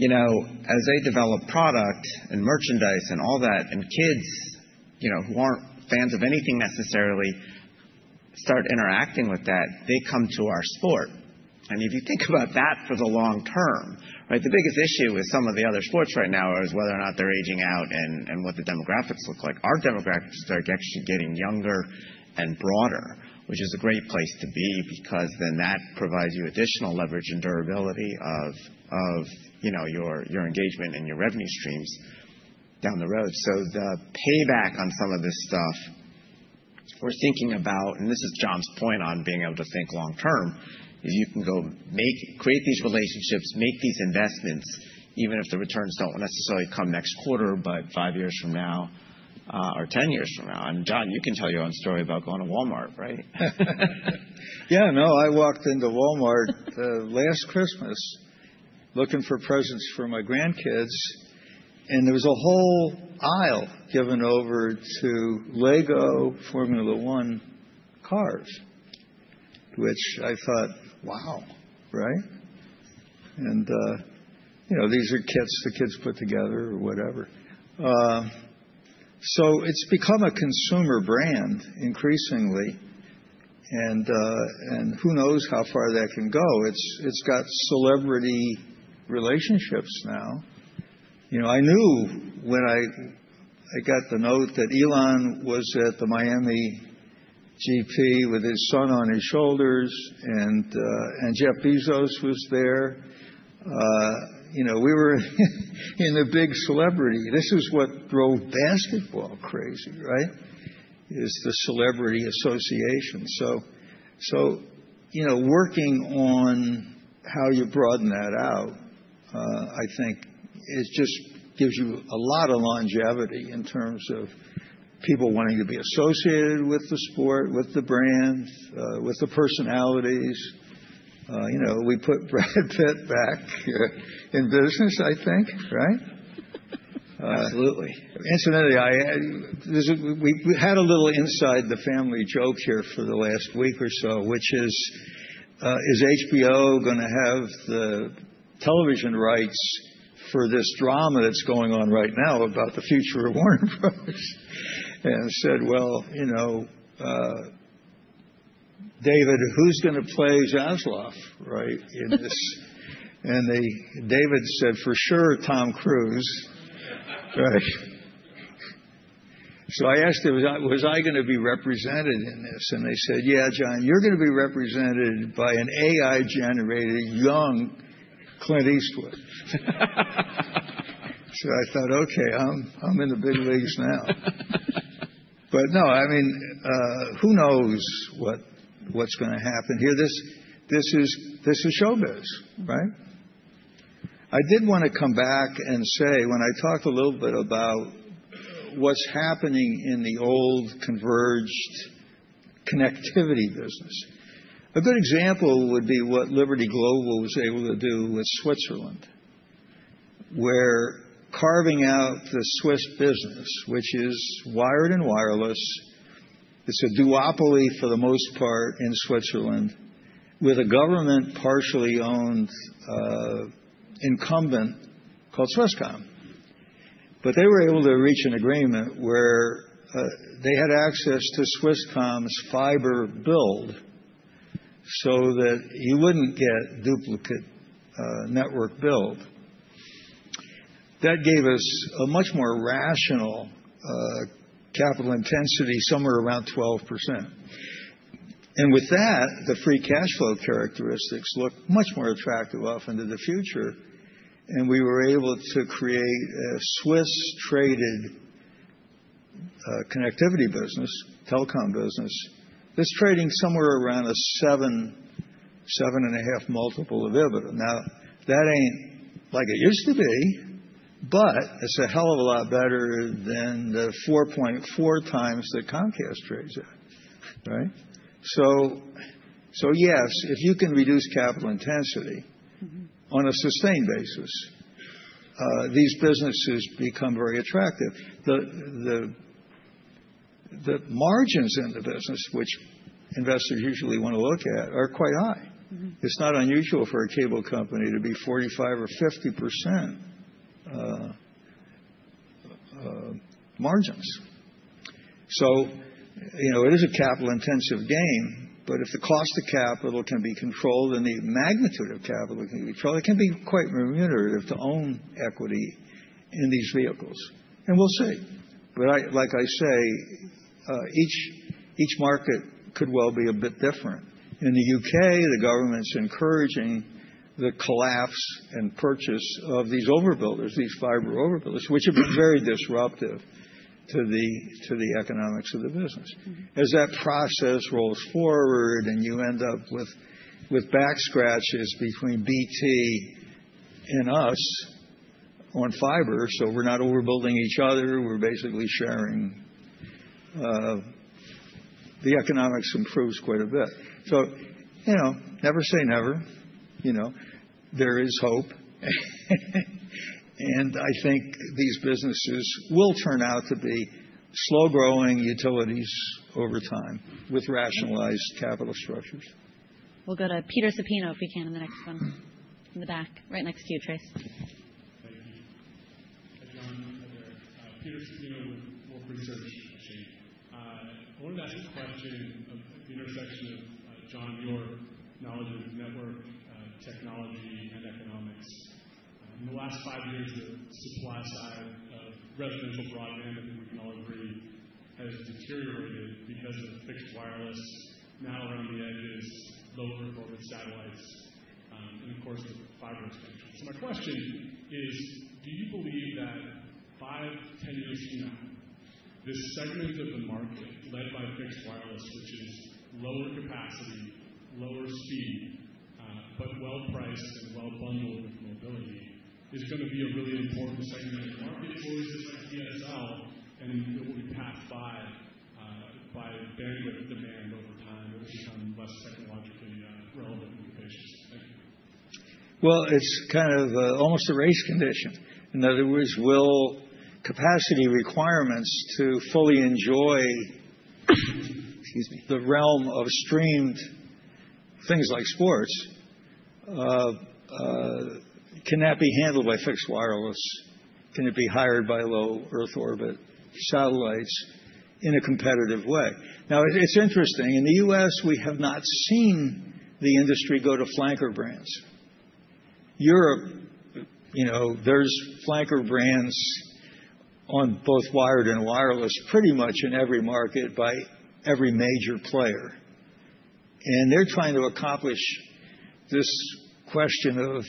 as they develop product and merchandise and all that, and kids who aren't fans of anything necessarily start interacting with that, they come to our sport. I mean, if you think about that for the long term, right? The biggest issue with some of the other sports right now is whether or not they're aging out and what the demographics look like. Our demographics are actually getting younger and broader, which is a great place to be because then that provides you additional leverage and durability of your engagement and your revenue streams down the road. The payback on some of this stuff we're thinking about, and this is John's point on being able to think long-term, is you can go create these relationships, make these investments, even if the returns don't necessarily come next quarter, but five years from now or ten years from now. John, you can tell your own story about going to Walmart, right? Yeah. No, I walked into Walmart last Christmas looking for presents for my grandkids, and there was a whole aisle given over to Lego Formula One cars, which I thought, wow, right? And these are kits the kids put together or whatever. So it's become a consumer brand increasingly, and who knows how far that can go. It's got celebrity relationships now. I knew when I got the note that Elon was at the Miami GP with his son on his shoulders and Jeff Bezos was there. We were in the big celebrity. This is what drove basketball crazy, right? It's the celebrity association. Working on how you broaden that out, I think, it just gives you a lot of longevity in terms of people wanting to be associated with the sport, with the brand, with the personalities. We put Brad Pitt back in business, I think, right? Absolutely. Incidentally, we had a little inside the family joke here for the last week or so, which is, is HBO going to have the television rights for this drama that's going on right now about the future of Warner Bros? I said, David, who's going to play Zaslav, right? David said, for sure, Tom Cruise, right? I asked him, was I going to be represented in this? They said, yeah, John, you're going to be represented by an AI-generated young Clint Eastwood. I thought, okay, I'm in the big leagues now. I mean, who knows what's going to happen here? This is showbiz, right? I did want to come back and say, when I talked a little bit about what's happening in the old converged connectivity business, a good example would be what Liberty Global was able to do with Switzerland, where carving out the Swiss business, which is wired and wireless, it's a duopoly for the most part in Switzerland with a government partially owned incumbent called Swisscom. They were able to reach an agreement where they had access to Swisscom's fiber build so that you wouldn't get duplicate network build. That gave us a much more rational capital intensity somewhere around 12%. With that, the free cash flow characteristics looked much more attractive off into the future. We were able to create a Swiss-traded connectivity business, telecom business that's trading somewhere around a seven, seven and a half multiple of EBITDA. Now, that ain't like it used to be, but it's a hell of a lot better than the 4.4 times that Comcast trades at, right? Yes, if you can reduce capital intensity on a sustained basis, these businesses become very attractive. The margins in the business, which investors usually want to look at, are quite high. It's not unusual for a cable company to be 45% or 50% margins. It is a capital-intensive game, but if the cost of capital can be controlled and the magnitude of capital can be controlled, it can be quite remunerative to own equity in these vehicles. We'll see. Like I say, each market could well be a bit different. In the U.K., the government's encouraging the collapse and purchase of these overbuilders, these fiber overbuilders, which have been very disruptive to the economics of the business. As that process rolls forward and you end up with back scratches between BT and us on fiber, so we're not overbuilding each other, we're basically sharing, the economics improves quite a bit. Never say never. There is hope. I think these businesses will turn out to be slow-growing utilities over time with rationalized capital structures. We'll go to Peter Supino if we can in the next one. In the back, right next to you, Trace. Hi everyone. I'm John, Peter Supino with Wolfe Research, I think. I wanted to ask a question of the intersection of John, your knowledge of network technology and economics. In the last five years, the supply side of residential broadband, I think we can all agree, has deteriorated because of fixed wireless, now around the edges, low-performance satellites, and of course, the fiber expansion. My question is, do you believe that five, ten years from now, this segment of the market led by fixed wireless, which is lower capacity, lower speed, but well-priced and well-bundled with mobility, is going to be a really important segment of the market? Is it always just like DSL, and it will be passed by bandwidth demand over time? Will it become less technologically relevant and capacious? Thank you. It's kind of almost a race condition. In other words, will capacity requirements to fully enjoy, excuse me, the realm of streamed things like sports, can that be handled by fixed wireless? Can it be hired by low Earth orbit satellites in a competitive way? It's interesting. In the U.S., we have not seen the industry go to flanker brands. Europe, there's flanker brands on both wired and wireless pretty much in every market by every major player. They're trying to accomplish this question of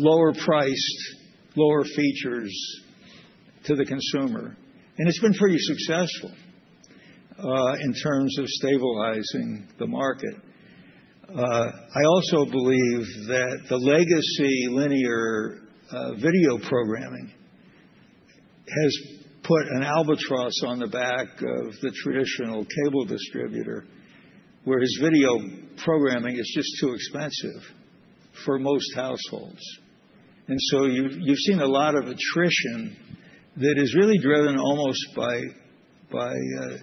lower-priced, lower features to the consumer. It's been pretty successful in terms of stabilizing the market. I also believe that the legacy linear video programming has put an albatross on the back of the traditional cable distributor whereas video programming is just too expensive for most households. You have seen a lot of attrition that is really driven almost by the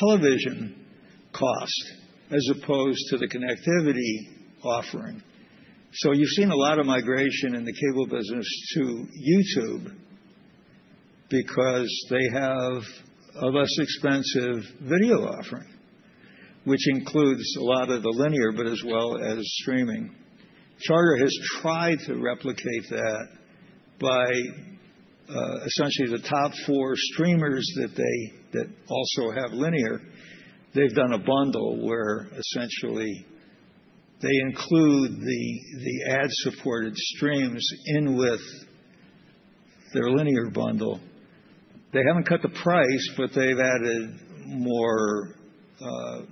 television cost as opposed to the connectivity offering. You have seen a lot of migration in the cable business to YouTube because they have a less expensive video offering, which includes a lot of the linear, but as well as streaming. Charter has tried to replicate that by essentially the top four streamers that also have linear. They have done a bundle where essentially they include the ad-supported streams in with their linear bundle. They have not cut the price, but they have added more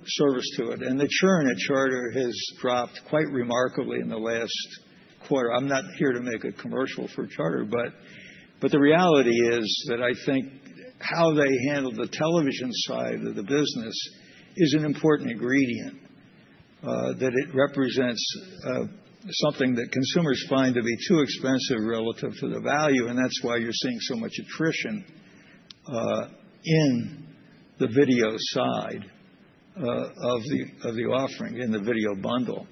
service to it. The churn at Charter has dropped quite remarkably in the last quarter. I'm not here to make a commercial for Charter, but the reality is that I think how they handle the television side of the business is an important ingredient, that it represents something that consumers find to be too expensive relative to the value, and that's why you're seeing so much attrition in the video side of the offering in the video bundle.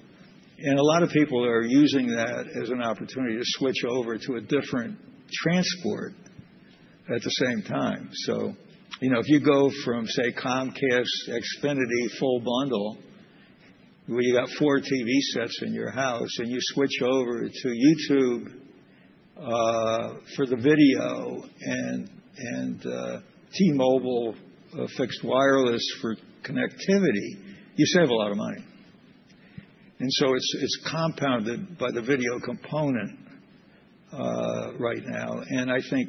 A lot of people are using that as an opportunity to switch over to a different transport at the same time. If you go from, say, Comcast, Xfinity, full bundle, where you got four TV sets in your house, and you switch over to YouTube for the video and T-Mobile fixed wireless for connectivity, you save a lot of money. It is compounded by the video component right now. I think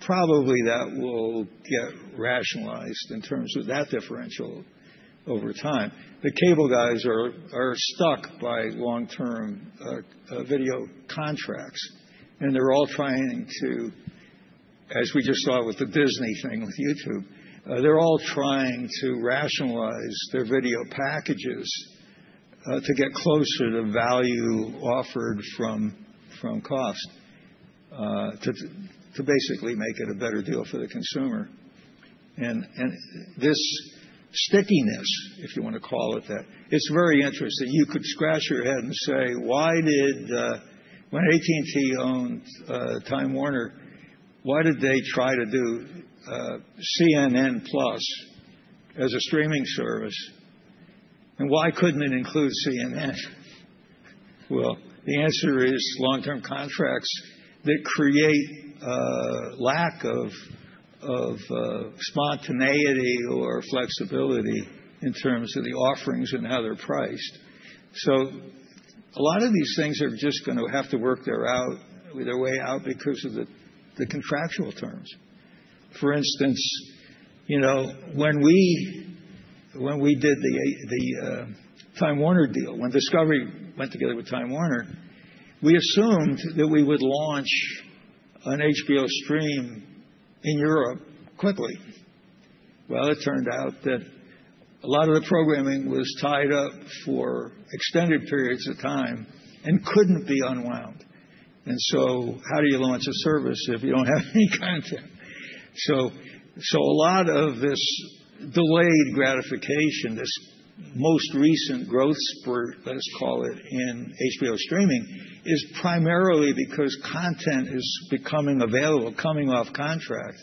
probably that will get rationalized in terms of that differential over time. The cable guys are stuck by long-term video contracts, and they're all trying to, as we just saw with the Disney thing with YouTube, they're all trying to rationalize their video packages to get closer to value offered from cost to basically make it a better deal for the consumer. This stickiness, if you want to call it that, it's very interesting. You could scratch your head and say, why did, when AT&T owned Time Warner, why did they try to do CNN Plus as a streaming service? And why couldn't it include CNN? The answer is long-term contracts that create a lack of spontaneity or flexibility in terms of the offerings and how they're priced. A lot of these things are just going to have to work their way out because of the contractual terms. For instance, when we did the Time Warner deal, when Discovery went together with Time Warner, we assumed that we would launch an HBO stream in Europe quickly. It turned out that a lot of the programming was tied up for extended periods of time and could not be unwound. How do you launch a service if you do not have any content? A lot of this delayed gratification, this most recent growth spurt, let's call it, in HBO streaming is primarily because content is becoming available coming off contract.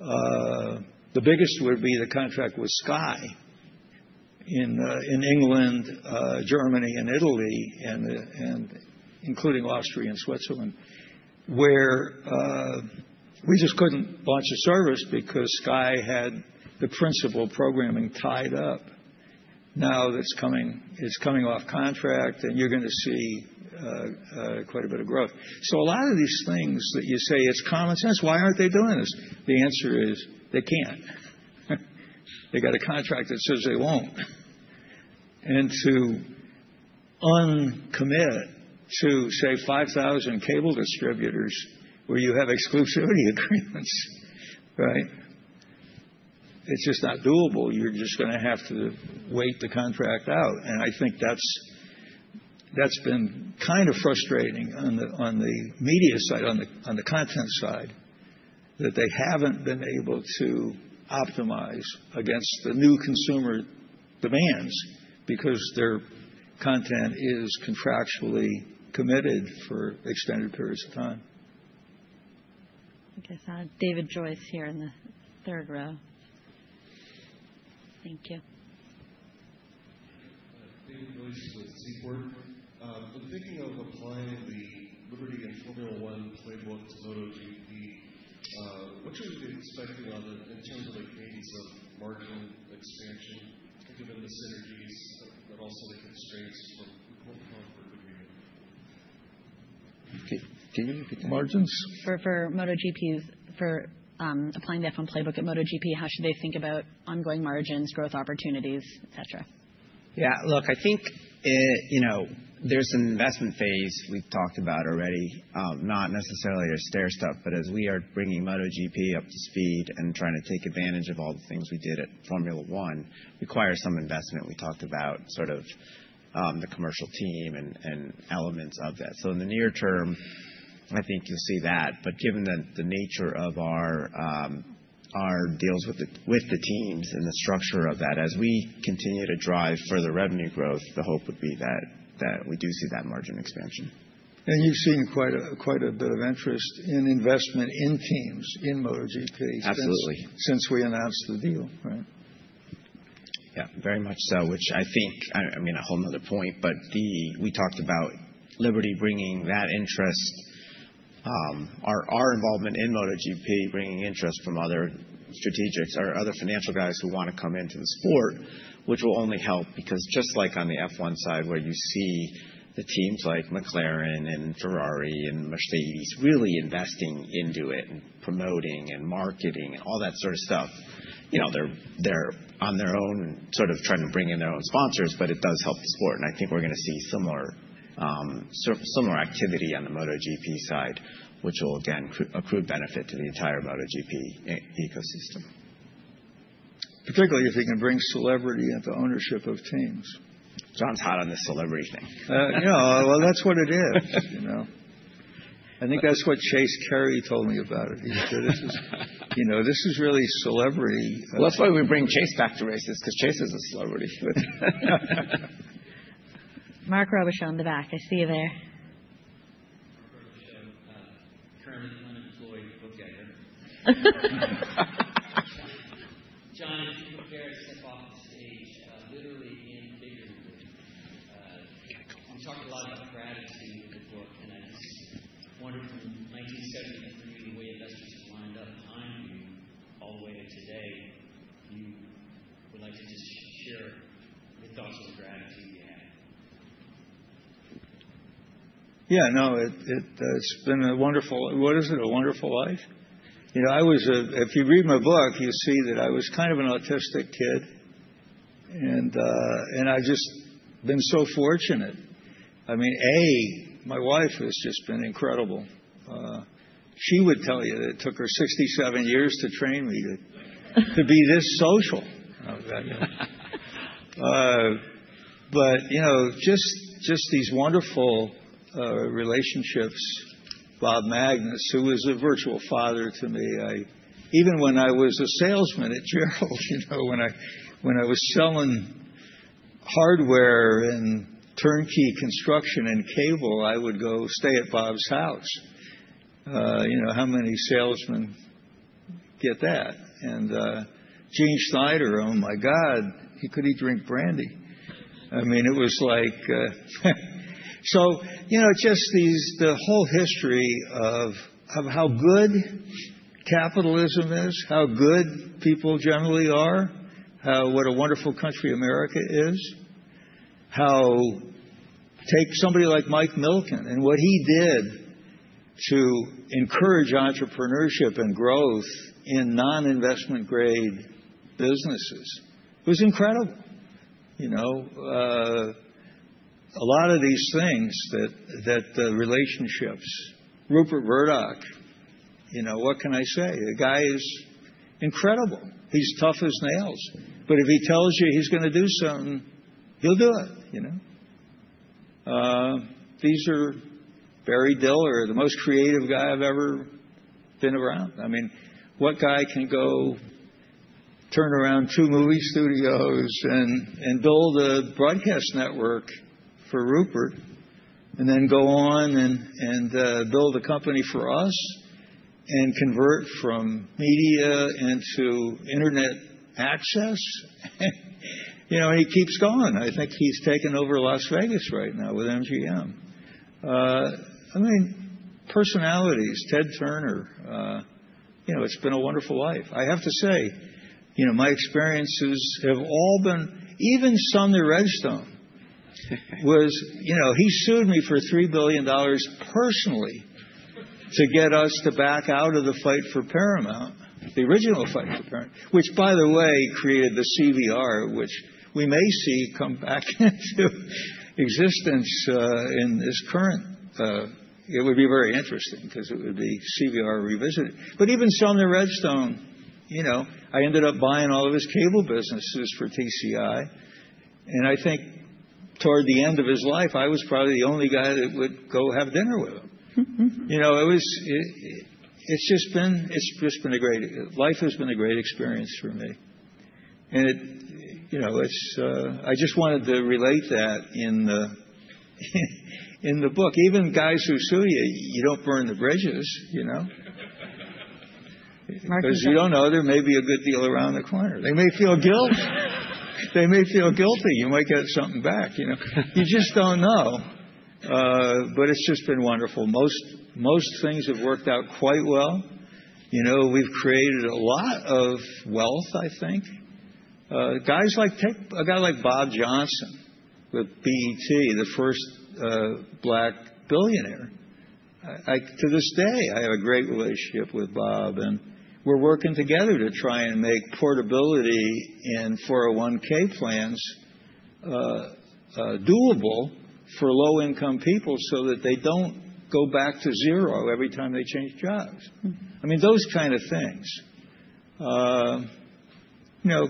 The biggest would be the contract with Sky in England, Germany, and Italy, including Austria and Switzerland, where we just could not launch a service because Sky had the principal programming tied up. Now it is coming off contract, and you are going to see quite a bit of growth. A lot of these things that you say, it's common sense, why aren't they doing this? The answer is they can't. They got a contract that says they won't. To uncommit to, say, 5,000 cable distributors where you have exclusivity agreements, right? It's just not doable. You're just going to have to wait the contract out. I think that's been kind of frustrating on the media side, on the content side, that they haven't been able to optimize against the new consumer demands because their content is contractually committed for extended periods of time. I guess David Joyce here in the third row. Thank you. David Joyce with Seaport. When thinking of applying the Liberty and Formula One playbook to MotoGP, what should we be expecting in terms of the gains of margin expansion, given the synergies, but also the constraints from the Concorde Agreement? Can you repeat that? Margins? For MotoGP, for applying the F1 playbook at MotoGP, how should they think about ongoing margins, growth opportunities, et cetera? Yeah, look, I think there's an investment phase we've talked about already, not necessarily a stair step, but as we are bringing MotoGP up to speed and trying to take advantage of all the things we did at Formula One, requires some investment. We talked about sort of the commercial team and elements of that. In the near term, I think you'll see that. Given the nature of our deals with the teams and the structure of that, as we continue to drive further revenue growth, the hope would be that we do see that margin expansion. You've seen quite a bit of interest in investment in teams in MotoGP since we announced the deal, right? Yeah, very much so, which I think, I mean, a whole nother point, but we talked about Liberty bringing that interest, our involvement in MotoGP bringing interest from other strategics or other financial guys who want to come into the sport, which will only help because just like on the F1 side where you see the teams like McLaren and Ferrari and Mercedes really investing into it and promoting and marketing and all that sort of stuff, they're on their own sort of trying to bring in their own sponsors, but it does help the sport. I think we're going to see similar activity on the MotoGP side, which will, again, accrue benefit to the entire MotoGP ecosystem. Particularly if we can bring celebrity into ownership of teams. John's hot on the celebrity thing. Yeah, well, that's what it is. I think that's what Chase Carey told me about it. He said, "This is really celebrity. That's why we bring Chase back to races because Chase is a celebrity. Marc Robuchon in the back, I see you there. Mark Robuchon, currently unemployed, but getting there. John, if you could bear to step off the stage literally and figuratively. You talked a lot about gratitude in the book, and I just wonder from 1973 the way investors have lined up behind you all the way to today, if you would like to just share your thoughts on the gratitude you have. Yeah, no, it's been a wonderful, what is it, a wonderful life? If you read my book, you see that I was kind of an autistic kid, and I've just been so fortunate. I mean, A, my wife has just been incredible. She would tell you that it took her 67 years to train me to be this social. Just these wonderful relationships. Bob Magnus, who was a virtual father to me, even when I was a salesman at Gerald, when I was selling hardware and turnkey construction and cable, I would go stay at Bob's house. How many salesmen get that? Gene Schneider, oh my God, he couldn't even drink brandy. I mean, it was like, just the whole history of how good capitalism is, how good people generally are, what a wonderful country America is, how take somebody like Mike Milken and what he did to encourage entrepreneurship and growth in non-investment-grade businesses was incredible. A lot of these things that the relationships, Rupert Murdoch, what can I say? The guy is incredible. He's tough as nails. If he tells you he's going to do something, he'll do it. These are Barry Diller, the most creative guy I've ever been around. I mean, what guy can go turn around two movie studios and build a broadcast network for Rupert and then go on and build a company for us and convert from media into internet access? He keeps going. I think he's taken over Las Vegas right now with MGM. I mean, personalities, Ted Turner, it's been a wonderful life. I have to say, my experiences have all been, even Sonny Redstone was, he sued me for $3 billion personally to get us to back out of the fight for Paramount, the original fight for Paramount, which, by the way, created the CVR, which we may see come back into existence in this current. It would be very interesting because it would be CVR revisited. Even Sonny Redstone, I ended up buying all of his cable businesses for TCI. I think toward the end of his life, I was probably the only guy that would go have dinner with him. It's just been a great life, has been a great experience for me. I just wanted to relate that in the book. Even guys who sue you, you don't burn the bridges. Mark Robuchon. Because you don't know there may be a good deal around the corner. They may feel guilt. They may feel guilty. You might get something back. You just don't know. It's just been wonderful. Most things have worked out quite well. We've created a lot of wealth, I think. Guys like a guy like Bob Johnson with BET, the first black billionaire. To this day, I have a great relationship with Bob, and we're working together to try and make portability in 401(k) plans doable for low-income people so that they don't go back to zero every time they change jobs. I mean, those kind of things.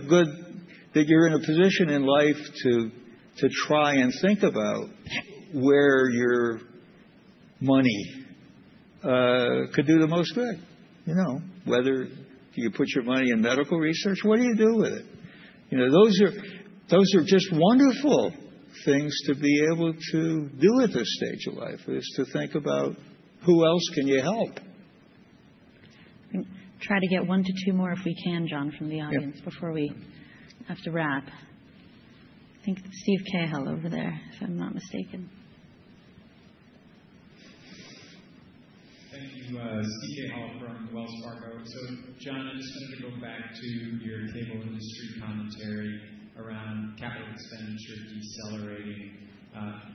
Good. That you're in a position in life to try and think about where your money could do the most good. Whether you put your money in medical research, what do you do with it? Those are just wonderful things to be able to do at this stage of life is to think about who else can you help. Try to get one to two more if we can, John, from the audience before we have to wrap. I think Steve Cahall over there, if I'm not mistaken. Thank you. Steve Cahall from Wells Fargo. John, I just wanted to go back to your cable industry commentary around capital expenditure decelerating.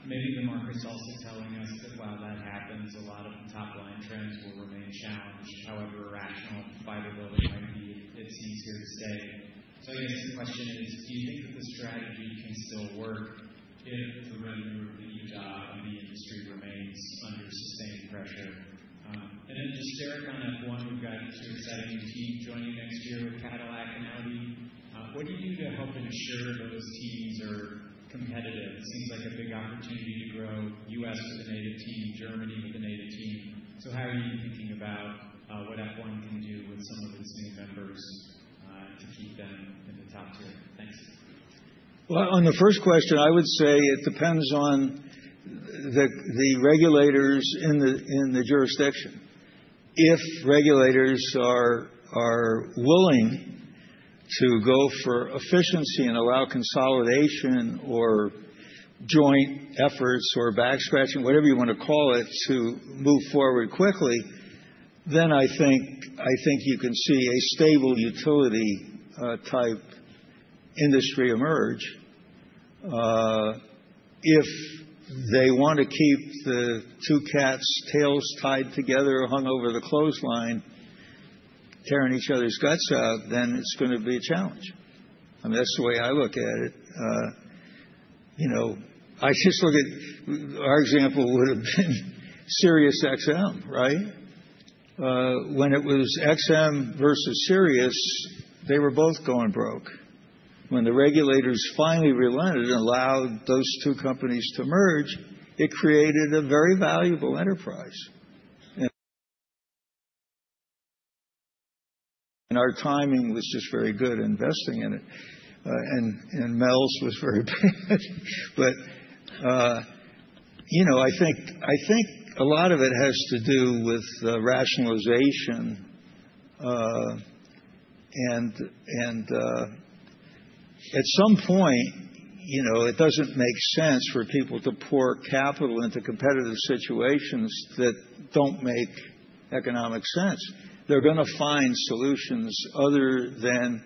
Maybe the market's also telling us that while that happens, a lot of the top line trends will remain challenged, however rational fight or will it might be, it seems here to stay. I guess the question is, do you think that the strategy can still work if the revenue of the U.S. and the industry remains under sustained pressure? Derek, on F1, we've got two exciting teams joining next year with Cadillac and Audi. What do you do to help ensure those teams are competitive? It seems like a big opportunity to grow U.S. with a native team, Germany with a native team. How are you thinking about what F1 can do with some of its new members to keep them in the top tier? Thanks. On the first question, I would say it depends on the regulators in the jurisdiction. If regulators are willing to go for efficiency and allow consolidation or joint efforts or back scratching, whatever you want to call it, to move forward quickly, I think you can see a stable utility-type industry emerge. If they want to keep the two cats' tails tied together hung over the clothesline, tearing each other's guts out, it is going to be a challenge. I mean, that is the way I look at it. I just look at our example would have been Sirius XM, right? When it was XM versus Sirius, they were both going broke. When the regulators finally relented and allowed those two companies to merge, it created a very valuable enterprise. Our timing was just very good investing in it. MELS was very bad. I think a lot of it has to do with rationalization. At some point, it doesn't make sense for people to pour capital into competitive situations that don't make economic sense. They're going to find solutions other than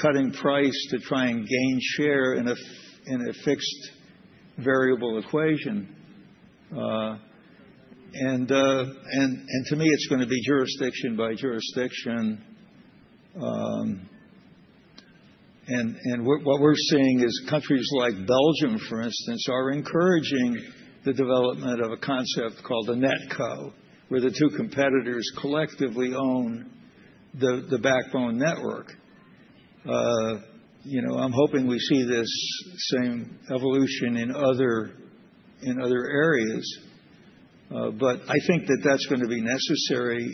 cutting price to try and gain share in a fixed variable equation. To me, it's going to be jurisdiction by jurisdiction. What we're seeing is countries like Belgium, for instance, are encouraging the development of a concept called a netco, where the two competitors collectively own the backbone network. I'm hoping we see this same evolution in other areas. I think that that's going to be necessary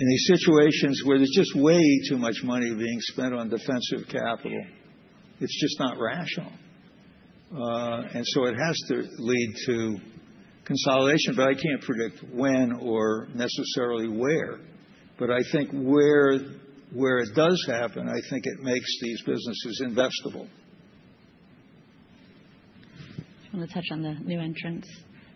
in these situations where there's just way too much money being spent on defensive capital. It's just not rational. It has to lead to consolidation, but I can't predict when or necessarily where. I think where it does happen, I think it makes these businesses investable. Do you want to touch on the new entrants?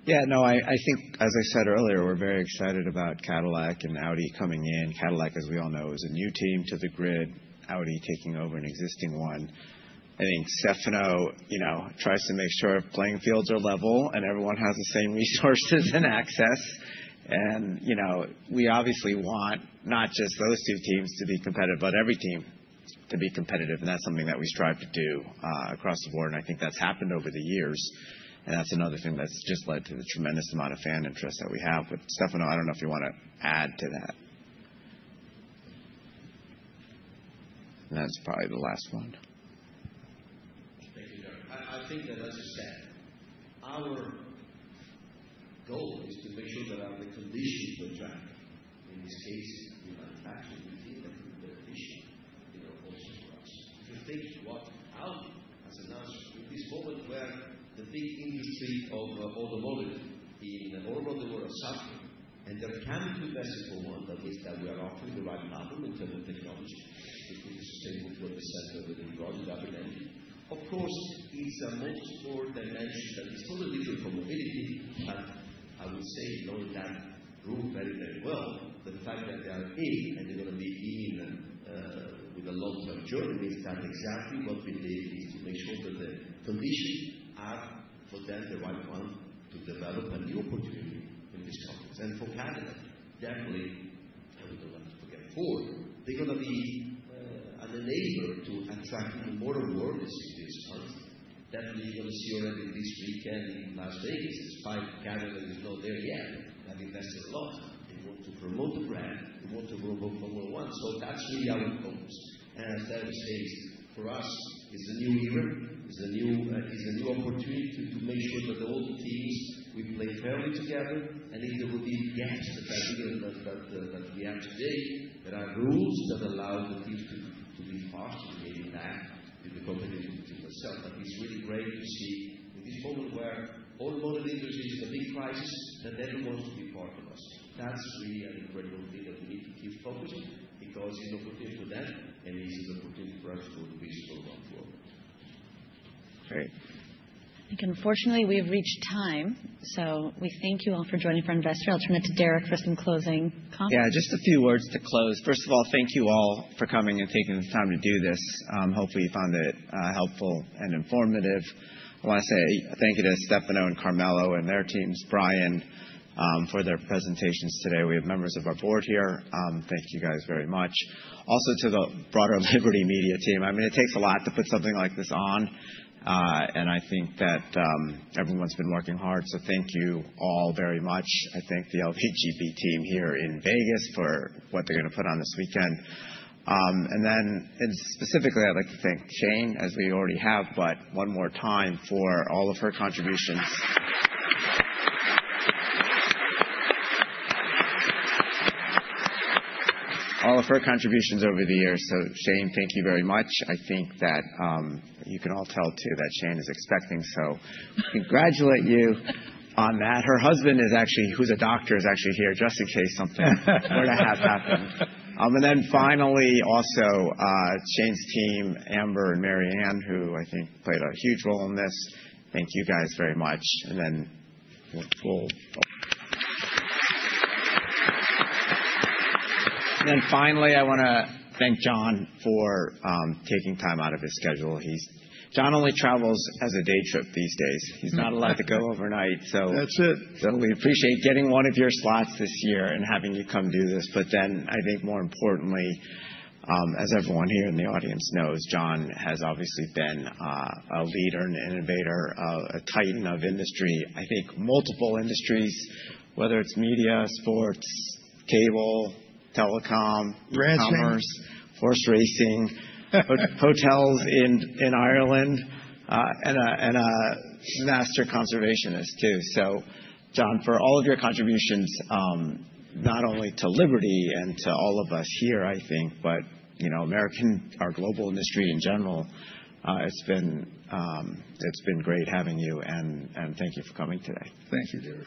Yeah, no, I think, as I said earlier, we're very excited about Cadillac and Audi coming in. Cadillac, as we all know, is a new team to the grid, Audi taking over an existing one. I think Stefano tries to make sure playing fields are level and everyone has the same resources and access. We obviously want not just those two teams to be competitive, but every team to be competitive. That's something that we strive to do across the board. I think that's happened over the years. That's another thing that's just led to the tremendous amount of fan interest that we have with Stefano. I don't know if you want to add to that. That's probably the last one. Thank you, John. I think that, as I said, our goal is to make sure that our conditions were tracked, in this case, in manufacturing and in the industry also for us. If you think about Audi as an answer in this moment where the big industry of automotive in all around the world are suffering and there can be invested for one, that means that we are offering the right model in terms of technology, it could be sustainable to a decentralization project up in England. Of course, it's a multi-score dimension that is totally different for mobility, but I would say knowing that room very, very well, the fact that they are in and they're going to be in with a long-term journey means that exactly what we did is to make sure that the conditions are for them the right one to develop a new opportunity in this context. For Cadillac, definitely, I wouldn't want to forget Ford. They're going to be an enabler to attract even more awareness in this country. Definitely, you're going to see already this weekend in Las Vegas, it's five. Cadillac is not there yet. They've invested a lot. They want to promote the brand. They want to promote Formula 1. That's really our goals. As I said, for us, it's the new era. It's the new opportunity to make sure that all the teams we play fairly together. If there would be gaps that I think that we have today, there are rules that allow the teams to be faster, getting back to the competitive tool itself. It's really great to see in this moment where all the motor leaders is in a big crisis, that everyone wants to be part of us. That's really an incredible thing that we need to keep focusing because in opportunity to them, and it's an opportunity for us to increase for the long term. Great. I think unfortunately, we have reached time. We thank you all for joining for Investor. I'll turn it to Derek for some closing comments. Yeah, just a few words to close. First of all, thank you all for coming and taking the time to do this. Hopefully, you found it helpful and informative. I want to say thank you to Stefano and Carmelo and their teams, Brian, for their presentations today. We have members of our board here. Thank you guys very much. Also to the broader Liberty Media team. I mean, it takes a lot to put something like this on. I think that everyone's been working hard. Thank you all very much. I thank the Liberty Media team here in Vegas for what they're going to put on this weekend. Then specifically, I'd like to thank Shane, as we already have, but one more time for all of her contributions. All of her contributions over the years. Shane, thank you very much. I think that you can all tell too that Shane is expecting, so congratulate you on that. Her husband, who's a doctor, is actually here just in case something were to have happened. Finally, also Shane's team, Amber and Mary Anne, who I think played a huge role in this. Thank you guys very much. We'll go. Finally, I want to thank John for taking time out of his schedule. John only travels as a day trip these days. He's not allowed to go overnight. That's it. We appreciate getting one of your slots this year and having you come do this. I think more importantly, as everyone here in the audience knows, John has obviously been a leader and innovator, a titan of industry. I think multiple industries, whether it's media, sports, cable, telecom, e-commerce. Brand names. Force racing, hotels in Ireland, and a master conservationist too. John, for all of your contributions, not only to Liberty and to all of us here, I think, but American, our global industry in general, it's been great having you. Thank you for coming today. Thank you, Derek.